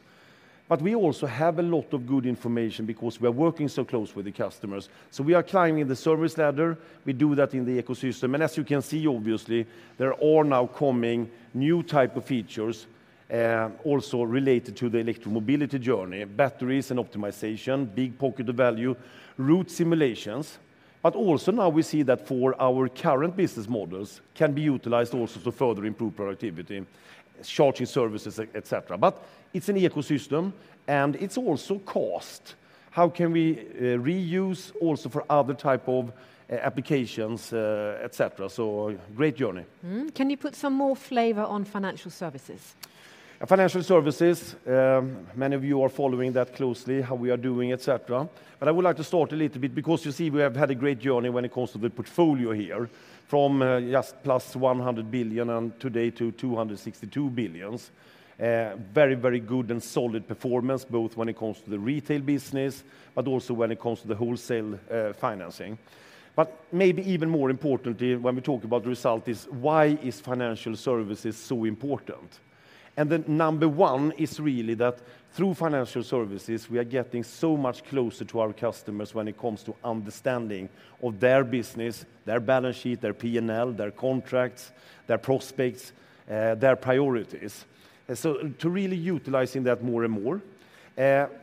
But we also have a lot of good information because we are working so close with the customers. So we are climbing the service ladder. We do that in the ecosystem. And as you can see, obviously, there are now coming new types of features also related to the electromobility journey, batteries and optimization, big pocket of value, route simulations. But also now we see that for our current business models can be utilized also to further improve productivity, charging services, etc. But it's an ecosystem, and it's also cost. How can we reuse also for other types of applications, etc.? So great journey. Can you put some more flavor on financial services? Financial services, many of you are following that closely, how we are doing, etc. But I would like to start a little bit because you see we have had a great journey when it comes to the portfolio here, from just plus 100 billion and today to 262 billion. Very, very good and solid performance, both when it comes to the retail business, but also when it comes to the wholesale financing. But maybe even more importantly, when we talk about the result, is why is financial services so important? And then number one is really that through financial services, we are getting so much closer to our customers when it comes to understanding of their business, their balance sheet, their P&L, their contracts, their prospects, their priorities. So to really utilizing that more and more.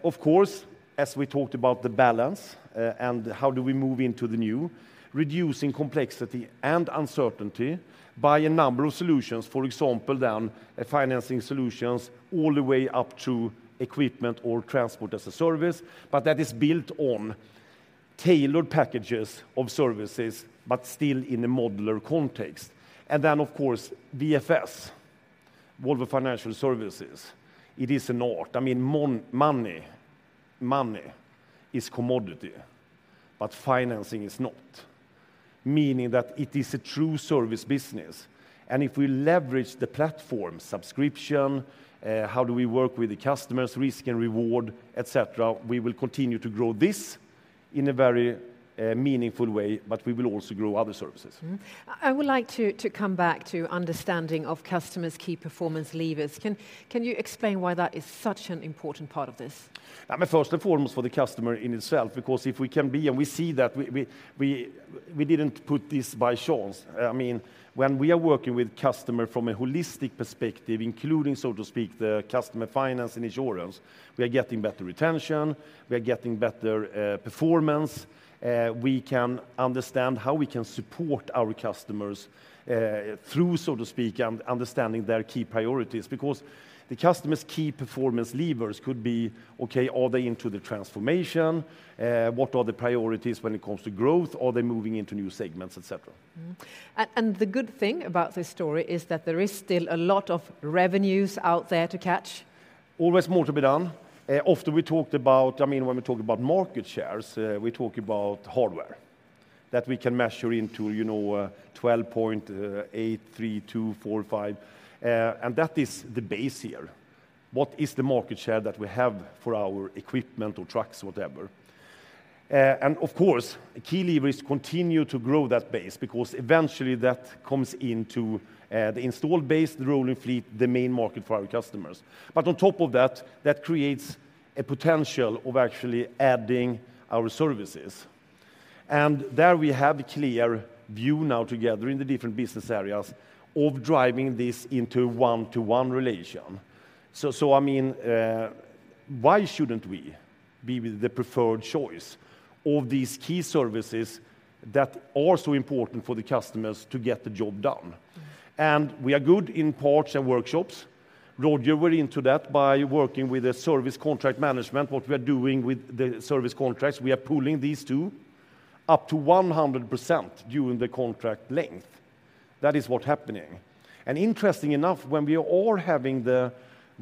Of course, as we talked about the balance and how do we move into the new, reducing complexity and uncertainty by a number of solutions, for example, then financing solutions all the way up to equipment or transport as a service, but that is built on tailored packages of services, but still in a modular context. Then, of course, VFS, Volvo Financial Services, it is an art. I mean, money, money is commodity, but financing is not, meaning that it is a true service business. And if we leverage the platform subscription, how do we work with the customers, risk and reward, etc., we will continue to grow this in a very meaningful way, but we will also grow other services. I would like to come back to understanding of customers' key performance levers. Can you explain why that is such an important part of this? First and foremost for the customer in itself, because if we can be and we see that we didn't put this by chance. I mean, when we are working with customers from a holistic perspective, including, so to speak, the customer finance and insurance, we are getting better retention. We are getting better performance. We can understand how we can support our customers through, so to speak, understanding their key priorities because the customer's key performance levers could be, okay, are they into the transformation? What are the priorities when it comes to growth? Are they moving into new segments, etc.? And the good thing about this story is that there is still a lot of revenues out there to catch. Always more to be done. Often we talked about, I mean, when we talk about market shares, we talk about hardware that we can measure into, you know, 12.83245. And that is the base here. What is the market share that we have for our equipment or trucks, whatever? And of course, a key lever is to continue to grow that base because eventually that comes into the installed base, the rolling fleet, the main market for our customers. But on top of that, that creates a potential of actually adding our services. And there we have a clear view now together in the different business areas of driving this into a one-to-one relation. So I mean, why shouldn't we be with the preferred choice of these key services that are so important for the customers to get the job done? And we are good in parts and workshops. Roger went into that by working with the service contract management, what we are doing with the service contracts. We are pulling these two up to 100% during the contract length. That is what's happening, and interesting enough, when we are having the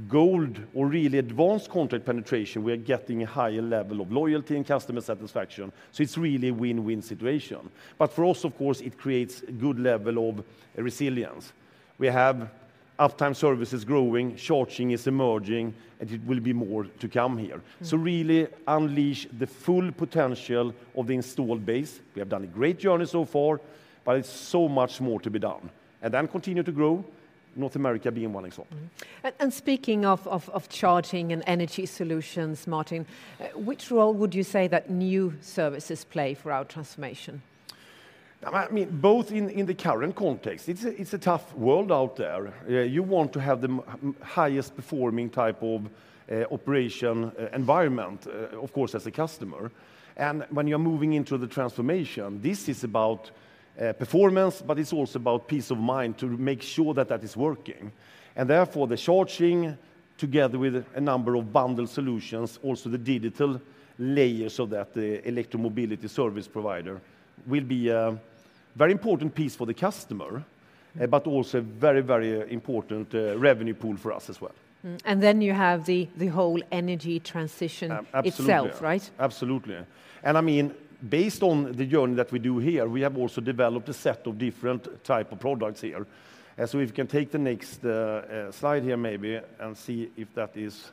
gold or really advanced contract penetration, we are getting a higher level of loyalty and customer satisfaction, so it's really a win-win situation, but for us, of course, it creates a good level of resilience. We have uptime services growing, charging is emerging, and it will be more to come here, so really unleash the full potential of the installed base. We have done a great journey so far, but it's so much more to be done, and then continue to grow, North America being one example. And speaking of charging and energy solutions, Martin, which role would you say that new services play for our transformation? I mean, both in the current context, it's a tough world out there. You want to have the highest performing type of operation environment, of course, as a customer. And when you're moving into the transformation, this is about performance, but it's also about peace of mind to make sure that that is working. And therefore, the charging, together with a number of bundled solutions, also the digital layers of that electromobility service provider will be a very important piece for the customer, but also a very, very important revenue pool for us as well. And then you have the whole energy transition itself, right? Absolutely. And I mean, based on the journey that we do here, we have also developed a set of different types of products here. So if you can take the next slide here maybe and see if that is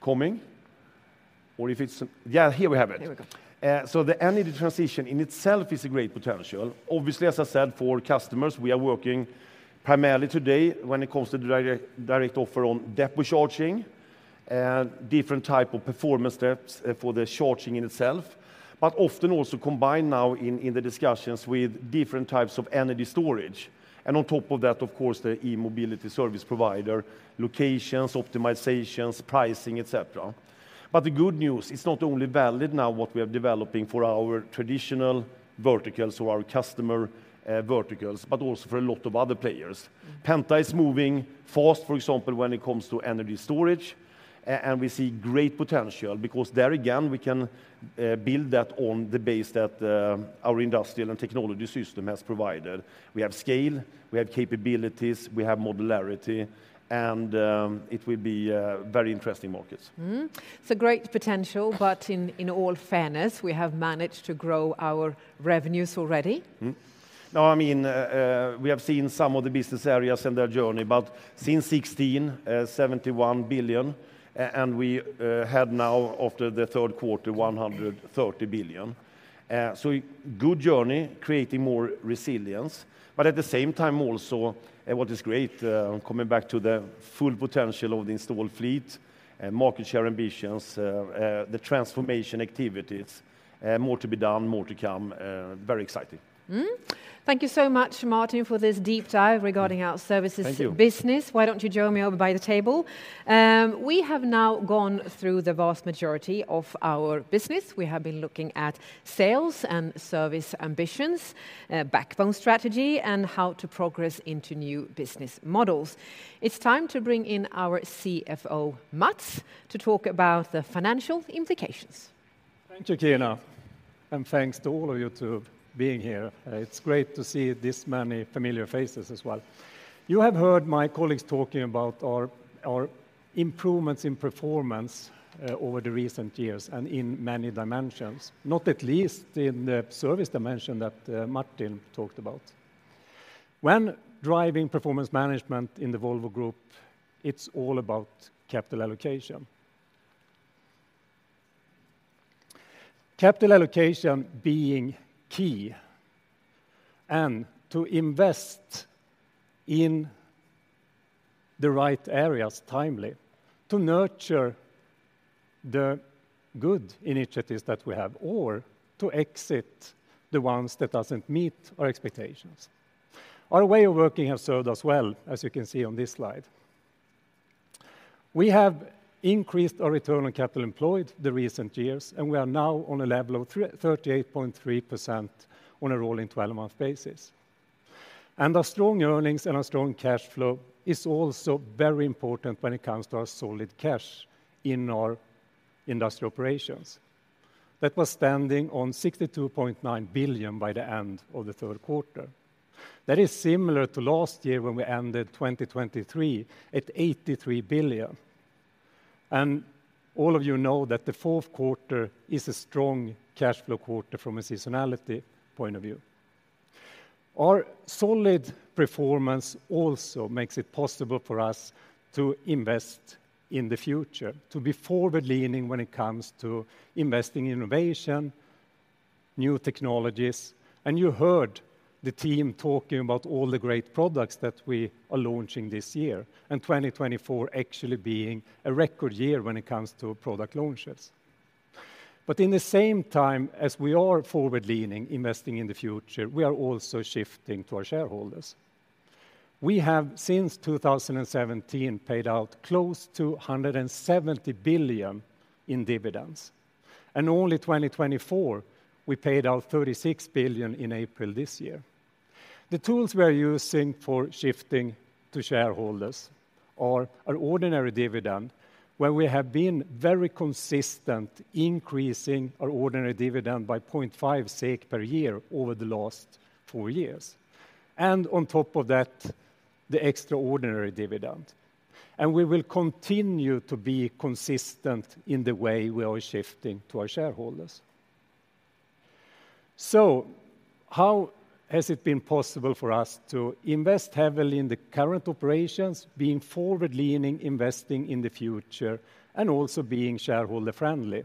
coming or if it's, yeah, here we have it. So the energy transition in itself is a great potential. Obviously, as I said, for customers, we are working primarily today when it comes to the direct offer on depot charging, different types of performance steps for the charging in itself, but often also combined now in the discussions with different types of energy storage. And on top of that, of course, the e-mobility service provider, locations, optimizations, pricing, etc. But the good news, it's not only valid now what we are developing for our traditional verticals or our customer verticals, but also for a lot of other players. Penta is moving fast, for example, when it comes to energy storage. And we see great potential because there again, we can build that on the base that our industrial and technology system has provided. We have scale, we have capabilities, we have modularity, and it will be very interesting markets. Great potential, but in all fairness, we have managed to grow our revenues already. Now, I mean, we have seen some of the business areas and their journey, but since 2016, 71 billion, and we had now after the third quarter, 130 billion. Good journey, creating more resilience. But at the same time, also what is great, coming back to the full potential of the installed fleet, market share ambitions, the transformation activities, more to be done, more to come, very exciting. Thank you so much, Martin, for this deep dive regarding our services business. Why don't you join me over by the table? We have now gone through the vast majority of our business. We have been looking at sales and service ambitions, backbone strategy, and how to progress into new business models. It is time to bring in our CFO, Mats, to talk about the financial implications. Thank you, Kina. And thanks to all of you for being here. It's great to see this many familiar faces as well. You have heard my colleagues talking about our improvements in performance over the recent years and in many dimensions, not least in the service dimension that Martin talked about. When driving performance management in the Volvo Group, it's all about capital allocation. Capital allocation being key and to invest in the right areas timely, to nurture the good initiatives that we have, or to exit the ones that don't meet our expectations. Our way of working has served us well, as you can see on this slide. We have increased our return on capital employed the recent years, and we are now on a level of 38.3% on a rolling 12-month basis. Our strong earnings and our strong cash flow is also very important when it comes to our solid cash in our industrial operations. That was standing on 62.9 billion by the end of the third quarter. That is similar to last year when we ended 2023 at 83 billion. All of you know that the fourth quarter is a strong cash flow quarter from a seasonality point of view. Our solid performance also makes it possible for us to invest in the future, to be forward-leaning when it comes to investing in innovation, new technologies. You heard the team talking about all the great products that we are launching this year, and 2024 actually being a record year when it comes to product launches. At the same time as we are forward-leaning, investing in the future, we are also shifting to our shareholders. We have since 2017 paid out close to 170 billion in dividends, and in 2024, we paid out 36 billion in April this year. The tools we are using for shifting to shareholders are our ordinary dividend, where we have been very consistent in increasing our ordinary dividend by 0.5% per year over the last four years. And on top of that, the extraordinary dividend. And we will continue to be consistent in the way we are shifting to our shareholders. So how has it been possible for us to invest heavily in the current operations, being forward-leaning, investing in the future, and also being shareholder-friendly?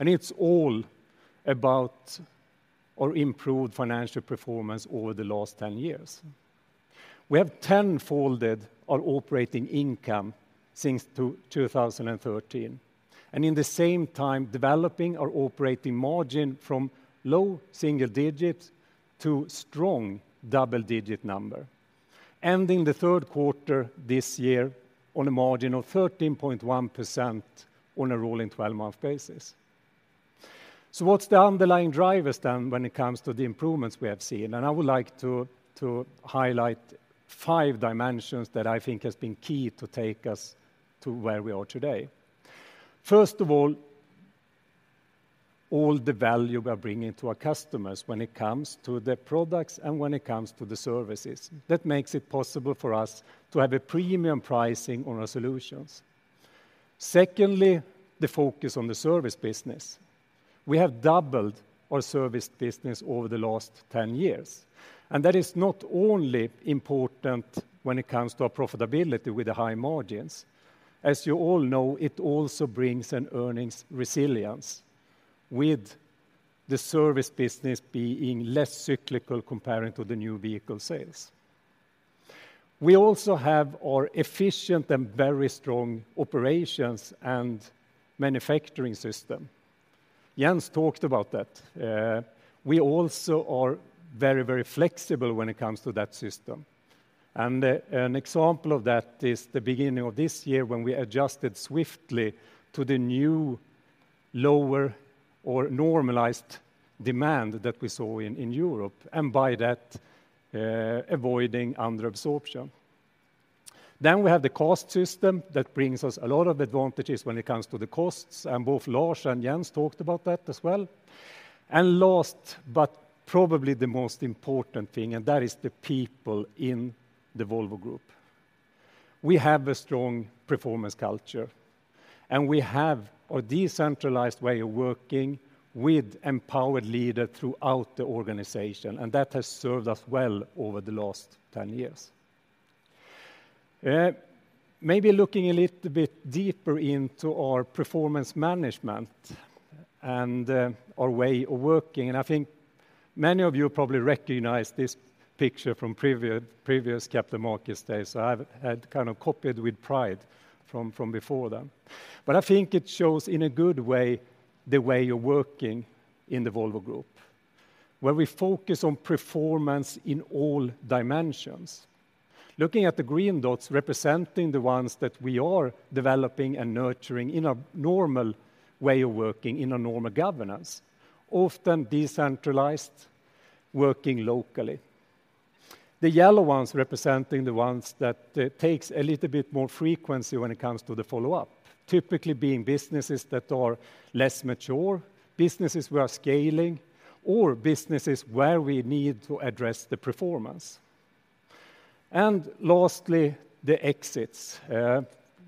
And it's all about our improved financial performance over the last 10 years. We have tenfolded our operating income since 2013, and in the same time, developing our operating margin from low single digits to strong double-digit numbers, ending the third quarter this year on a margin of 13.1% on a rolling 12-month basis. So what's the underlying drivers then when it comes to the improvements we have seen? And I would like to highlight five dimensions that I think have been key to take us to where we are today. First of all, all the value we are bringing to our customers when it comes to the products and when it comes to the services. That makes it possible for us to have a premium pricing on our solutions. Secondly, the focus on the service business. We have doubled our service business over the last 10 years. And that is not only important when it comes to our profitability with the high margins. As you all know, it also brings an earnings resilience with the service business being less cyclical compared to the new vehicle sales. We also have our efficient and very strong operations and manufacturing system. Jens talked about that. We also are very, very flexible when it comes to that system. And an example of that is the beginning of this year when we adjusted swiftly to the new lower or normalized demand that we saw in Europe, and by that, avoiding under-absorption. Then we have the CAST system that brings us a lot of advantages when it comes to the costs, and both Lars and Jens talked about that as well. And last, but probably the most important thing, and that is the people in the Volvo Group. We have a strong performance culture, and we have a decentralized way of working with empowered leaders throughout the organization, and that has served us well over the last 10 years. Maybe looking a little bit deeper into our performance management and our way of working, and I think many of you probably recognize this picture from previous Capital Markets days, so I had kind of copied with pride from before then. But I think it shows in a good way the way you're working in the Volvo Group, where we focus on performance in all dimensions. Looking at the green dots representing the ones that we are developing and nurturing in a normal way of working, in a normal governance, often decentralized, working locally. The yellow ones representing the ones that take a little bit more frequency when it comes to the follow-up, typically being businesses that are less mature, businesses we are scaling, or businesses where we need to address the performance, and lastly, the exits.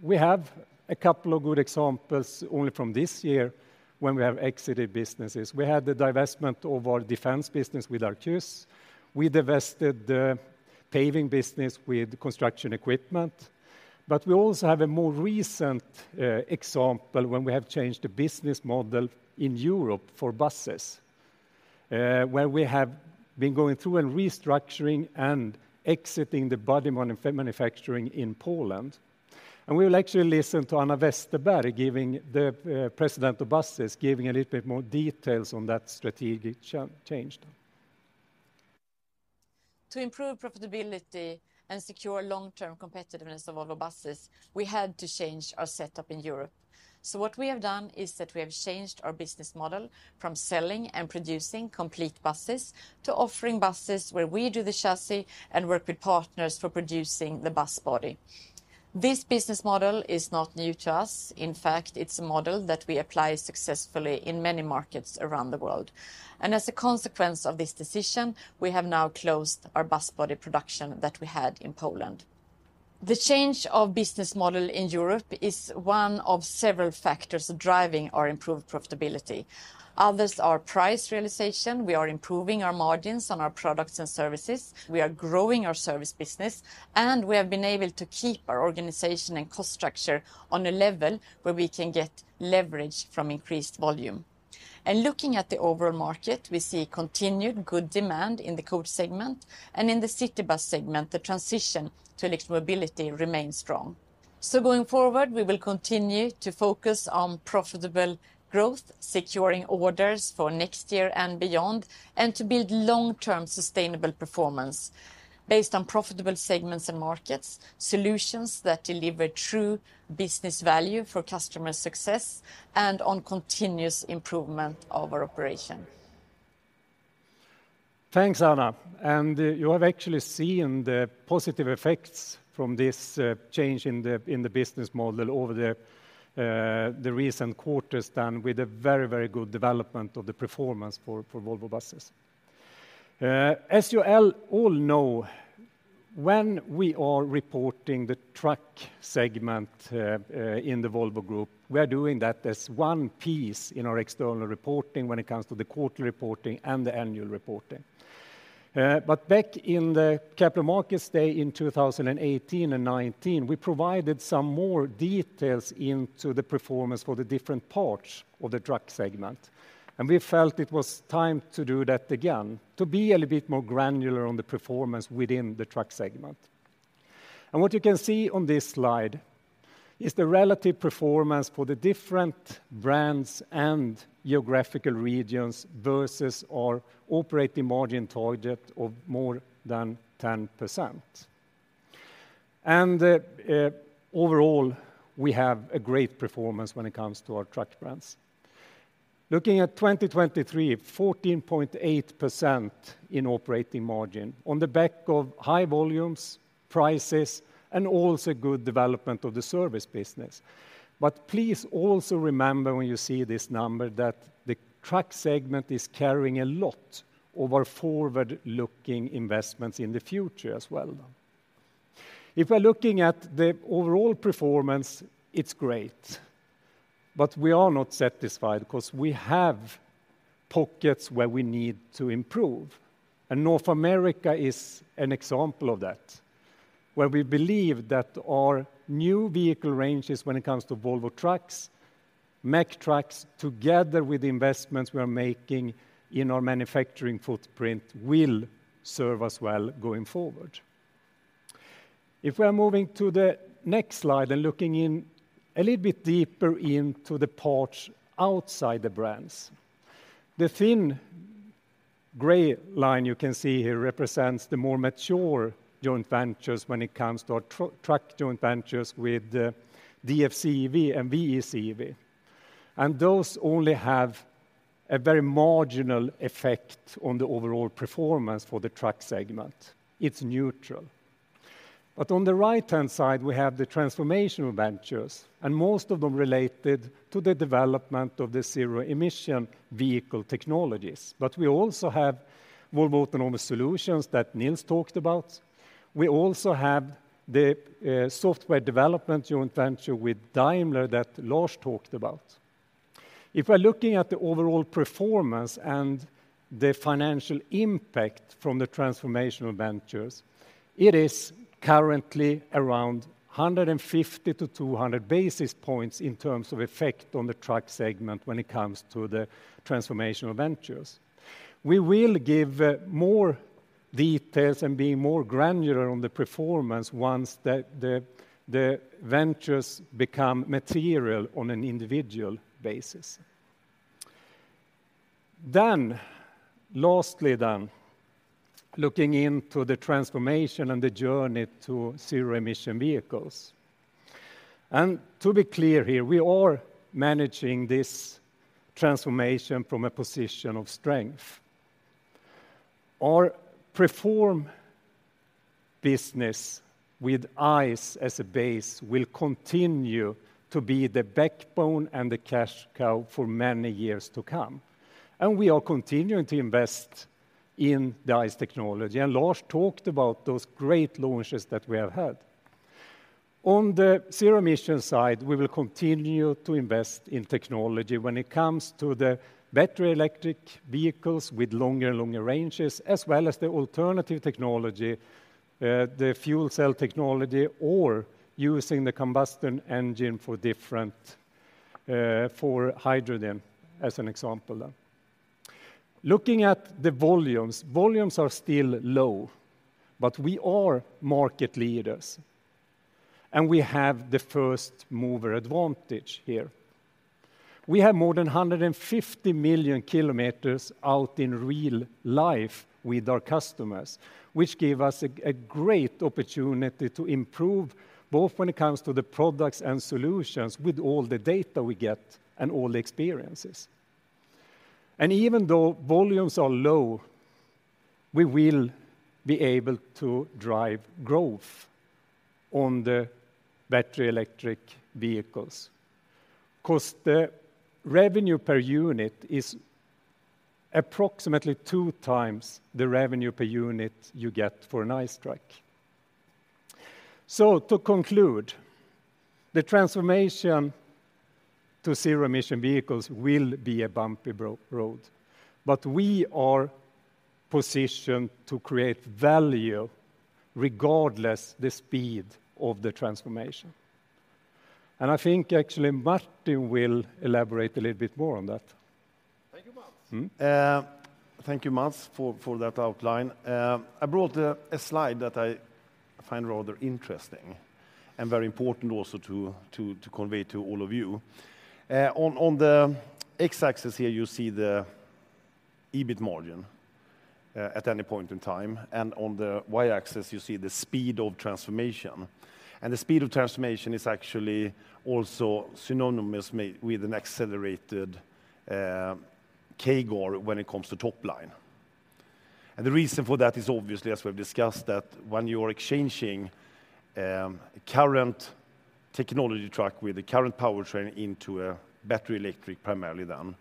We have a couple of good examples only from this year when we have exited businesses. We had the divestment of our defense business with Arquus. We divested the paving business with construction equipment. But we also have a more recent example when we have changed the business model in Europe for buses, where we have been going through and restructuring and exiting the body manufacturing in Poland, and we will actually listen to Anna Westerberg, the President of Buses, giving a little bit more details on that strategic change. To improve profitability and secure long-term competitiveness of Volvo Buses, we had to change our setup in Europe. So what we have done is that we have changed our business model from selling and producing complete buses to offering buses where we do the chassis and work with partners for producing the bus body. This business model is not new to us. In fact, it's a model that we apply successfully in many markets around the world. And as a consequence of this decision, we have now closed our bus body production that we had in Poland. The change of business model in Europe is one of several factors driving our improved profitability. Others are price realization. We are improving our margins on our products and services. We are growing our service business, and we have been able to keep our organization and cost structure on a level where we can get leverage from increased volume, and looking at the overall market, we see continued good demand in the coach segment, and in the city bus segment, the transition to electromobility remains strong, so going forward, we will continue to focus on profitable growth, securing orders for next year and beyond, and to build long-term sustainable performance based on profitable segments and markets, solutions that deliver true business value for customer success, and on continuous improvement of our operation. Thanks, Anna, and you have actually seen the positive effects from this change in the business model over the recent quarters with a very, very good development of the performance for Volvo Buses. As you all know, when we are reporting the truck segment in the Volvo Group, we are doing that as one piece in our external reporting when it comes to the quarterly reporting and the annual reporting. But back in the Capital Markets Day in 2018 and 2019, we provided some more details into the performance for the different parts of the truck segment. And we felt it was time to do that again, to be a little bit more granular on the performance within the truck segment. And what you can see on this slide is the relative performance for the different brands and geographical regions versus our operating margin target of more than 10%. And overall, we have a great performance when it comes to our truck brands. Looking at 2023, 14.8% in operating margin on the back of high volumes, prices, and also good development of the service business. But please also remember when you see this number that the truck segment is carrying a lot of our forward-looking investments in the future as well. If we're looking at the overall performance, it's great. But we are not satisfied because we have pockets where we need to improve, and North America is an example of that, where we believe that our new vehicle ranges when it comes to Volvo Trucks, Mack Trucks, together with the investments we are making in our manufacturing footprint, will serve us well going forward. If we are moving to the next slide and looking in a little bit deeper into the parts outside the brands, the thin gray line you can see here represents the more mature joint ventures when it comes to our truck joint ventures with DFCV and VECV. And those only have a very marginal effect on the overall performance for the truck segment. It's neutral. But on the right-hand side, we have the transformational ventures, and most of them related to the development of the zero-emission vehicle technologies. But we also have Volvo Autonomous Solutions that Nils talked about. We also have the software development joint venture with Daimler that Lars talked about. If we're looking at the overall performance and the financial impact from the transformational ventures, it is currently around 150-200 basis points in terms of effect on the truck segment when it comes to the transformational ventures. We will give more details and be more granular on the performance once the ventures become material on an individual basis. Then, lastly then, looking into the transformation and the journey to zero-emission vehicles, and to be clear here, we are managing this transformation from a position of strength. Our premium business with ICE as a base will continue to be the backbone and the cash cow for many years to come, and we are continuing to invest in the ICE technology, and Lars talked about those great launches that we have had. On the zero-emission side, we will continue to invest in technology when it comes to the battery-electric vehicles with longer and longer ranges, as well as the alternative technology, the fuel cell technology, or using the combustion engine for hydrogen, as an example. Looking at the volumes, volumes are still low, but we are market leaders, and we have the first-mover advantage here. We have more than 150 million kilometers out in real life with our customers, which gives us a great opportunity to improve both when it comes to the products and solutions with all the data we get and all the experiences. And even though volumes are low, we will be able to drive growth on the battery-electric vehicles because the revenue per unit is approximately two times the revenue per unit you get for an ICE truck. To conclude, the transformation to zero-emission vehicles will be a bumpy road, but we are positioned to create value regardless of the speed of the transformation. I think actually Martin will elaborate a little bit more on that. Thank you, Mats. Thank you, Mats, for that outline. I brought a slide that I find rather interesting and very important also to convey to all of you. On the X-axis here, you see the EBIT margin at any point in time, and on the Y-axis, you see the speed of transformation. The speed of transformation is actually also synonymous with an accelerated CAGR when it comes to top line. And the reason for that is obviously, as we've discussed, that when you are exchanging a current technology truck with a current powertrain into a battery-electric primarily then,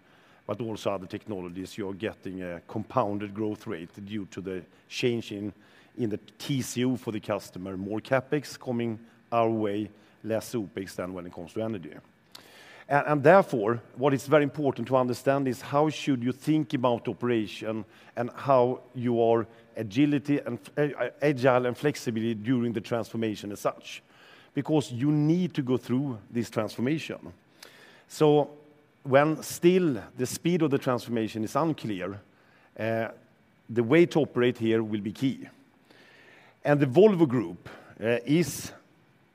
but also other technologies, you are getting a compounded growth rate due to the change in the TCO for the customer, more CapEx coming our way, less OpEx than when it comes to energy. And therefore, what is very important to understand is how should you think about operation and how your agility and flexibility during the transformation as such, because you need to go through this transformation. So when still the speed of the transformation is unclear, the way to operate here will be key. And the Volvo Group is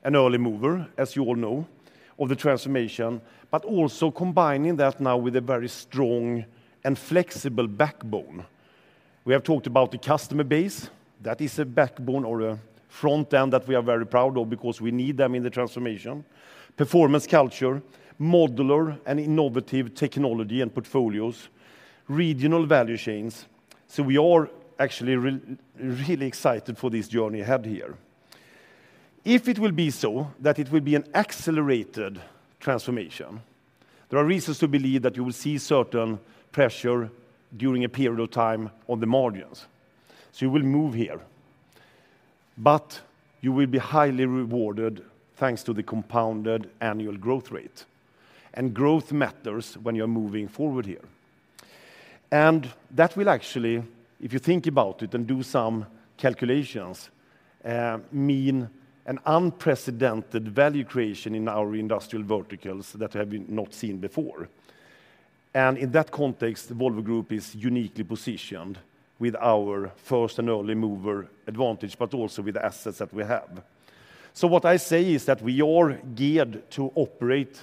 an early mover, as you all know, of the transformation, but also combining that now with a very strong and flexible backbone. We have talked about the customer base. That is a backbone or a front end that we are very proud of because we need them in the transformation. Performance culture, modular and innovative technology and portfolios, regional value chains. So we are actually really excited for this journey ahead here. If it will be so that it will be an accelerated transformation, there are reasons to believe that you will see certain pressure during a period of time on the margins. So you will move here, but you will be highly rewarded thanks to the compound annual growth rate. And growth matters when you're moving forward here. And that will actually, if you think about it and do some calculations, mean an unprecedented value creation in our industrial verticals that we have not seen before. In that context, the Volvo Group is uniquely positioned with our first and early mover advantage, but also with assets that we have. So what I say is that we are geared to operate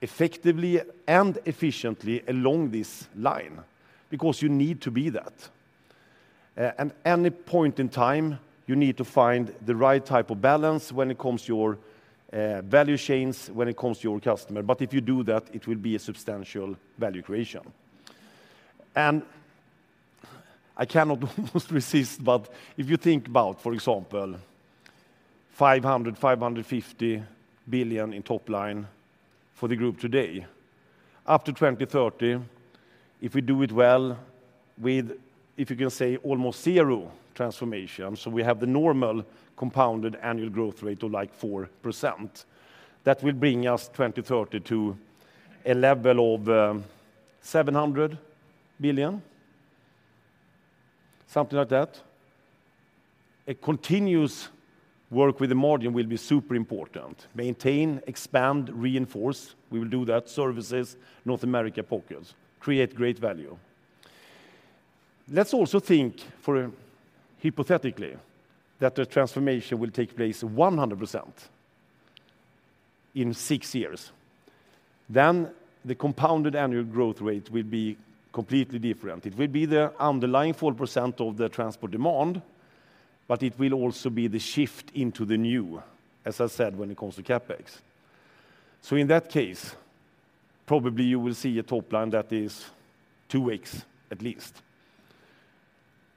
effectively and efficiently along this line because you need to be that. At any point in time, you need to find the right type of balance when it comes to your value chains, when it comes to your customer. But if you do that, it will be a substantial value creation. And I cannot almost resist, but if you think about, for example, 500-550 billion in top line for the group today, after 2030, if we do it well with, if you can say, almost zero transformation, so we have the normal compounded annual growth rate of like 4%, that will bring us 2030 to a level of 700 billion, something like that. A continuous work with the margin will be super important. Maintain, expand, reinforce. We will do that. Services, North America pockets, create great value. Let's also think hypothetically that the transformation will take place 100% in six years. Then the compounded annual growth rate will be completely different. It will be the underlying 4% of the transport demand, but it will also be the shift into the new, as I said, when it comes to CapEx. So in that case, probably you will see a top line that is twice at least.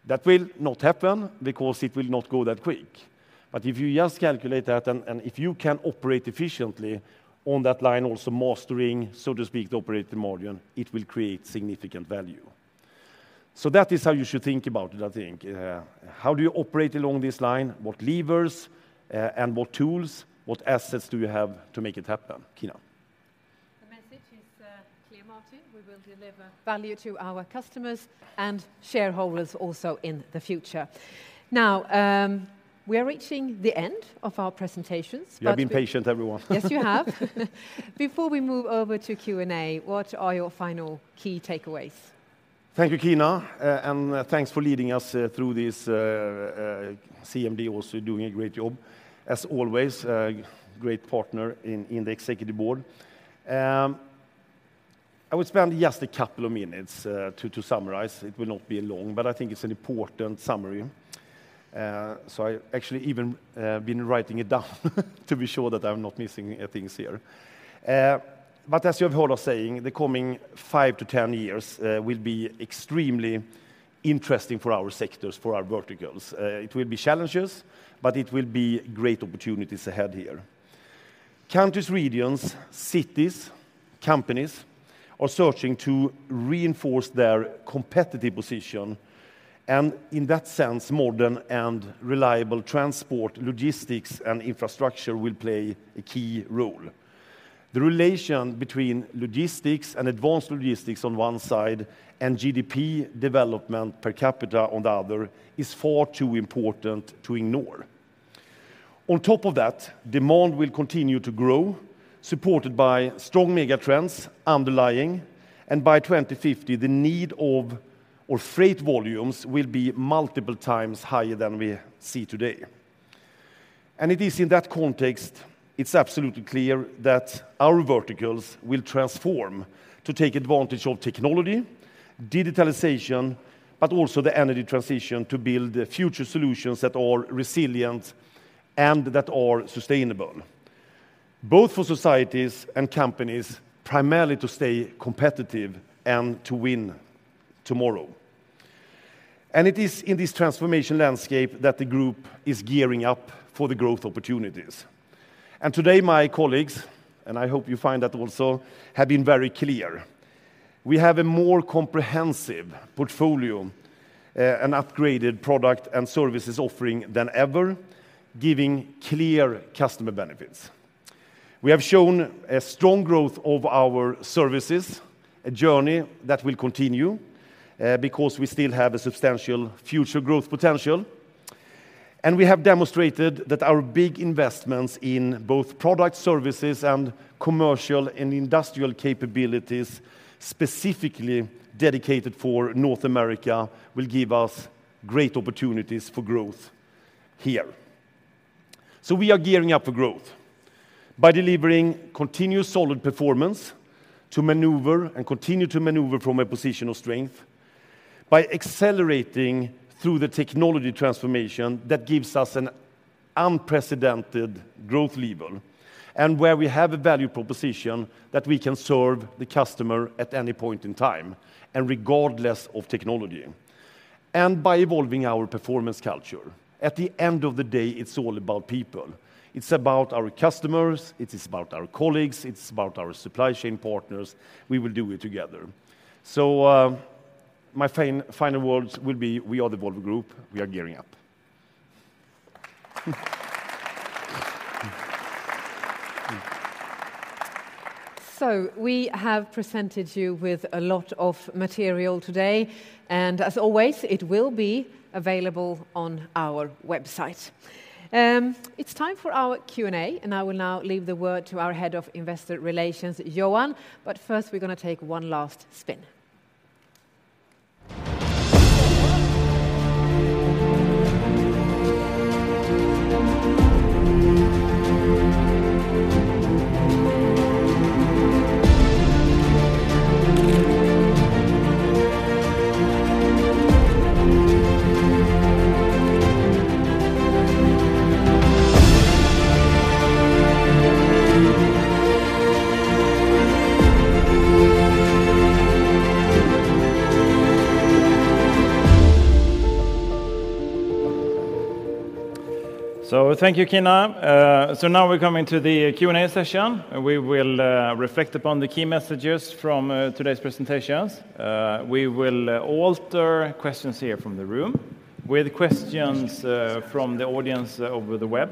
That will not happen because it will not go that quick. But if you just calculate that and if you can operate efficiently on that line, also mastering, so to speak, the operating margin, it will create significant value. So that is how you should think about it, I think. How do you operate along this line? What levers and what tools, what assets do you have to make it happen? Kina. The message is clear, Martin. We will deliver value to our customers and shareholders also in the future. Now, we are reaching the end of our presentations. You've been patient, everyone. Yes, you have. Before we move over to Q&A, what are your final key takeaways? Thank you, Kina. And thanks for leading us through this. CMD also doing a great job, as always. Great partner in the executive board. I would spend just a couple of minutes to summarize. It will not be long, but I think it's an important summary. So I actually even been writing it down to be sure that I'm not missing things here. But as you have heard us saying, the coming five to ten years will be extremely interesting for our sectors, for our verticals. It will be challenges, but it will be great opportunities ahead here. Countries, regions, cities, companies are searching to reinforce their competitive position. And in that sense, modern and reliable transport, logistics, and infrastructure will play a key role. The relation between logistics and advanced logistics on one side and GDP development per capita on the other is far too important to ignore. On top of that, demand will continue to grow, supported by strong mega trends underlying, and by 2050, the need of our freight volumes will be multiple times higher than we see today. And it is in that context. It's absolutely clear that our verticals will transform to take advantage of technology, digitalization, but also the energy transition to build future solutions that are resilient and that are sustainable, both for societies and companies, primarily to stay competitive and to win tomorrow. And it is in this transformation landscape that the group is gearing up for the growth opportunities. And today, my colleagues and I hope you find that also, have been very clear. We have a more comprehensive portfolio, an upgraded product and services offering than ever, giving clear customer benefits. We have shown a strong growth of our services, a journey that will continue because we still have a substantial future growth potential. And we have demonstrated that our big investments in both product services and commercial and industrial capabilities, specifically dedicated for North America, will give us great opportunities for growth here. So we are gearing up for growth by delivering continuous solid performance to maneuver and continue to maneuver from a position of strength, by accelerating through the technology transformation that gives us an unprecedented growth level, and where we have a value proposition that we can serve the customer at any point in time, and regardless of technology, and by evolving our performance culture. At the end of the day, it's all about people. It's about our customers. It is about our colleagues. It's about our supply chain partners. We will do it together. So my final words will be, we are the Volvo Group. We are gearing up. So we have presented you with a lot of material today, and as always, it will be available on our website. It's time for our Q&A, and I will now leave the word to our Head of Investor Relations, Johan. But first, we're going to take one last spin. So thank you, Kina. So now we're coming to the Q&A session. We will reflect upon the key messages from today's presentations. We will alternate questions here from the room with questions from the audience over the web.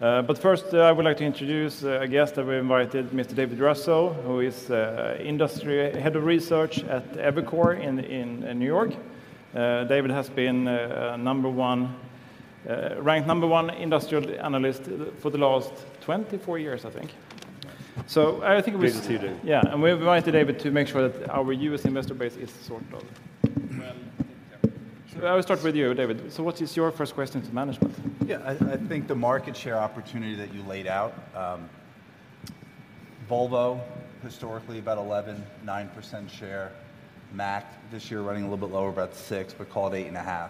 But first, I would like to introduce a guest that we invited, Mr. David Raso, who is Industry Head of Research at Evercore in New York. David has been ranked number one industrial analyst for the last 24 years, I think. So I think it was good to see you there. Yeah. We invited David to make sure that our U.S. investor base is sort of well taken care of. So I will start with you, David. So what is your first question to management? Yeah, I think the market share opportunity that you laid out, Volvo, historically about 11.9% share, Mack this year running a little bit lower, about 6%, but called 8.5%.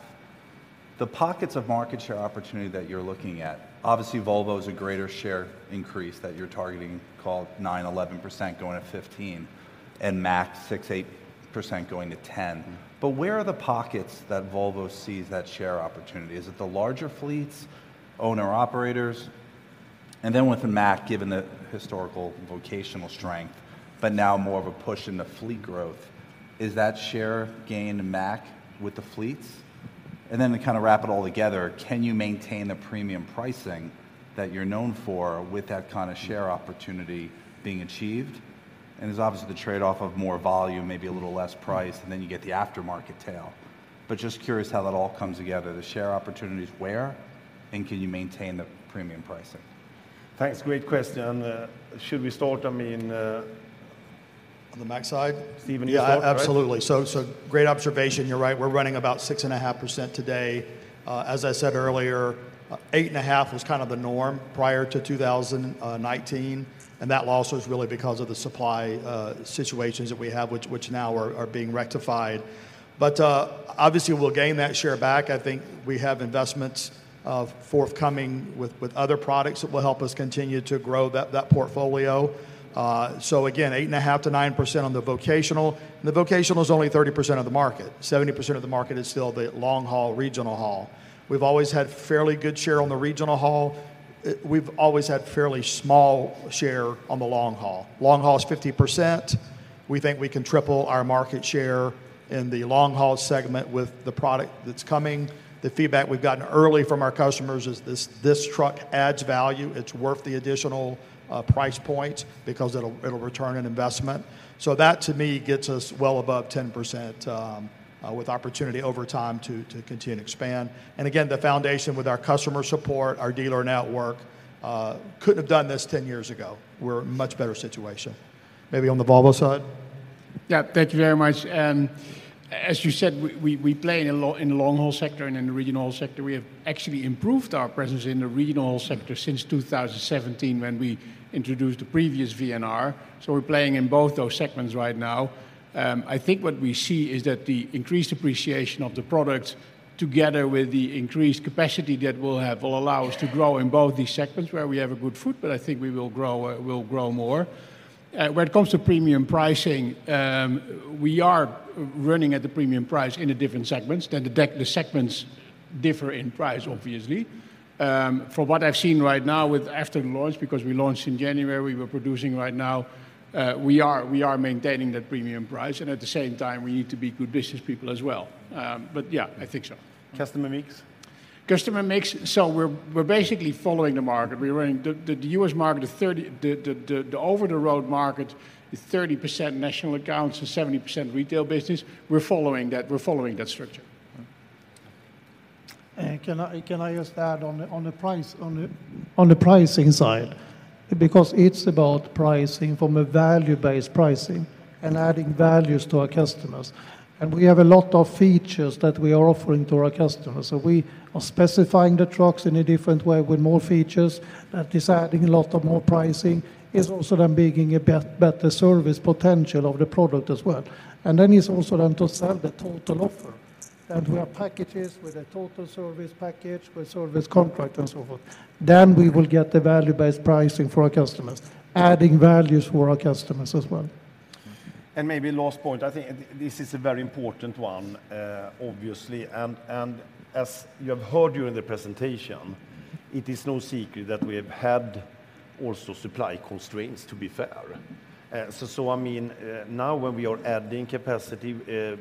The pockets of market share opportunity that you're looking at, obviously Volvo is a greater share increase that you're targeting, called 9%-11% going to 15%, and Mack 6%-8% going to 10%. But where are the pockets that Volvo sees that share opportunity? Is it the larger fleets, owner-operators? And then with Mack, given the historical vocational strength, but now more of a push in the fleet growth, is that share gained Mack with the fleets? And then to kind of wrap it all together, can you maintain the premium pricing that you're known for with that kind of share opportunity being achieved? And there's obviously the trade-off of more volume, maybe a little less price, and then you get the aftermarket tail. But just curious how that all comes together. The share opportunity is where? And can you maintain the premium pricing? Thanks. Great question. Should we start, I mean. On the Mack side? Stephen. Yeah, absolutely. So great observation. You're right. We're running about 6.5% today. As I said earlier, 8.5% was kind of the norm prior to 2019. And that loss was really because of the supply situations that we have, which now are being rectified. But obviously, we'll gain that share back. I think we have investments forthcoming with other products that will help us continue to grow that portfolio. So again, 8.5%-9% on the vocational. And the vocational is only 30% of the market. 70% of the market is still the long-haul, regional haul. We've always had fairly good share on the regional haul. We've always had fairly small share on the long-haul. Long-haul is 50%. We think we can triple our market share in the long-haul segment with the product that's coming. The feedback we've gotten early from our customers is this truck adds value. It's worth the additional price point because it'll return an investment. So that, to me, gets us well above 10% with opportunity over time to continue to expand. And again, the foundation with our customer support, our dealer network, couldn't have done this 10 years ago. We're in a much better situation. Maybe on the Volvo side? Yeah, thank you very much. And as you said, we play in the long-haul sector and in the regional haul sector. We have actually improved our presence in the regional haul sector since 2017 when we introduced the previous VNR. So we're playing in both those segments right now. I think what we see is that the increased appreciation of the product together with the increased capacity that we'll have will allow us to grow in both these segments where we have a good foot, but I think we will grow more. When it comes to premium pricing, we are running at the premium price in different segments. The segments differ in price, obviously. From what I've seen right now with after the launch, because we launched in January, we were producing right now. We are maintaining that premium price. And at the same time, we need to be good business people as well. But yeah, I think so. Customer mix? Customer mix. So we're basically following the market. We're running the U.S. market, the over-the-road market, the 30% national accounts and 70% retail business. We're following that. We're following that structure. Can I just add on the pricing side? Because it's about pricing from a value-based pricing and adding values to our customers. And we have a lot of features that we are offering to our customers. So we are specifying the trucks in a different way with more features. That is adding a lot of more pricing. It's also then being a better service potential of the product as well. And then it's also then to sell the total offer. And we have packages with a total service package, with service contract, and so forth. Then we will get the value-based pricing for our customers, adding values for our customers as well. Maybe last point, I think this is a very important one, obviously. As you have heard during the presentation, it is no secret that we have had also supply constraints, to be fair. I mean, now when we are adding capacity,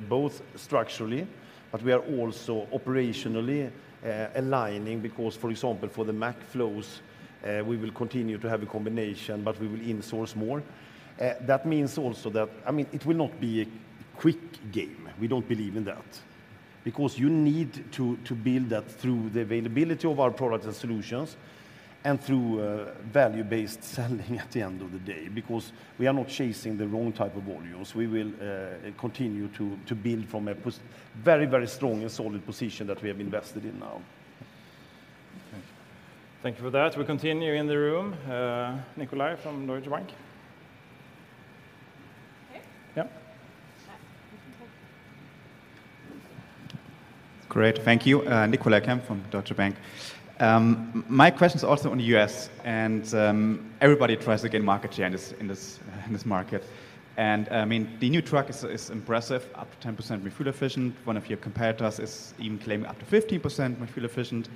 both structurally, but we are also operationally aligning because, for example, for the Mack flows, we will continue to have a combination, but we will insource more. That means also that, I mean, it will not be a quick game. We don't believe in that. Because you need to build that through the availability of our products and solutions and through value-based selling at the end of the day because we are not chasing the wrong type of volumes. We will continue to build from a very, very strong and solid position that we have invested in now. Thank you for that. We'll continue in the room. Nicolai from Deutsche Bank. Yeah. Great. Thank you. Nicolai Kempf from Deutsche Bank. My question is also on the U.S. And everybody tries to gain market share in this market. And I mean, the new truck is impressive, up to 10% fuel efficient. One of your competitors is even claiming up to 15% fuel efficient.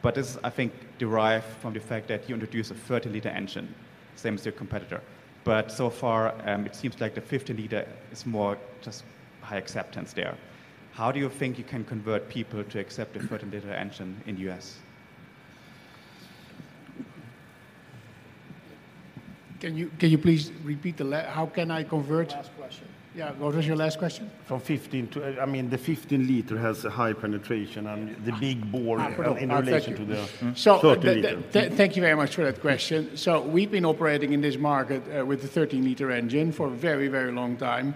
But this is, I think, derived from the fact that you introduced a 30-liter engine, same as your competitor. But so far, it seems like the 50-liter is more just high acceptance there. How do you think you can convert people to accept a 30-liter engine in the U.S.? Can you please repeat the last? How can I convert? Last question. Yeah, what was your last question? From 15 to, I mean, the 15-liter has a high penetration and the big bore in relation to the 30-liter. Thank you very much for that question. We've been operating in this market with the 13-liter engine for a very, very long time.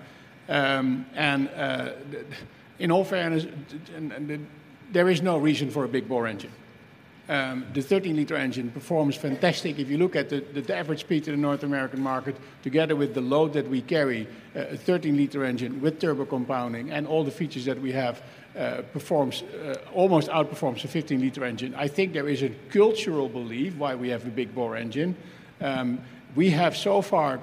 In all fairness, there is no reason for a big bore engine. The 13-liter engine performs fantastic. If you look at the average speed to the North American market, together with the load that we carry, a 13-liter engine with turbo compounding and all the features that we have, performs almost outperforms the 15-liter engine. I think there is a cultural belief why we have a big bore engine. We have so far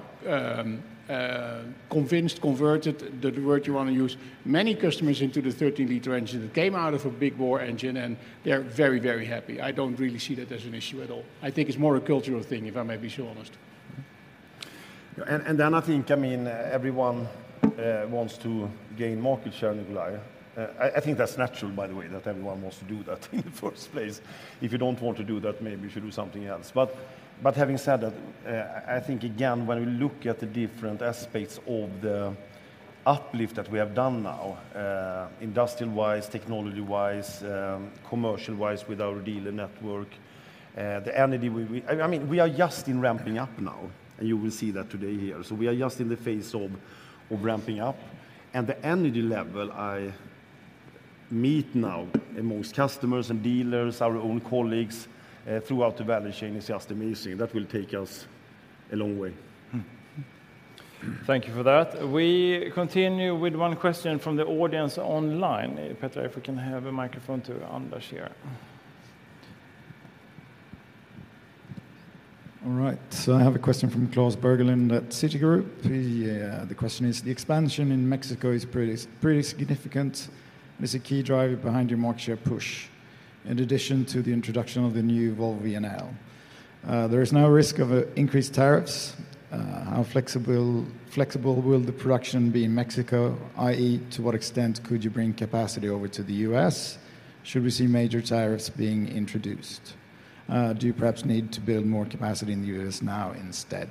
convinced, converted the word you want to use, many customers into the 13-liter engine that came out of a big bore engine, and they're very, very happy. I don't really see that as an issue at all. I think it's more a cultural thing, if I may be so honest. I think, I mean, everyone wants to gain market share, Nicolai. I think that's natural, by the way, that everyone wants to do that in the first place. If you don't want to do that, maybe you should do something else. But having said that, I think, again, when we look at the different aspects of the uplift that we have done now, industrial-wise, technology-wise, commercial-wise with our dealer network, the energy. I mean, we are just in ramping up now. You will see that today here. We are just in the phase of ramping up. The energy level I meet now amongst customers and dealers, our own colleagues throughout the value chain is just amazing. That will take us a long way. Thank you for that. We continue with one question from the audience online. Peter, if we can have a microphone to Anders here. All right. So I have a question from Klas Bergelind at Citigroup. The question is, the expansion in Mexico is pretty significant. Is it a key driver behind your market share push, in addition to the introduction of the new Volvo VNL? There is no risk of increased tariffs. How flexible will the production be in Mexico, i.e., to what extent could you bring capacity over to the U.S.? Should we see major tariffs being introduced? Do you perhaps need to build more capacity in the U.S. now instead?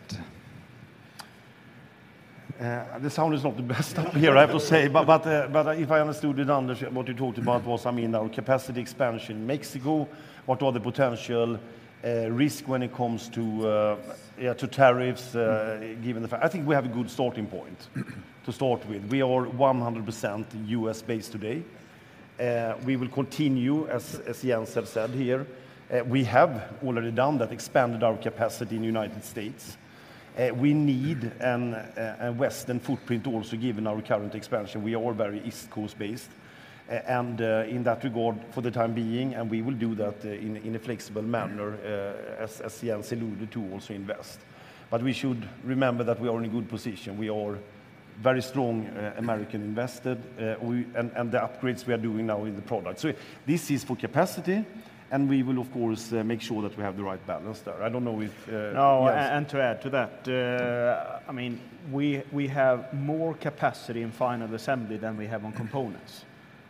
The sound is not the best up here, I have to say. But if I understood it, Anders, what you talked about was, I mean, our capacity expansion in Mexico. What are the potential risks when it comes to tariffs, given the fact? I think we have a good starting point to start with. We are 100% U.S.-based today. We will continue, as Jens had said here. We have already done that, expanded our capacity in the United States. We need a Western footprint also given our current expansion. We are very East Coast-based. In that regard, for the time being, we will do that in a flexible manner, as Jens alluded to, also invest. We should remember that we are in a good position. We are very strong American-invested and the upgrades we are doing now in the product. This is for capacity. We will, of course, make sure that we have the right balance there. I don't know if—no, and to add to that, I mean, we have more capacity in final assembly than we have on components.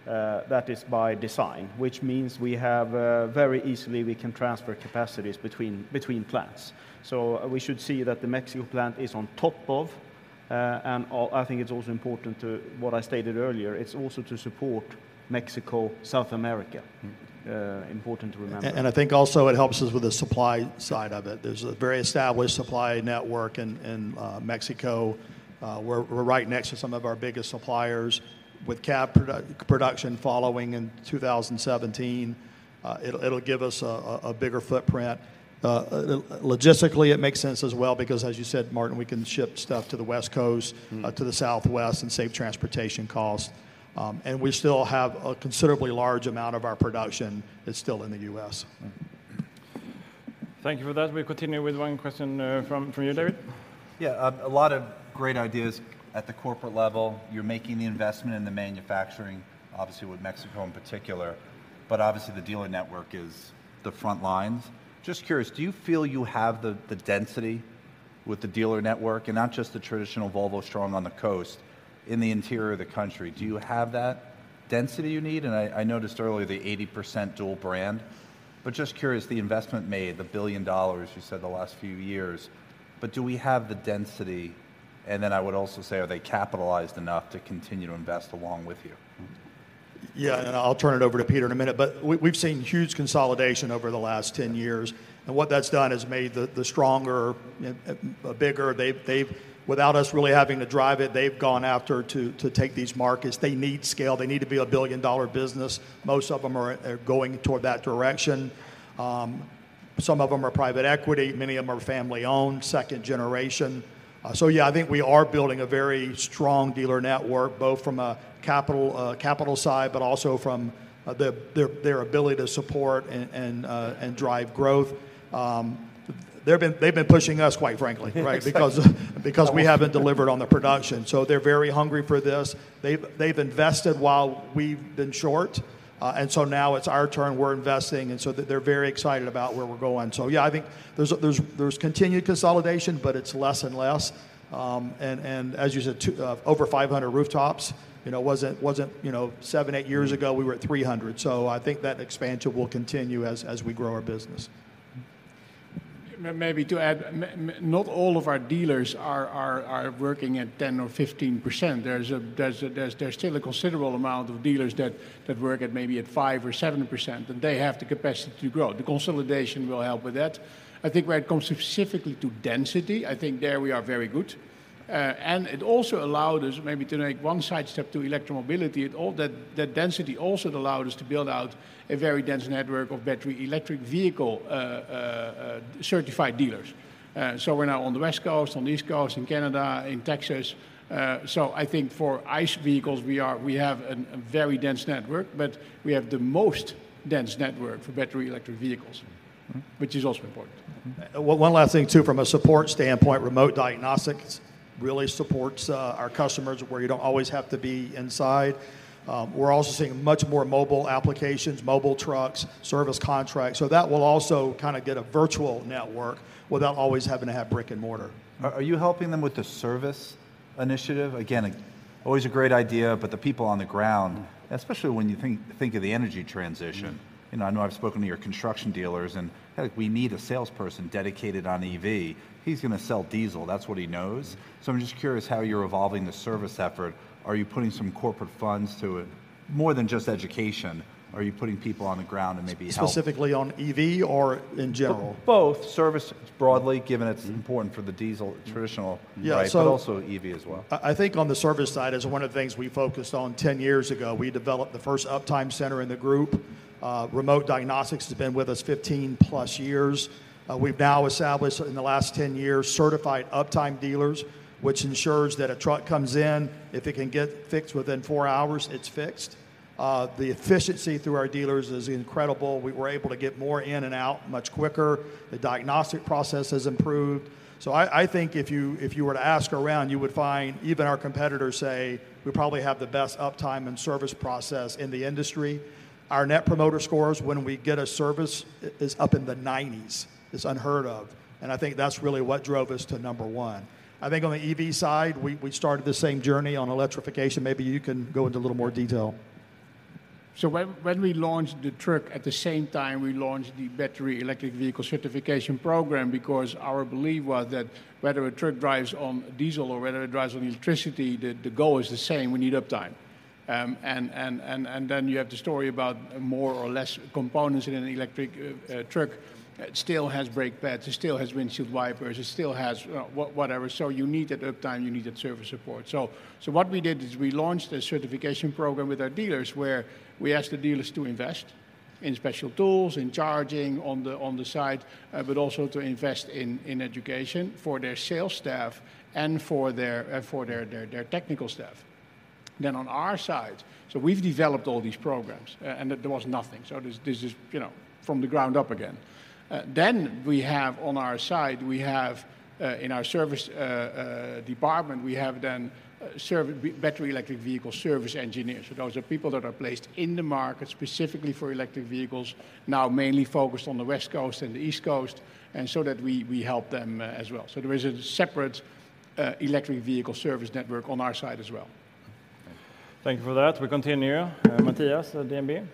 That is by design, which means we have very easily we can transfer capacities between plants. So we should see that the Mexico plant is on top of. And I think it's also important to what I stated earlier. It's also to support Mexico, South America. Important to remember. And I think also it helps us with the supply side of it. There's a very established supply network in Mexico. We're right next to some of our biggest suppliers with cab production following in 2017. It'll give us a bigger footprint. Logistically, it makes sense as well because, as you said, Martin, we can ship stuff to the West Coast, to the Southwest, and save transportation costs. And we still have a considerably large amount of our production that's still in the U.S. Thank you for that. We'll continue with one question from you, David. Yeah, a lot of great ideas at the corporate level. You're making the investment in the manufacturing, obviously with Mexico in particular. But obviously, the dealer network is the front lines. Just curious, do you feel you have the density with the dealer network and not just the traditional Volvo strong on the coast in the interior of the country? Do you have that density you need? And I noticed earlier the 80% dual brand. But just curious, the investment made, the $1 billion you said the last few years, but do we have the density? And then I would also say, are they capitalized enough to continue to invest along with you? Yeah, and I'll turn it over to Peter in a minute. But we've seen huge consolidation over the last 10 years. And what that's done is made them stronger, bigger. Without us really having to drive it, they've gone after to take these markets. They need scale. They need to be a billion-dollar business. Most of them are going toward that direction. Some of them are private equity. Many of them are family-owned, second generation. So yeah, I think we are building a very strong dealer network, both from a capital side, but also from their ability to support and drive growth. They've been pushing us, quite frankly, right, because we haven't delivered on the production. So they're very hungry for this. They've invested while we've been short. And so now it's our turn. We're investing. And so they're very excited about where we're going. So yeah, I think there's continued consolidation, but it's less and less. And as you said, over 500 rooftops. Seven, eight years ago, we were at 300. So I think that expansion will continue as we grow our business. Maybe to add, not all of our dealers are working at 10% or 15%. There's still a considerable amount of dealers that work at maybe at 5% or 7%, and they have the capacity to grow. The consolidation will help with that. I think when it comes specifically to density, I think there we are very good. And it also allowed us maybe to make one sidestep to electromobility. That density also allowed us to build out a very dense network of battery electric vehicle certified dealers. So we're now on the West Coast, on the East Coast, in Canada, in Texas. So I think for ICE vehicles, we have a very dense network, but we have the most dense network for battery electric vehicles. Which is also important. One last thing too, from a support standpoint, remote diagnostics really supports our customers where you don't always have to be inside. We're also seeing much more mobile applications, mobile trucks, service contracts. So that will also kind of get a virtual network without always having to have brick and mortar. Are you helping them with the service initiative? Again, always a great idea, but the people on the ground, especially when you think of the energy transition. I know I've spoken to your construction dealers, and we need a salesperson dedicated on EV. He's going to sell diesel. That's what he knows. So I'm just curious how you're evolving the service effort. Are you putting some corporate funds to more than just education? Are you putting people on the ground and maybe help? Specifically on EV or in general? Both. Service broadly, given it's important for the diesel traditional type, but also EV as well. I think on the service side is one of the things we focused on 10 years ago. We developed the first uptime center in the group. Remote Diagnostics has been with us 15-plus years. We've now established in the last 10 years certified uptime dealers, which ensures that a truck comes in, if it can get fixed within four hours, it's fixed. The efficiency through our dealers is incredible. We were able to get more in and out much quicker. The diagnostic process has improved. So I think if you were to ask around, you would find even our competitors say we probably have the best uptime and service process in the industry. Our net promoter scores when we get a service is up in the 90s. It's unheard of. And I think that's really what drove us to number one. I think on the EV side, we started the same journey on electrification. Maybe you can go into a little more detail. So when we launched the truck, at the same time, we launched the battery electric vehicle certification program because our belief was that whether a truck drives on diesel or whether it drives on electricity, the goal is the same. We need uptime. And then you have the story about more or less components in an electric truck. It still has brake pads. It still has windshield wipers. It still has whatever. So you need that uptime. You need that service support. So what we did is we launched a certification program with our dealers where we asked the dealers to invest in special tools, in charging on the side, but also to invest in education for their sales staff and for their technical staff. Then on our side, so we've developed all these programs, and there was nothing. So this is from the ground up again. Then we have on our side, in our service department, we have then battery electric vehicle service engineers. So those are people that are placed in the market specifically for electric vehicles, now mainly focused on the West Coast and the East Coast, and so that we help them as well. So there is a separate electric vehicle service network on our side as well. Thank you for that. We continue. Mattias, DNB.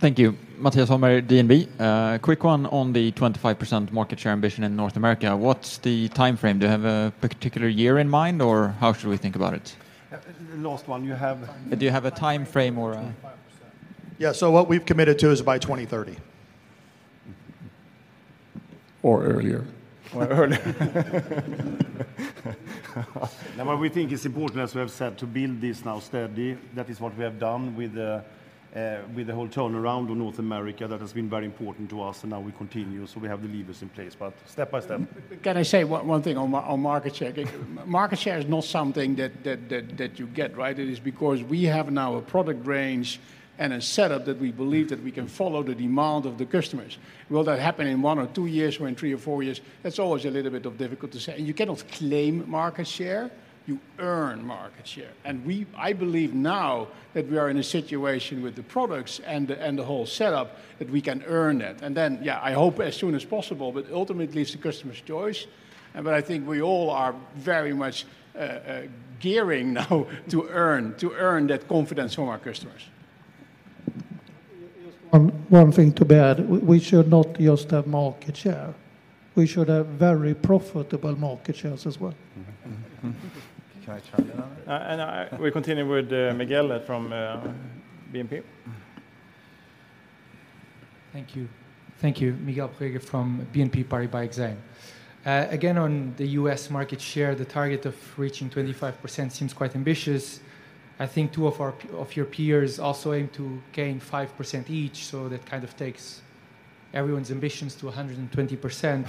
Thank you. Mattias Holmgren, DNB. Quick one on the 25% market share ambition in North America. What's the time frame? Do you have a particular year in mind, or how should we think about it? The last one. You have a time frame or? Yeah, so what we've committed to is by 2030. Or earlier. Or earlier. And what we think is important, as we have said, to build this now steady. That is what we have done with the whole turnaround on North America that has been very important to us, and now we continue. So we have the levers in place. But step by step. Can I say one thing on market share? Market share is not something that you get, right? It is because we have now a product range and a setup that we believe that we can follow the demand of the customers. Will that happen in one or two years or in three or four years? That's always a little bit difficult to say. You cannot claim market share. You earn market share. And I believe now that we are in a situation with the products and the whole setup that we can earn that. And then, yeah, I hope as soon as possible, but ultimately, it's the customer's choice. But I think we all are very much gearing now to earn that confidence from our customers. Just one thing to add. We should not just have market share. We should have very profitable market shares as well. Can I chime in on that? And we continue with Miguel from BNP. Thank you. Thank you, Miguel Borrega from BNP Paribas Exane. Again, on the U.S. market share, the target of reaching 25% seems quite ambitious. I think two of your peers also aim to gain 5% each, so that kind of takes everyone's ambitions to 120%.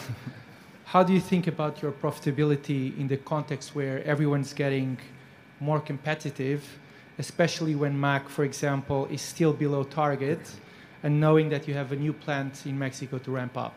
How do you think about your profitability in the context where everyone's getting more competitive, especially when Mack, for example, is still below target and knowing that you have a new plant in Mexico to ramp up?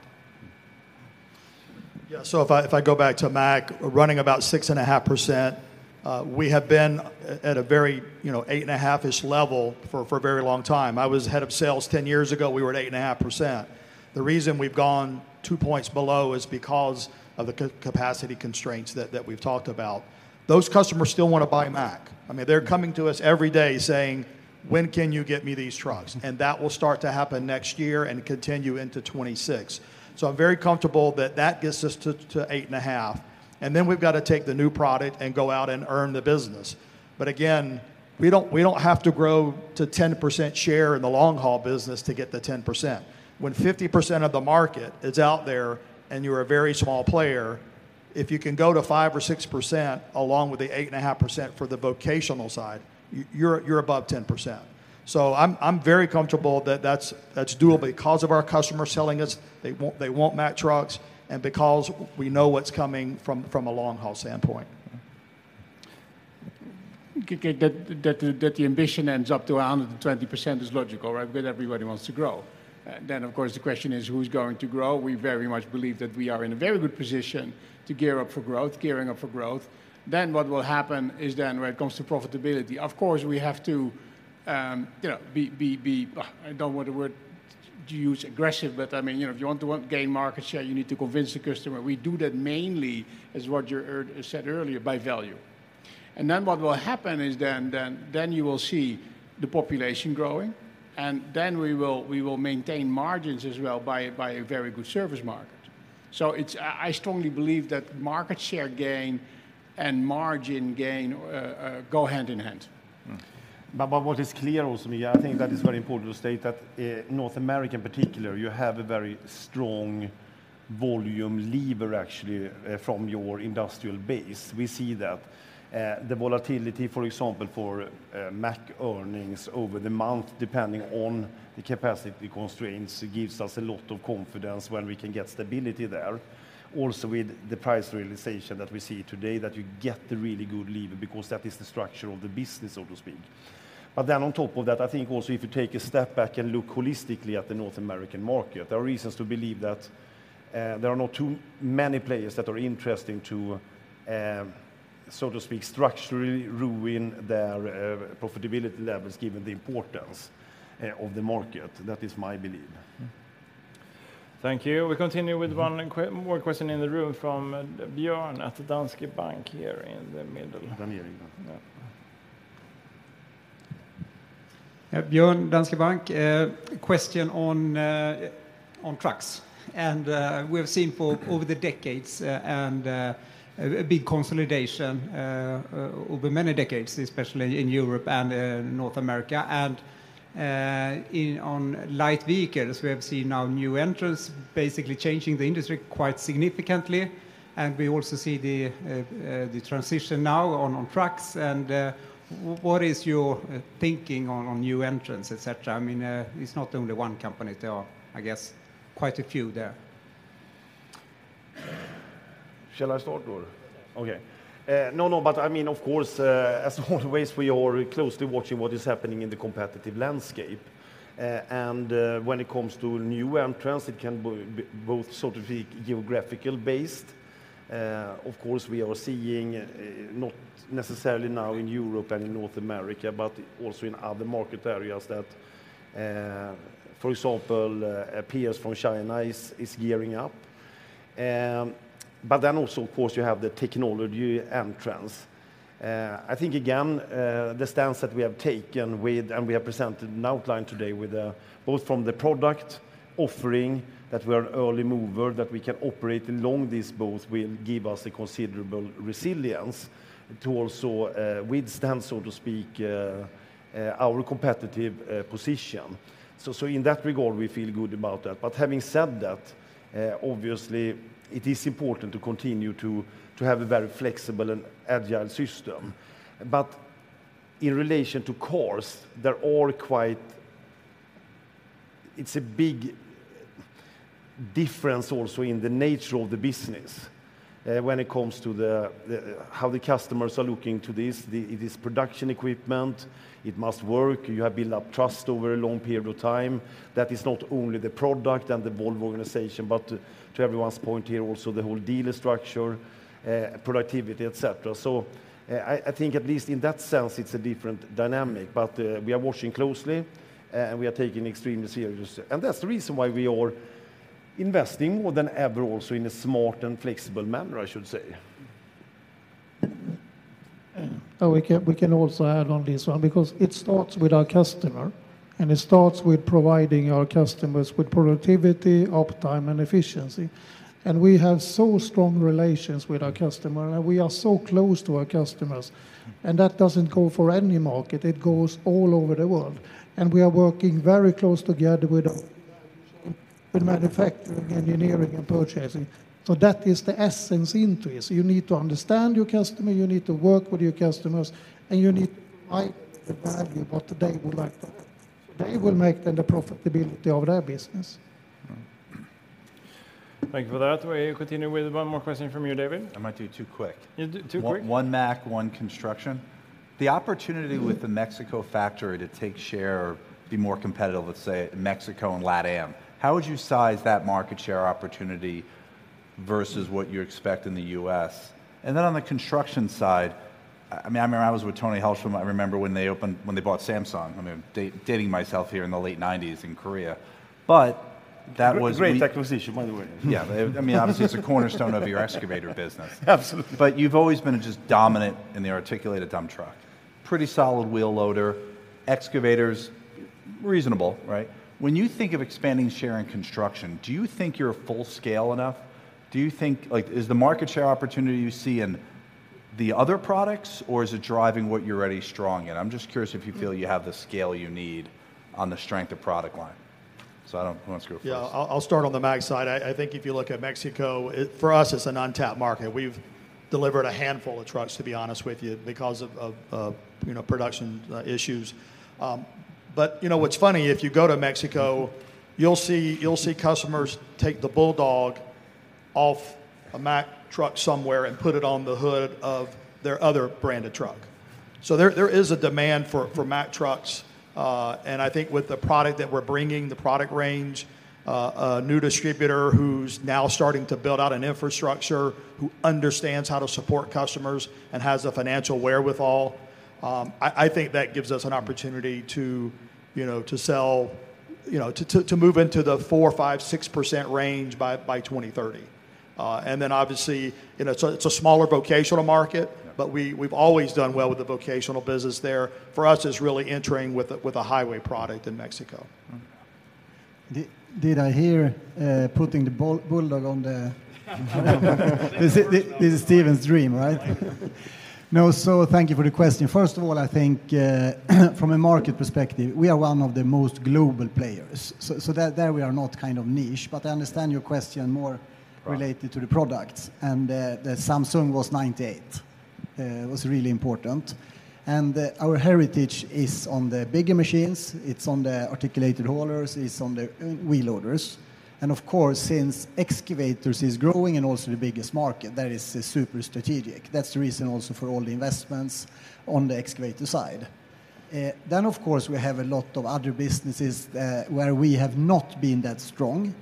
Yeah, so if I go back to Mack, we're running about 6.5%. We have been at a very 8.5-ish level for a very long time. I was head of sales 10 years ago. We were at 8.5%. The reason we've gone two points below is because of the capacity constraints that we've talked about. Those customers still want to buy Mack. I mean, they're coming to us every day saying, "When can you get me these trucks?" And that will start to happen next year and continue into 2026. I'm very comfortable that that gets us to 8.5. Then we've got to take the new product and go out and earn the business. Again, we don't have to grow to 10% share in the long-haul business to get the 10%. When 50% of the market is out there and you're a very small player, if you can go to 5 or 6% along with the 8.5% for the vocational side, you're above 10%. I'm very comfortable that that's doable because of our customers selling us. They want Mack trucks and because we know what's coming from a long-haul standpoint. That the ambition ends up to 120% is logical, right? Because everybody wants to grow. Then, of course, the question is, who's going to grow? We very much believe that we are in a very good position to gear up for growth, gearing up for growth. Then what will happen is then when it comes to profitability, of course, we have to be. I don't want the word to use aggressive, but I mean, if you want to gain market share, you need to convince the customer. We do that mainly, as Roger said earlier, by value. And then what will happen is then you will see the population growing, and then we will maintain margins as well by a very good service market. So I strongly believe that market share gain and margin gain go hand in hand. But what is clear also, Miguel, I think that is very important to state that North America in particular, you have a very strong volume lever actually from your industrial base. We see that. The volatility, for example, for Mack earnings over the month, depending on the capacity constraints, gives us a lot of confidence when we can get stability there. Also with the price realization that we see today that you get the really good leverage because that is the structure of the business, so to speak. But then on top of that, I think also if you take a step back and look holistically at the North American market, there are reasons to believe that there are not too many players that are interesting to, so to speak, structurally ruin their profitability levels given the importance of the market. That is my belief. Thank you. We continue with one more question in the room from Björn at Danske Bank here in the middle Björn, Danske Bank, question on trucks. And we have seen, for over the decades, and a big consolidation over many decades, especially in Europe and North America. And on light vehicles, we have seen now new entrants basically changing the industry quite significantly. And we also see the transition now on trucks. And what is your thinking on new entrants, etc.? I mean, it's not only one company. There are, I guess, quite a few there. Shall I start? Okay. No, no, but I mean, of course, as always, we are closely watching what is happening in the competitive landscape. And when it comes to new entrants, it can be both, so to speak, geographical based. Of course, we are seeing not necessarily now in Europe and in North America, but also in other market areas that, for example, peers from China is gearing up. But then also, of course, you have the technology entrants. I think, again, the stance that we have taken with, and we have presented an outline today with both from the product offering that we are an early mover that we can operate along these boats will give us a considerable resilience to also withstand, so to speak, our competitive position. So in that regard, we feel good about that. But having said that, obviously, it is important to continue to have a very flexible and agile system. But in relation to cars, there are quite, it's a big difference also in the nature of the business when it comes to how the customers are looking to this. It is production equipment. It must work. You have built up trust over a long period of time. That is not only the product and the Volvo organization, but to everyone's point here, also the whole dealer structure, productivity, etc. I think at least in that sense, it's a different dynamic. But we are watching closely, and we are taking it extremely seriously. And that's the reason why we are investing more than ever also in a smart and flexible manner, I should say. We can also add on this one because it starts with our customer, and it starts with providing our customers with productivity, uptime, and efficiency. And we have so strong relations with our customer, and we are so close to our customers. And that doesn't go for any market. It goes all over the world. And we are working very close together with manufacturing, engineering, and purchasing. So that is the essence into it. So you need to understand your customer. You need to work with your customers, and you need to provide the value what they would like to have. So they will make then the profitability of their business. Thank you for that. We continue with one more question from you, David. I might do two quick. One Mack, one construction. The opportunity with the Mexico factory to take share or be more competitive, let's say, in Mexico and LatAm, how would you size that market share opportunity versus what you expect in the U.S.? And then on the construction side, I mean, I remember I was with Tony Helshm. I remember when they opened, when they bought Samsung. I'm dating myself here in the late 1990s in Korea. But that was. A great acquisition, by the way. Yeah. I mean, obviously, it's a cornerstone of your excavator business. But you've always been just dominant in the articulated dump truck. Pretty solid wheel loader. Excavators, reasonable, right? When you think of expanding share in construction, do you think you're full scale enough? Do you think, is the market share opportunity you see in the other products, or is it driving what you're already strong in? I'm just curious if you feel you have the scale you need on the strength of product line. So I don't want to screw folks. Yeah, I'll start on the Mack side. I think if you look at Mexico, for us, it's an untapped market. We've delivered a handful of trucks, to be honest with you, because of production issues. But what's funny, if you go to Mexico, you'll see customers take the bulldog off a Mack truck somewhere and put it on the hood of their other branded truck. So there is a demand for Mack trucks. I think with the product that we're bringing, the product range, a new distributor who's now starting to build out an infrastructure who understands how to support customers and has a financial wherewithal, I think that gives us an opportunity to sell, to move into the 4%-6% range by 2030. Then, obviously, it is a smaller vocational market, but we've always done well with the vocational business there. For us, it is really entering with a highway product in Mexico. Did I hear putting the bulldog on the... This is Stephen's dream, right? No, so thank you for the question. First of all, I think from a market perspective, we are one of the most global players. So there we are not kind of niche, but I understand your question more related to the products. The Samsung was '98. It was really important. Our heritage is on the bigger machines. It's on the articulated haulers. It's on the wheel loaders. Of course, since excavators is growing and also the biggest market, that is super strategic. That's the reason also for all the investments on the excavator side. Of course, we have a lot of other businesses where we have not been that strong.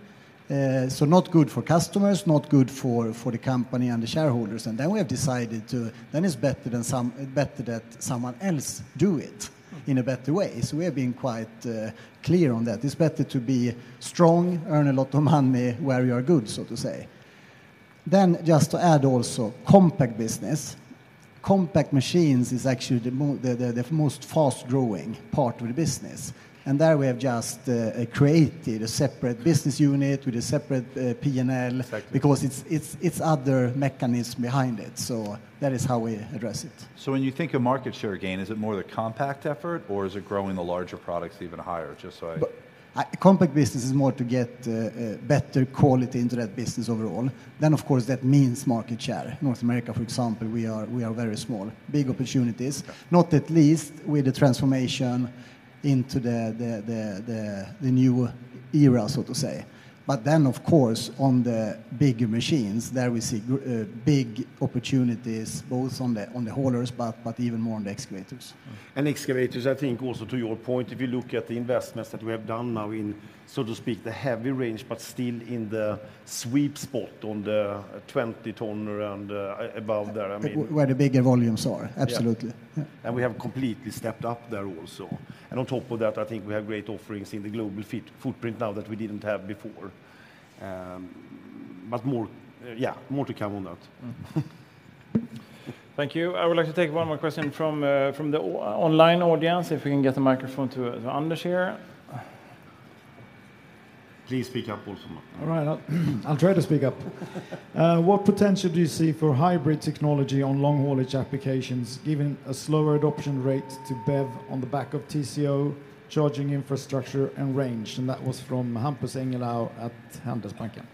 So not good for customers, not good for the company and the shareholders. Then we have decided to, then it's better than someone else do it in a better way. So we have been quite clear on that. It's better to be strong, earn a lot of money where you are good, so to say. Then just to add also compact business. Compact machines is actually the most fast-growing part of the business. There we have just created a separate business unit with a separate P&L because it's another mechanism behind it. So that is how we address it. When you think of market share gain, is it more the compact effort, or is it growing the larger products even higher, just so I... Compact business is more to get better quality into that business overall. Then, of course, that means market share. North America, for example, we are very small. Big opportunities, not least with the transformation into the new era, so to say. But then, of course, on the big machines, there we see big opportunities both on the haulers, but even more on the excavators. Excavators, I think also to your point, if you look at the investments that we have done now in, so to speak, the heavy range, but still in the sweet spot on the 20 tonnes and above there. Where the bigger volumes are, absolutely. And we have completely stepped up there also. And on top of that, I think we have great offerings in the global footprint now that we didn't have before. But more, yeah, more to come on that. Thank you. I would like to take one more question from the online audience. If we can get the microphone to Anders here. Please speak up also. I'll try to speak up. What potential do you see for hybrid technology on long-haul applications given a slower adoption rate to BEV on the back of TCO, charging infrastructure, and range? And that was from Hampus Engellau at Handelsbanken.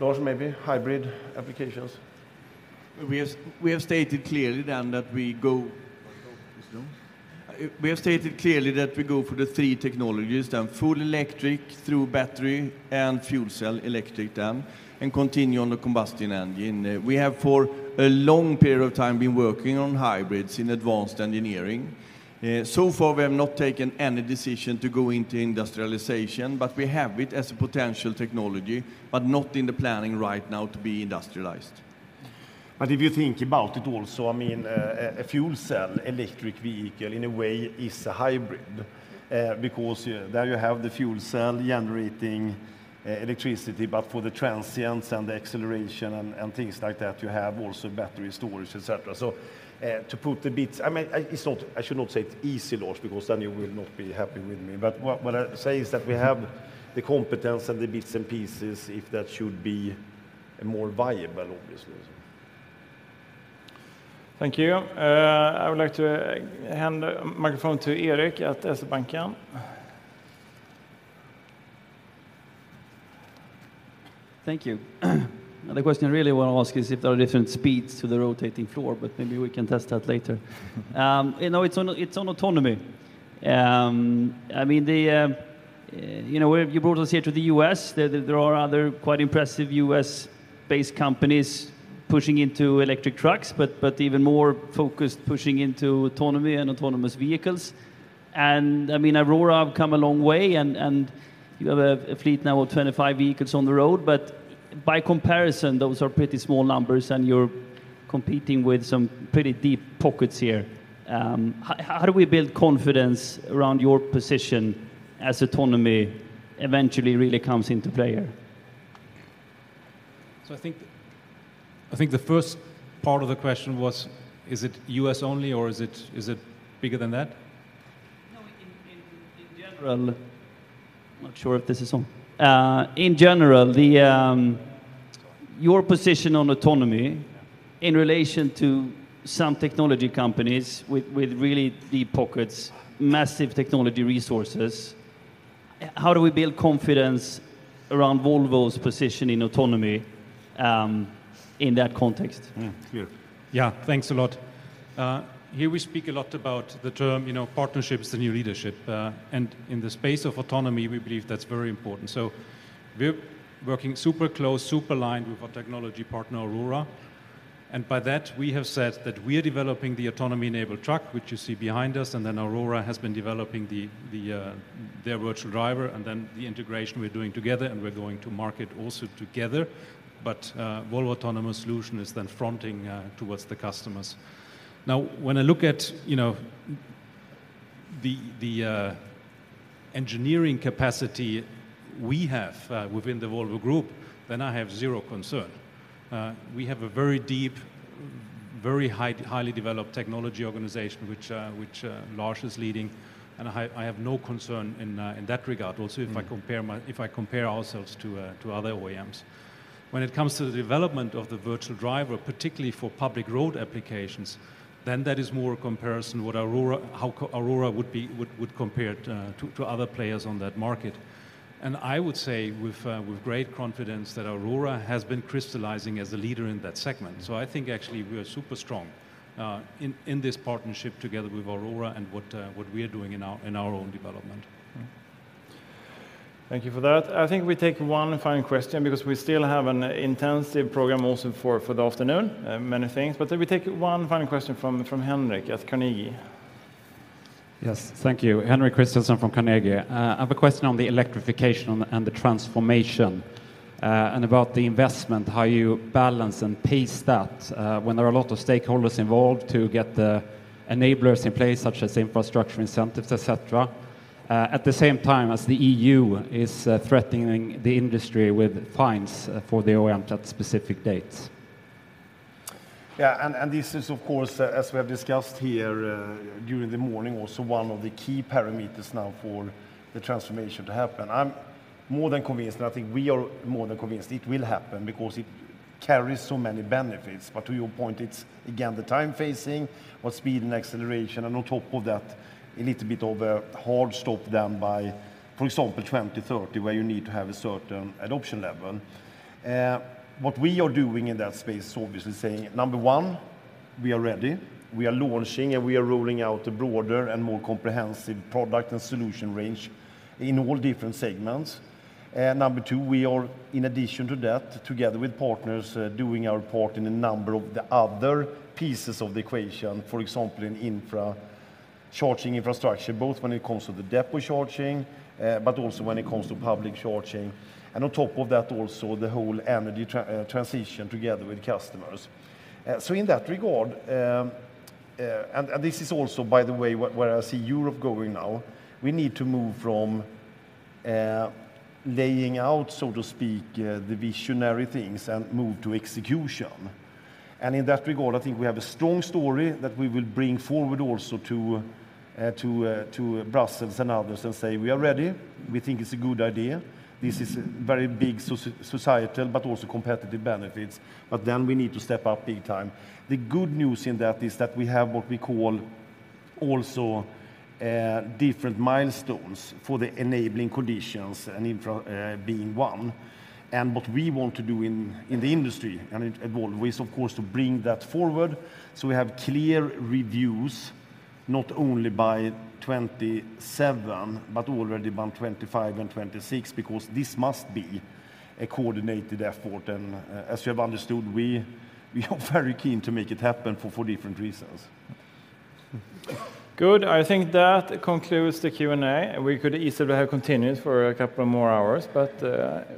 Lars, maybe hybrid applications. We have stated clearly that we go for the three technologies: full electric through battery, and fuel cell electric, and continuing on the combustion engine. We have for a long period of time been working on hybrids in advanced engineering. So far, we have not taken any decision to go into industrialization, but we have it as a potential technology, but not in the planning right now to be industrialized. But if you think about it also, I mean, a fuel cell electric vehicle in a way is a hybrid because there you have the fuel cell generating electricity, but for the transients and the acceleration and things like that, you have also battery storage, etc. So to put the bits, I mean, I should not say it's easy, Lars, because then you will not be happy with me. But what I say is that we have the competence and the bits and pieces if that should be more viable, obviously. Thank you. I would like to hand the microphone to Erik at SEB. Thank you. The question I really want to ask is if there are different speeds to the rotating floor, but maybe we can test that later. No, it's on autonomy. I mean, you brought us here to the U.S. There are other quite impressive U.S.-based companies pushing into electric trucks, but even more focused pushing into autonomy and autonomous vehicles. And I mean, Aurora have come a long way, and you have a fleet now of 25 vehicles on the road, but by comparison, those are pretty small numbers, and you're competing with some pretty deep pockets here. How do we build confidence around your position as autonomy eventually really comes into play here? So I think the first part of the question was, is it US only, or is it bigger than that? No, in general, I'm not sure if this is on. In general, your position on autonomy in relation to some technology companies with really deep pockets, massive technology resources, how do we build confidence around Volvo's position in autonomy in that context? Yeah, thanks a lot. Here we speak a lot about the term partnerships and new leadership. And in the space of autonomy, we believe that's very important. So we're working super close, super aligned with our technology partner, Aurora. And by that, we have said that we are developing the autonomy-enabled truck, which you see behind us, and then Aurora has been developing their virtual driver, and then the integration we're doing together, and we're going to market also together. But Volvo Autonomous Solutions is then fronting towards the customers. Now, when I look at the engineering capacity we have within the Volvo Group, then I have zero concern. We have a very deep, very highly developed technology organization, which Lars is leading, and I have no concern in that regard, also if I compare ourselves to other OEMs. When it comes to the development of the virtual driver, particularly for public road applications, then that is more a comparison of what Aurora would compare to other players on that market. I would say with great confidence that Aurora has been crystallizing as a leader in that segment. So I think actually we are super strong in this partnership together with Aurora and what we are doing in our own development. Thank you for that. I think we take one final question because we still have an intensive program also for the afternoon, many things. But we take one final question from Henrik at Carnegie. Yes, thank you. Henrik Kristersson from Carnegie. I have a question on the electrification and the transformation and about the investment, how you balance and pace that when there are a lot of stakeholders involved to get the enablers in place, such as infrastructure incentives, etc., at the same time as the EU is threatening the industry with fines for the OEMs at specific dates. Yeah, and this is, of course, as we have discussed here during the morning, also one of the key parameters now for the transformation to happen. I'm more than convinced, and I think we are more than convinced it will happen because it carries so many benefits. But to your point, it's again the time facing, what speed and acceleration, and on top of that, a little bit of a hard stop done by, for example, 2030, where you need to have a certain adoption level. What we are doing in that space is obviously saying, number one, we are ready. We are launching, and we are rolling out a broader and more comprehensive product and solution range in all different segments. Number two, we are, in addition to that, together with partners, doing our part in a number of the other pieces of the equation, for example, in infra charging infrastructure, both when it comes to the depot charging, but also when it comes to public charging, and on top of that, also the whole energy transition together with customers. So in that regard, and this is also, by the way, where I see Europe going now, we need to move from laying out, so to speak, the visionary things and move to execution, and in that regard, I think we have a strong story that we will bring forward also to Brussels and others and say we are ready. We think it's a good idea. This is very big societal, but also competitive benefits, but then we need to step up big time. The good news in that is that we have what we call also different milestones for the enabling conditions and infra being one. And what we want to do in the industry and at Volvo is, of course, to bring that forward. So we have clear reviews, not only by 2027, but already by 2025 and 2026, because this must be a coordinated effort. And as you have understood, we are very keen to make it happen for different reasons. Good. I think that concludes the Q&A. We could easily have continued for a couple more hours. But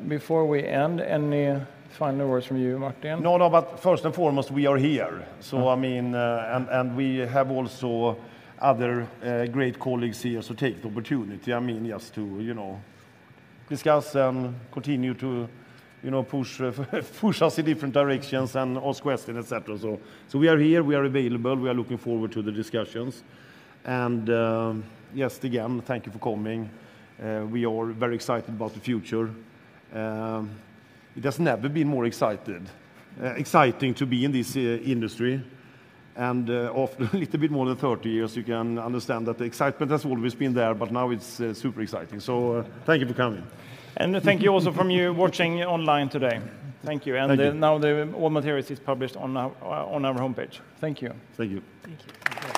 before we end, any final words from you, Martin? No, but first and foremost, we are here. And we have also other great colleagues here to take the opportunity. I mean, yes, to discuss and continue to push us in different directions and ask questions, etc. So we are here. We are available. We are looking forward to the discussions. And yes, again, thank you for coming. We are very excited about the future. It has never been more exciting to be in this industry. And after a little bit more than 30 years, you can understand that the excitement has always been there, but now it's super exciting. So thank you for coming. And thank you also for you watching online today. Thank you. And now the all materials are published on our homepage. Thank you. Thank you. Thank you.